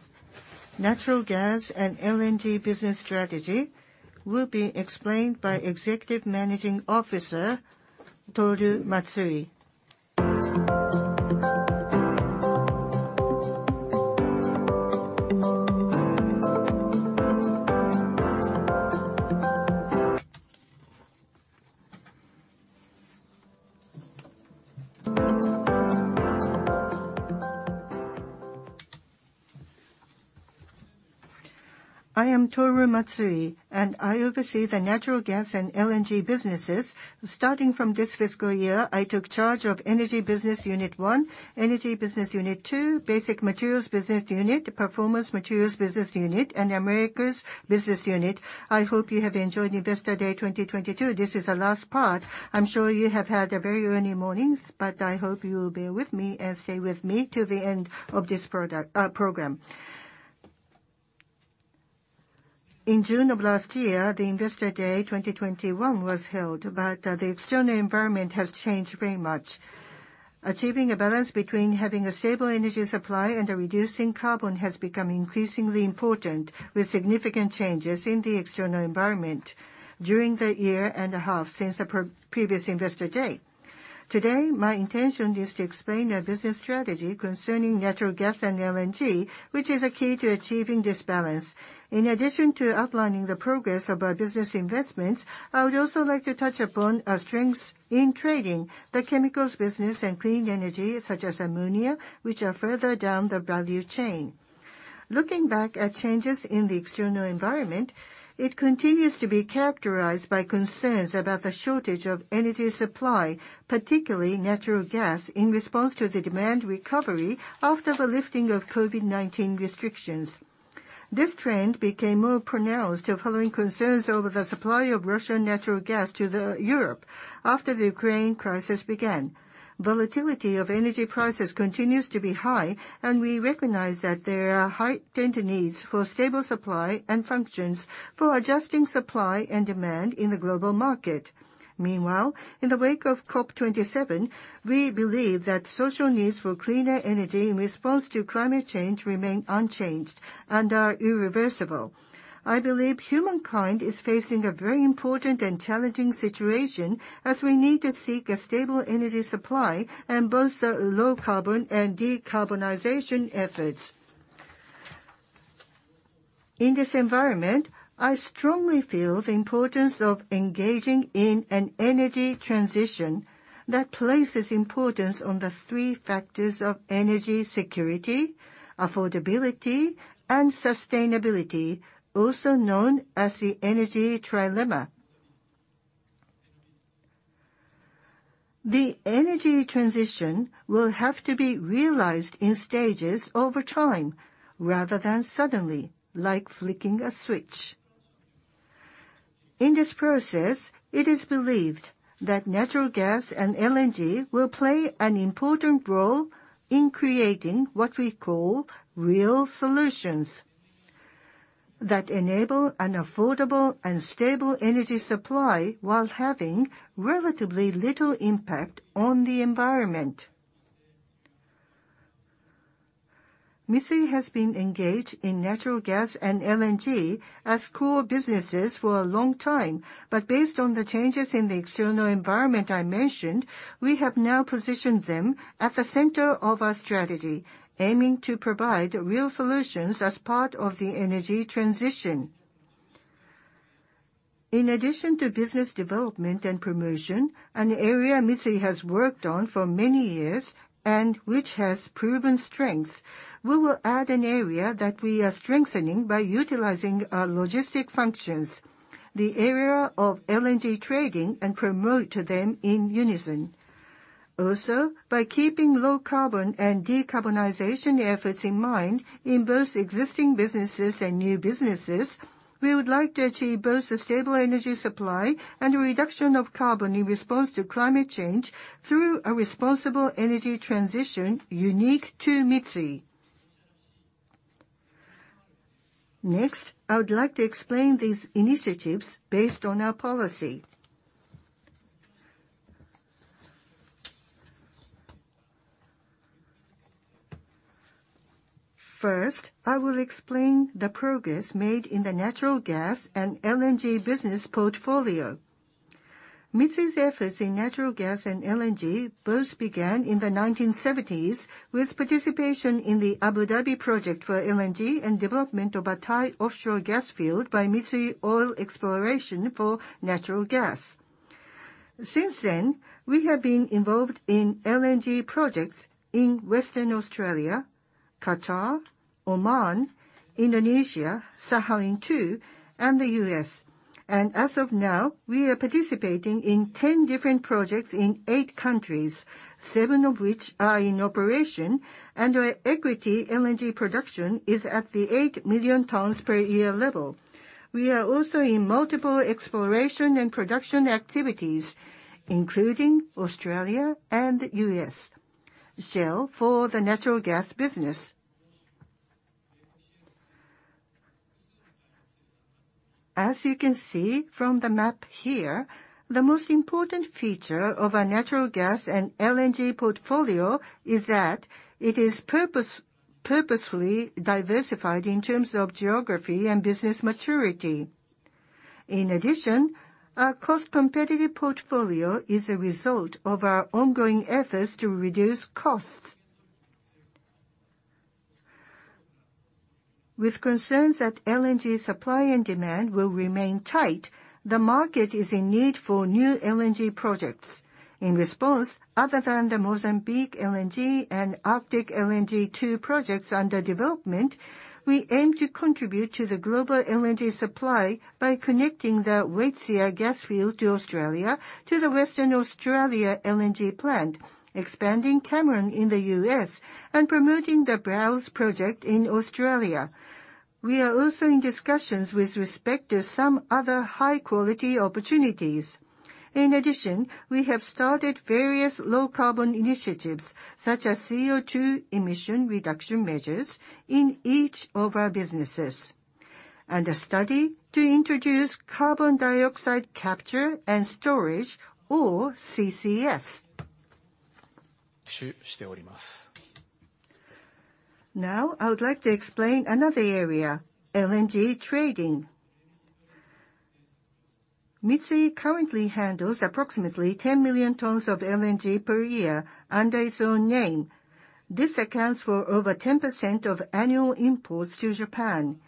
Natural Gas and LNG business strategy will be explained by Executive Managing Officer Toru Matsui. I am Toru Matsui, and I oversee the Natural Gas and LNG businesses. Starting from this fiscal year, I took charge of Energy Business Unit 1, Energy Business Unit 2, Basic Materials Business Unit, Performance Materials Business Unit, and Americas Business Unit. I hope you have enjoyed Investor Day 2022. This is the last part. I'm sure you have had a very early mornings, but I hope you will bear with me and stay with me till the end of this program. In June of last year, the Investor Day 2021 was held. The external environment has changed very much. Achieving a balance between having a stable energy supply and reducing carbon has become increasingly important with significant changes in the external environment during the year and a half since the previous Investor Day. Today, my intention is to explain our business strategy concerning natural gas and LNG, which is a key to achieving this balance. In addition to outlining the progress of our business investments, I would also like to touch upon our strengths in trading the chemicals business and clean energy such as ammonia, which are further down the value chain. Looking back at changes in the external environment, it continues to be characterized by concerns about the shortage of energy supply, particularly natural gas, in response to the demand recovery after the lifting of COVID-19 restrictions. This trend became more pronounced following concerns over the supply of Russian natural gas to the Europe after the Ukraine crisis began. Volatility of energy prices continues to be high, and we recognize that there are heightened needs for stable supply and functions for adjusting supply and demand in the global market. Meanwhile, in the wake of COP27, we believe that social needs for cleaner energy in response to climate change remain unchanged and are irreversible. I believe humankind is facing a very important and challenging situation as we need to seek a stable energy supply and both the low carbon and decarbonization efforts. In this environment, I strongly feel the importance of engaging in an energy transition that places importance on the three factors of energy security, affordability, and sustainability, also known as the Energy Trilemma. The energy transition will have to be realized in stages over time rather than suddenly, like flicking a switch. In this process, it is believed that natural gas and LNG will play an important role in creating what we call real solutions that enable an affordable and stable energy supply while having relatively little impact on the environment. Mitsui has been engaged in natural gas and LNG as core businesses for a long time. Based on the changes in the external environment I mentioned, we have now positioned them at the center of our strategy, aiming to provide real solutions as part of the energy transition. In addition to business development and promotion, an area Mitsui has worked on for many years and which has proven strengths, we will add an area that we are strengthening by utilizing our logistic functions, the area of LNG trading, and promote them in unison. By keeping low carbon and decarbonization efforts in mind in both existing businesses and new businesses, we would like to achieve both a stable energy supply and a reduction of carbon in response to climate change through a responsible energy transition unique to Mitsui. I would like to explain these initiatives based on our policy. I will explain the progress made in the natural gas and LNG business portfolio. Mitsui's efforts in natural gas and LNG both began in the 1970s with participation in the Abu Dhabi project for LNG and development of a Thai offshore gas field by Mitsui Oil Exploration for natural gas. Since then, we have been involved in LNG projects in Western Australia, Qatar, Oman, Indonesia, Sakhalin-2, and the U.S. As of now, we are participating in 10 different projects in eight countries, seven of which are in operation, and our equity LNG production is at the 8 million tons per year level. We are also in multiple exploration and production activities, including Australia and U.S. Shell for the natural gas business. As you can see from the map here, the most important feature of our natural gas and LNG portfolio is that it is purposefully diversified in terms of geography and business maturity. In addition, our cost-competitive portfolio is a result of our ongoing efforts to reduce costs. With concerns that LNG supply and demand will remain tight, the market is in need for new LNG projects. In response, other than the Mozambique LNG and Arctic LNG 2 projects under development, we aim to contribute to the global LNG supply by connecting the Waitsia gas field to Australia, to the Western Australia LNG plant, expanding Cameron in the U.S., and promoting the Browse project in Australia. We are also in discussions with respect to some other high-quality opportunities. In addition, we have started various low carbon initiatives, such as CO2 emission reduction measures in each of our businesses, and a study to introduce carbon dioxide capture and storage or CCS. Now, I would like to explain another area: LNG trading. Mitsui currently handles approximately 10 million tons of LNG per year under its own name. This accounts for over 10% of annual imports to Japan.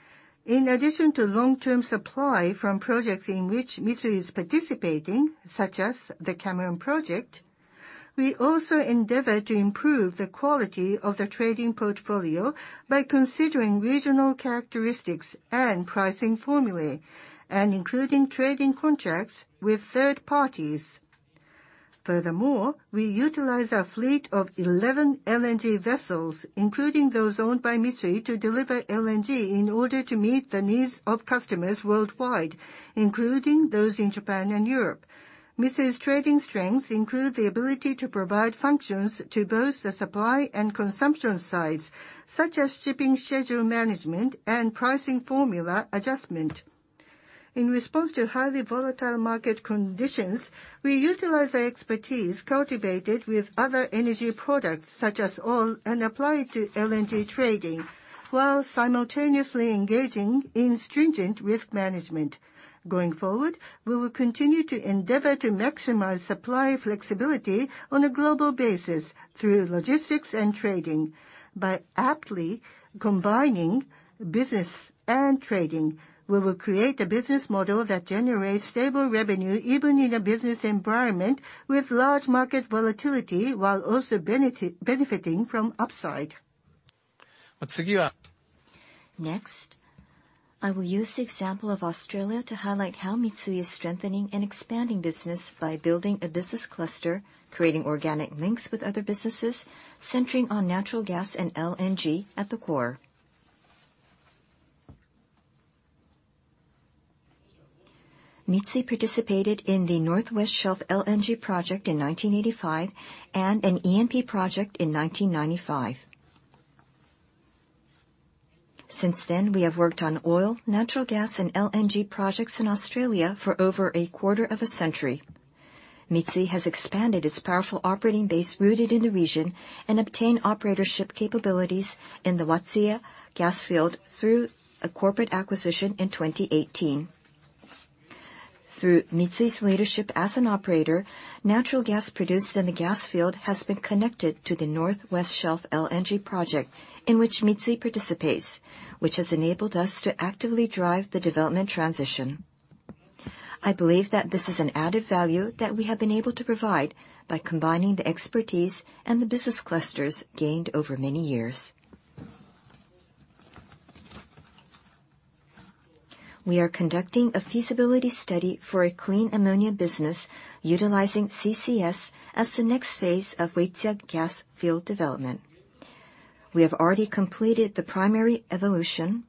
In addition to long-term supply from projects in which Mitsui is participating, such as the Cameron LNG, we also endeavor to improve the quality of the trading portfolio by considering regional characteristics and pricing formulae, and including trading contracts with third parties. Furthermore, we utilize a fleet of 11 LNG vessels, including those owned by Mitsui, to deliver LNG in order to meet the needs of customers worldwide, including those in Japan and Europe. Mitsui's trading strengths include the ability to provide functions to both the supply and consumption sides, such as shipping schedule management and pricing formula adjustment. In response to highly volatile market conditions, we utilize our expertise cultivated with other energy products such as oil, and apply it to LNG trading, while simultaneously engaging in stringent risk management. Going forward, we will continue to endeavor to maximize supply flexibility on a global basis through logistics and trading. By aptly combining business and trading, we will create a business model that generates stable revenue, even in a business environment with large market volatility, while also benefiting from upside. Next, I will use the example of Australia to highlight how Mitsui is strengthening and expanding business by building a business cluster, creating organic links with other businesses centering on natural gas and LNG at the core. Mitsui participated in the North West Shelf Project in 1985 and an E&P project in 1995. Since then, we have worked on oil, natural gas and LNG projects in Australia for over a quarter of a century. Mitsui has expanded its powerful operating base rooted in the region and obtained operatorship capabilities in the Waitsia gas field through a corporate acquisition in 2018. Through Mitsui's leadership as an operator, natural gas produced in the gas field has been connected to the North West Shelf Project, in which Mitsui participates, which has enabled us to actively drive the development transition. I believe that this is an added value that we have been able to provide by combining the expertise and the business clusters gained over many years. We are conducting a feasibility study for a clean ammonia business utilizing CCS as the next phase of Waitsia gas field development. We have already completed the primary evolution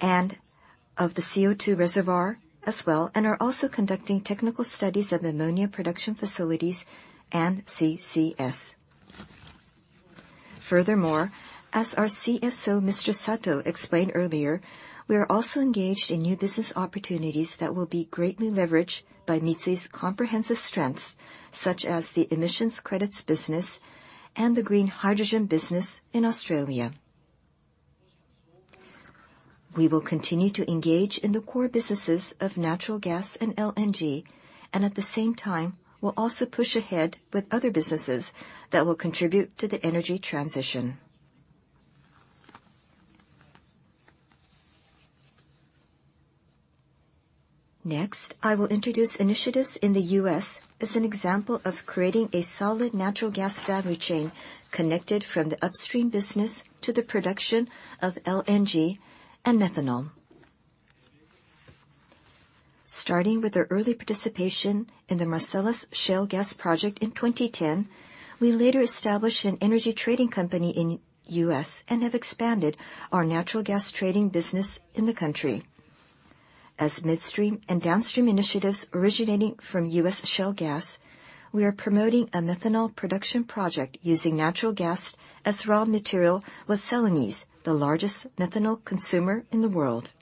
of the CO2 reservoir as well and are also conducting technical studies of ammonia production facilities and CCS. As our CSO, Mr. Sato, explained earlier, we are also engaged in new business opportunities that will be greatly leveraged by Mitsui's comprehensive strengths, such as the emissions credits business and the green hydrogen business in Australia. We will continue to engage in the core businesses of natural gas and LNG, and at the same time will also push ahead with other businesses that will contribute to the energy transition. Next, I will introduce initiatives in the U.S. as an example of creating a solid natural gas value chain connected from the upstream business to the production of LNG and methanol. Starting with our early participation in the Marcellus Shale gas project in 2010, we later established an energy trading company in U.S. and have expanded our natural gas trading business in the country. As midstream and downstream initiatives originating from U.S. shale gas, we are promoting a methanol production project using natural gas as raw material with Celanese, the largest methanol consumer in the world.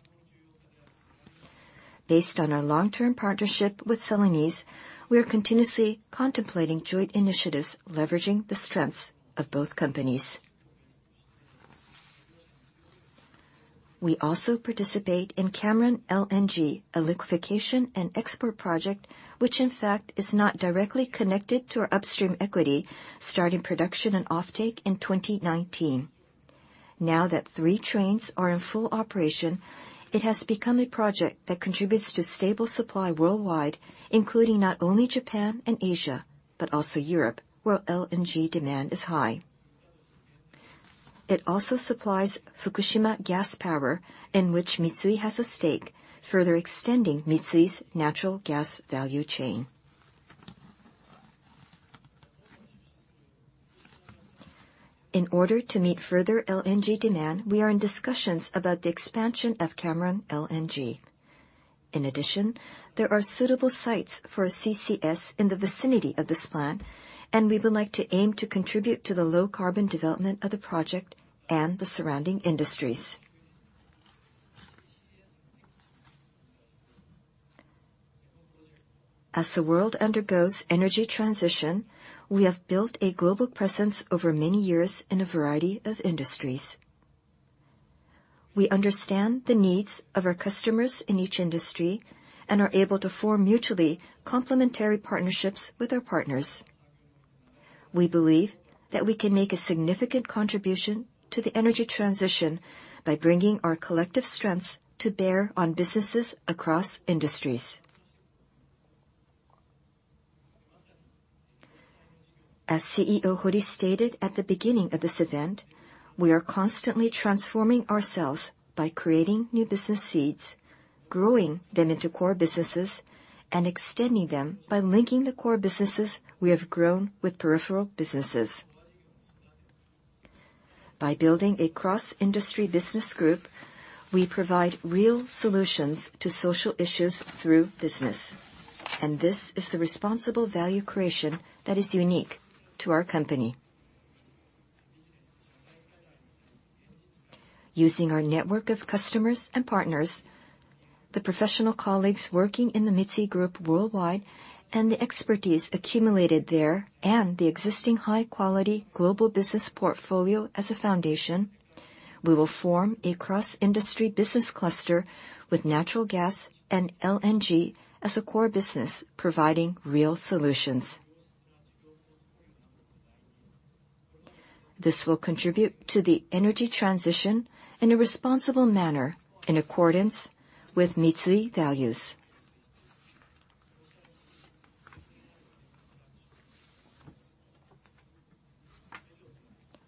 Based on our long-term partnership with Celanese, we are continuously contemplating joint initiatives leveraging the strengths of both companies. We also participate in Cameron LNG, a liquefaction and export project which in fact is not directly connected to our upstream equity, starting production and offtake in 2019. Now that three trains are in full operation, it has become a project that contributes to stable supply worldwide, including not only Japan and Asia, but also Europe, where LNG demand is high. It also supplies Fukushima Gas Power, in which Mitsui has a stake, further extending Mitsui's natural gas value chain. In order to meet further LNG demand, we are in discussions about the expansion of Cameron LNG. In addition, there are suitable sites for CCS in the vicinity of this plant, and we would like to aim to contribute to the low carbon development of the project and the surrounding industries. As the world undergoes energy transition, we have built a global presence over many years in a variety of industries. We understand the needs of our customers in each industry and are able to form mutually complementary partnerships with our partners. We believe that we can make a significant contribution to the energy transition by bringing our collective strengths to bear on businesses across industries. As CEO Hori stated at the beginning of this event, we are constantly transforming ourselves by creating new business seeds, growing them into core businesses and extending them by linking the core businesses we have grown with peripheral businesses. By building a cross-industry business group, we provide real solutions to social issues through business, and this is the responsible value creation that is unique to our company. Using our network of customers and partners, the professional colleagues working in the Mitsui Group worldwide and the expertise accumulated there, and the existing high quality global business portfolio as a foundation, we will form a cross-industry business cluster with natural gas and LNG as a core business, providing real solutions. This will contribute to the energy transition in a responsible manner in accordance with Mitsui values.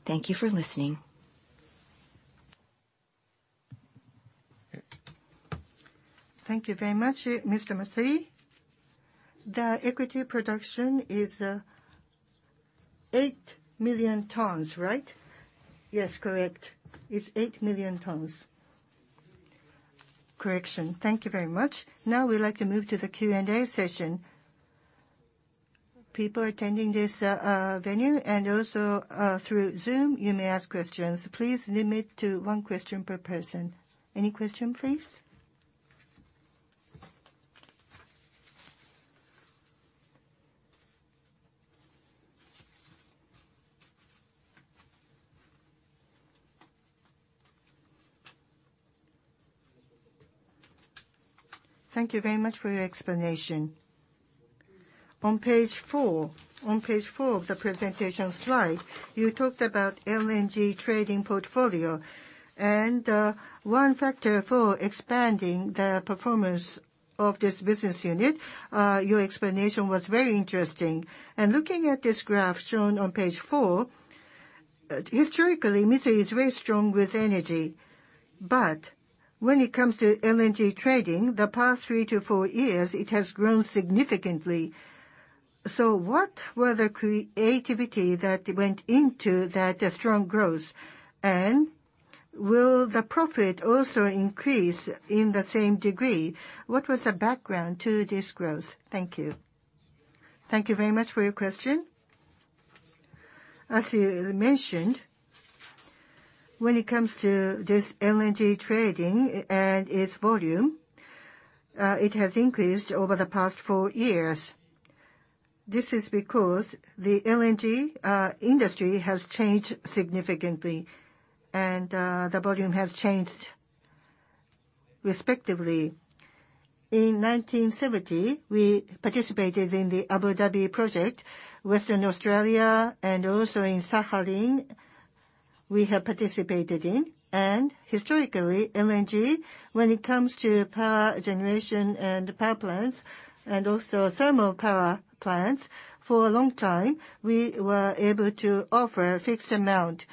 Thank you for listening. Thank you very much, Mr. Matsui. The equity production is 8 million tons, right? Yes, correct. It's 8 million tons. Correction. Thank you very much. Now we'd like to move to the Q&A session. People attending this venue and also through Zoom, you may ask questions. Please limit to one question per person. Any question, please? Thank you very much for your explanation. On page 4, on page 4 of the presentation slide, you talked about LNG trading portfolio and one factor for expanding the performance of this business unit, your explanation was very interesting. Looking at this graph shown on page 4, historically, Mitsui is very strong with energy. But when it comes to LNG trading, the past three to four years, it has grown significantly. What were the creativity that went into that strong growth? Will the profit also increase in the same degree? What was the background to this growth? Thank you. Thank you very much for your question. As you mentioned, when it comes to this LNG trading and its volume, it has increased over the past four years. This is because the LNG industry has changed significantly, and the volume has changed respectively. In 1970, we participated in the Abu Dhabi project, Western Australia, and also in Sakhalin, we have participated in. Historically, LNG, when it comes to power generation and power plants and also thermal power plants, for a long time, we were able to offer a fixed amount.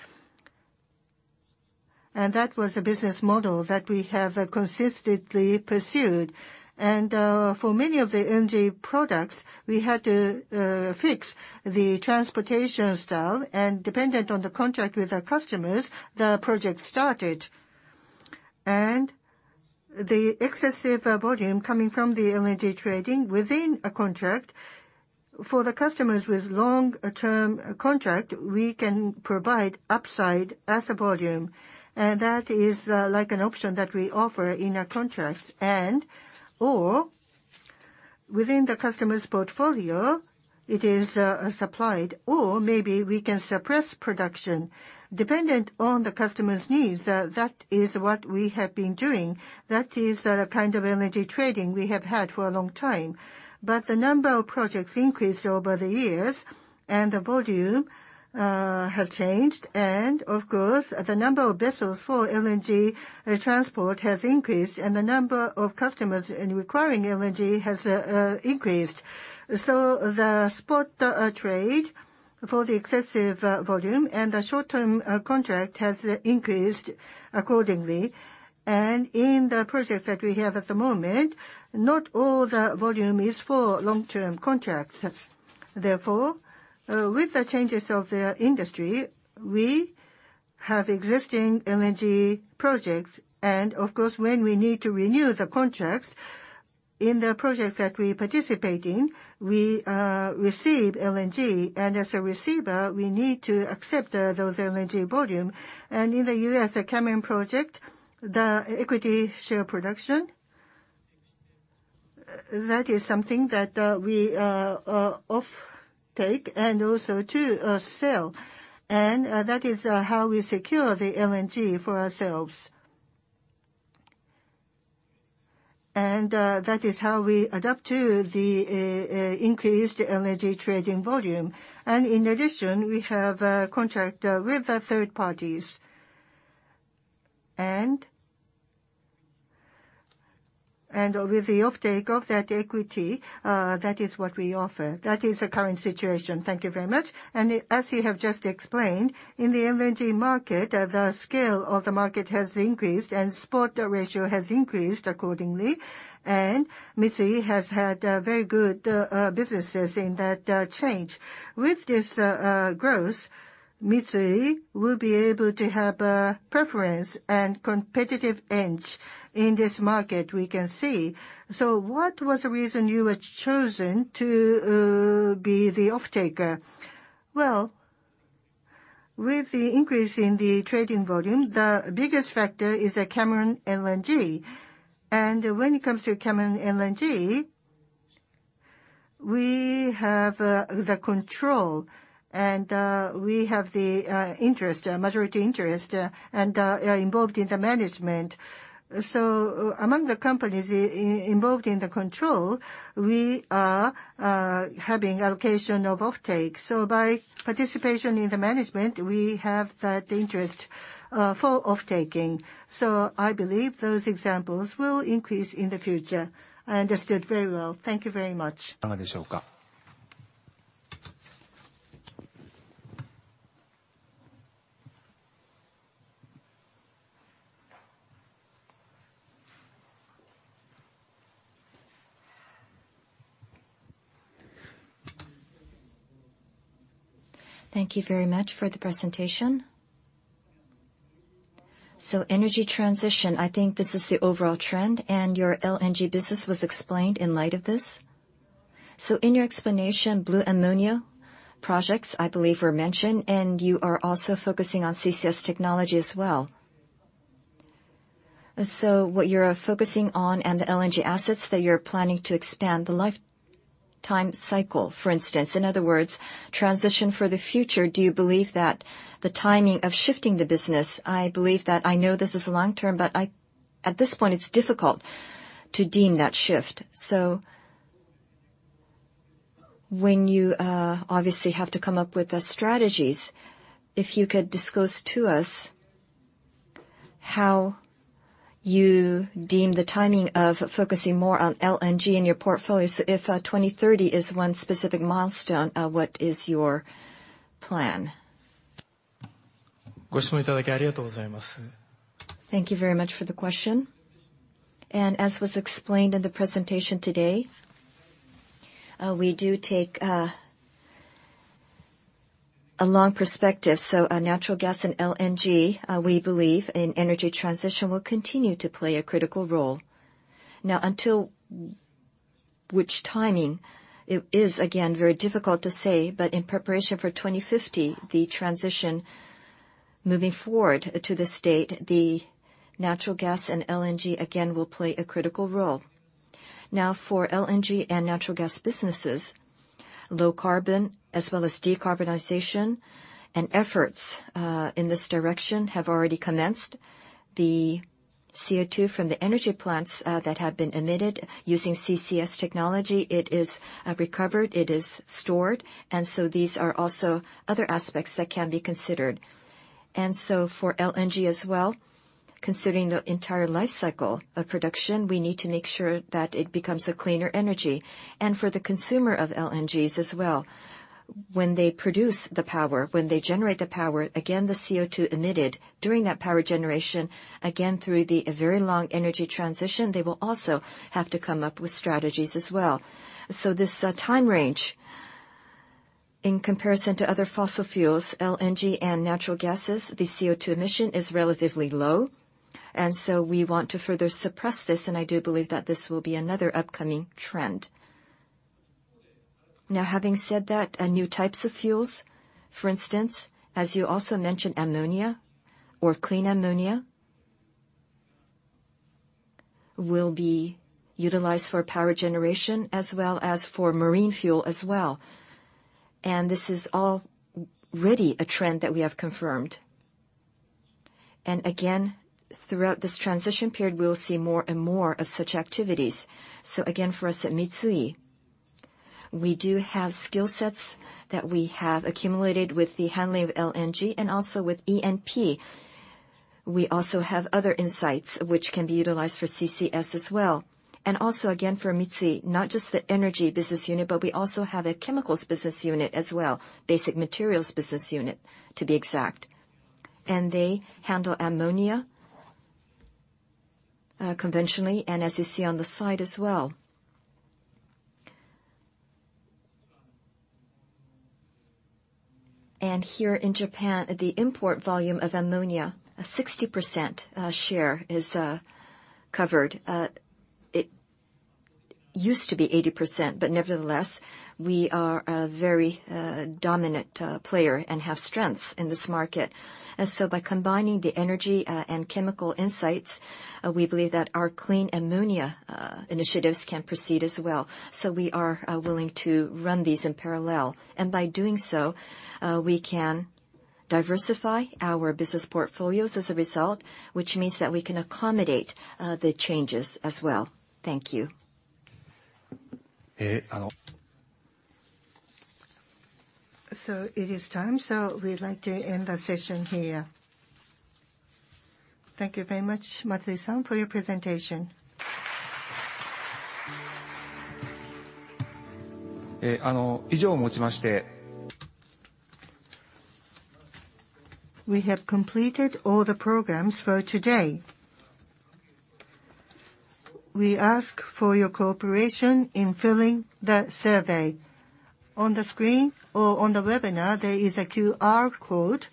That was a business model that we have consistently pursued. For many of the LNG products, we had to fix the transportation style, dependent on the contract with our customers, the project started. The excessive volume coming from the LNG trading within a contract, for the customers with long-term contract, we can provide upside as a volume, and that is like an option that we offer in a contract and, or within the customer's portfolio, it is supplied, or maybe we can suppress production. Dependent on the customer's needs, that is what we have been doing. That is the kind of LNG trading we have had for a long time. The number of projects increased over the years, and the volume has changed. Of course, the number of vessels for LNG transport has increased, and the number of customers requiring LNG has increased. The spot trade for the excessive volume and the short-term contract has increased accordingly. In the projects that we have at the moment, not all the volume is for long-term contracts. Therefore, with the changes of the industry, we have existing LNG projects, and of course, when we need to renew the contracts in the projects that we participate in, we receive LNG, and as a receiver, we need to accept those LNG volume. In the U.S., the Cameron project, the equity share production, that is something that we offtake, and also sell. That is how we secure the LNG for ourselves. That is how we adapt to the increased LNG trading volume. In addition, we have a contract with the third parties. With the offtake of that equity, that is what we offer. That is the current situation. Thank you very much. As you have just explained, in the LNG market, the scale of the market has increased and spot ratio has increased accordingly. Mitsui has had very good businesses in that change. With this growth, Mitsui will be able to have a preference and competitive edge in this market we can see. What was the reason you were chosen to be the offtaker? With the increase in the trading volume, the biggest factor is the Cameron LNG. When it comes to Cameron LNG, we have the control, and we have the interest, majority interest, and are involved in the management. Among the companies involved in the control, we are having allocation of offtake. By participation in the management, we have that interest for off-taking. I believe those examples will increase in the future. I understood very well. Thank you very much. Thank you very much for the presentation. Energy transition, I think this is the overall trend, and your LNG business was explained in light of this. In your explanation, blue ammonia projects, I believe, were mentioned, and you are also focusing on CCS technology as well. What you're focusing on and the LNG assets that you're planning to expand the lifetime cycle, for instance, in other words, transition for the future, do you believe that the timing of shifting the business? I believe that I know this is long-term, but at this point, it's difficult to deem that shift. When you obviously have to come up with the strategies, if you could disclose to us how you deem the timing of focusing more on LNG in your portfolio. If 2030 is one specific milestone, what is your plan? Thank you very much for the question. As was explained in the presentation today, we do take a long perspective. Natural gas and LNG, we believe in energy transition will continue to play a critical role. Until which timing, it is again very difficult to say, but in preparation for 2050, the transition moving forward to the state, the natural gas and LNG again will play a critical role. For LNG and natural gas businesses, low carbon as well as decarbonization and efforts in this direction have already commenced. The CO2 from the energy plants that have been emitted using CCS technology, it is recovered, it is stored. These are also other aspects that can be considered. For LNG as well, considering the entire lifecycle of production, we need to make sure that it becomes a cleaner energy. For the consumer of LNGs as well, when they produce the power, when they generate the power, again the CO2 emitted during that power generation, again through the very long energy transition, they will also have to come up with strategies as well. This time range, in comparison to other fossil fuels, LNG and natural gases, the CO2 emission is relatively low, and so we want to further suppress this, and I do believe that this will be another upcoming trend. Now having said that, new types of fuels, for instance, as you also mentioned, ammonia or clean ammonia, will be utilized for power generation as well as for marine fuel as well. This is already a trend that we have confirmed. Again, throughout this transition period, we'll see more and more of such activities. Again, for us at Mitsui, we do have skill sets that we have accumulated with the handling of LNG and also with E&P. We also have other insights which can be utilized for CCS as well. Also again, for Mitsui, not just the energy business unit, but we also have a chemicals business unit as well, Basic Materials Business Unit to be exact. They handle ammonia, conventionally, and as you see on the side as well. Here in Japan, the import volume of ammonia, a 60% share is covered. It used to be 80%, but nevertheless, we are a very dominant player and have strengths in this market. By combining the energy, and chemical insights, we believe that our clean ammonia initiatives can proceed as well. We are willing to run these in parallel. By doing so, we can diversify our business portfolios as a result, which means that we can accommodate the changes as well. Thank you. It is time. We'd like to end the session here. Thank you very much, Matsui-san, for your presentation. We have completed all the programs for today. We ask for your cooperation in filling the survey. On the screen or on the webinar, there is a QR code.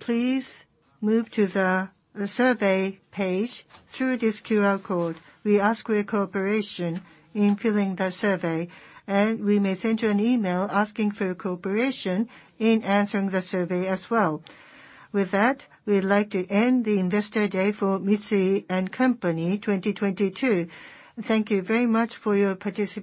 Please move to the survey page through this QR code. We ask for your cooperation in filling the survey. We may send you an email asking for your cooperation in answering the survey as well. With that, we'd like to end the Investor Day for Mitsui & Co., 2022. Thank you very much for your participation.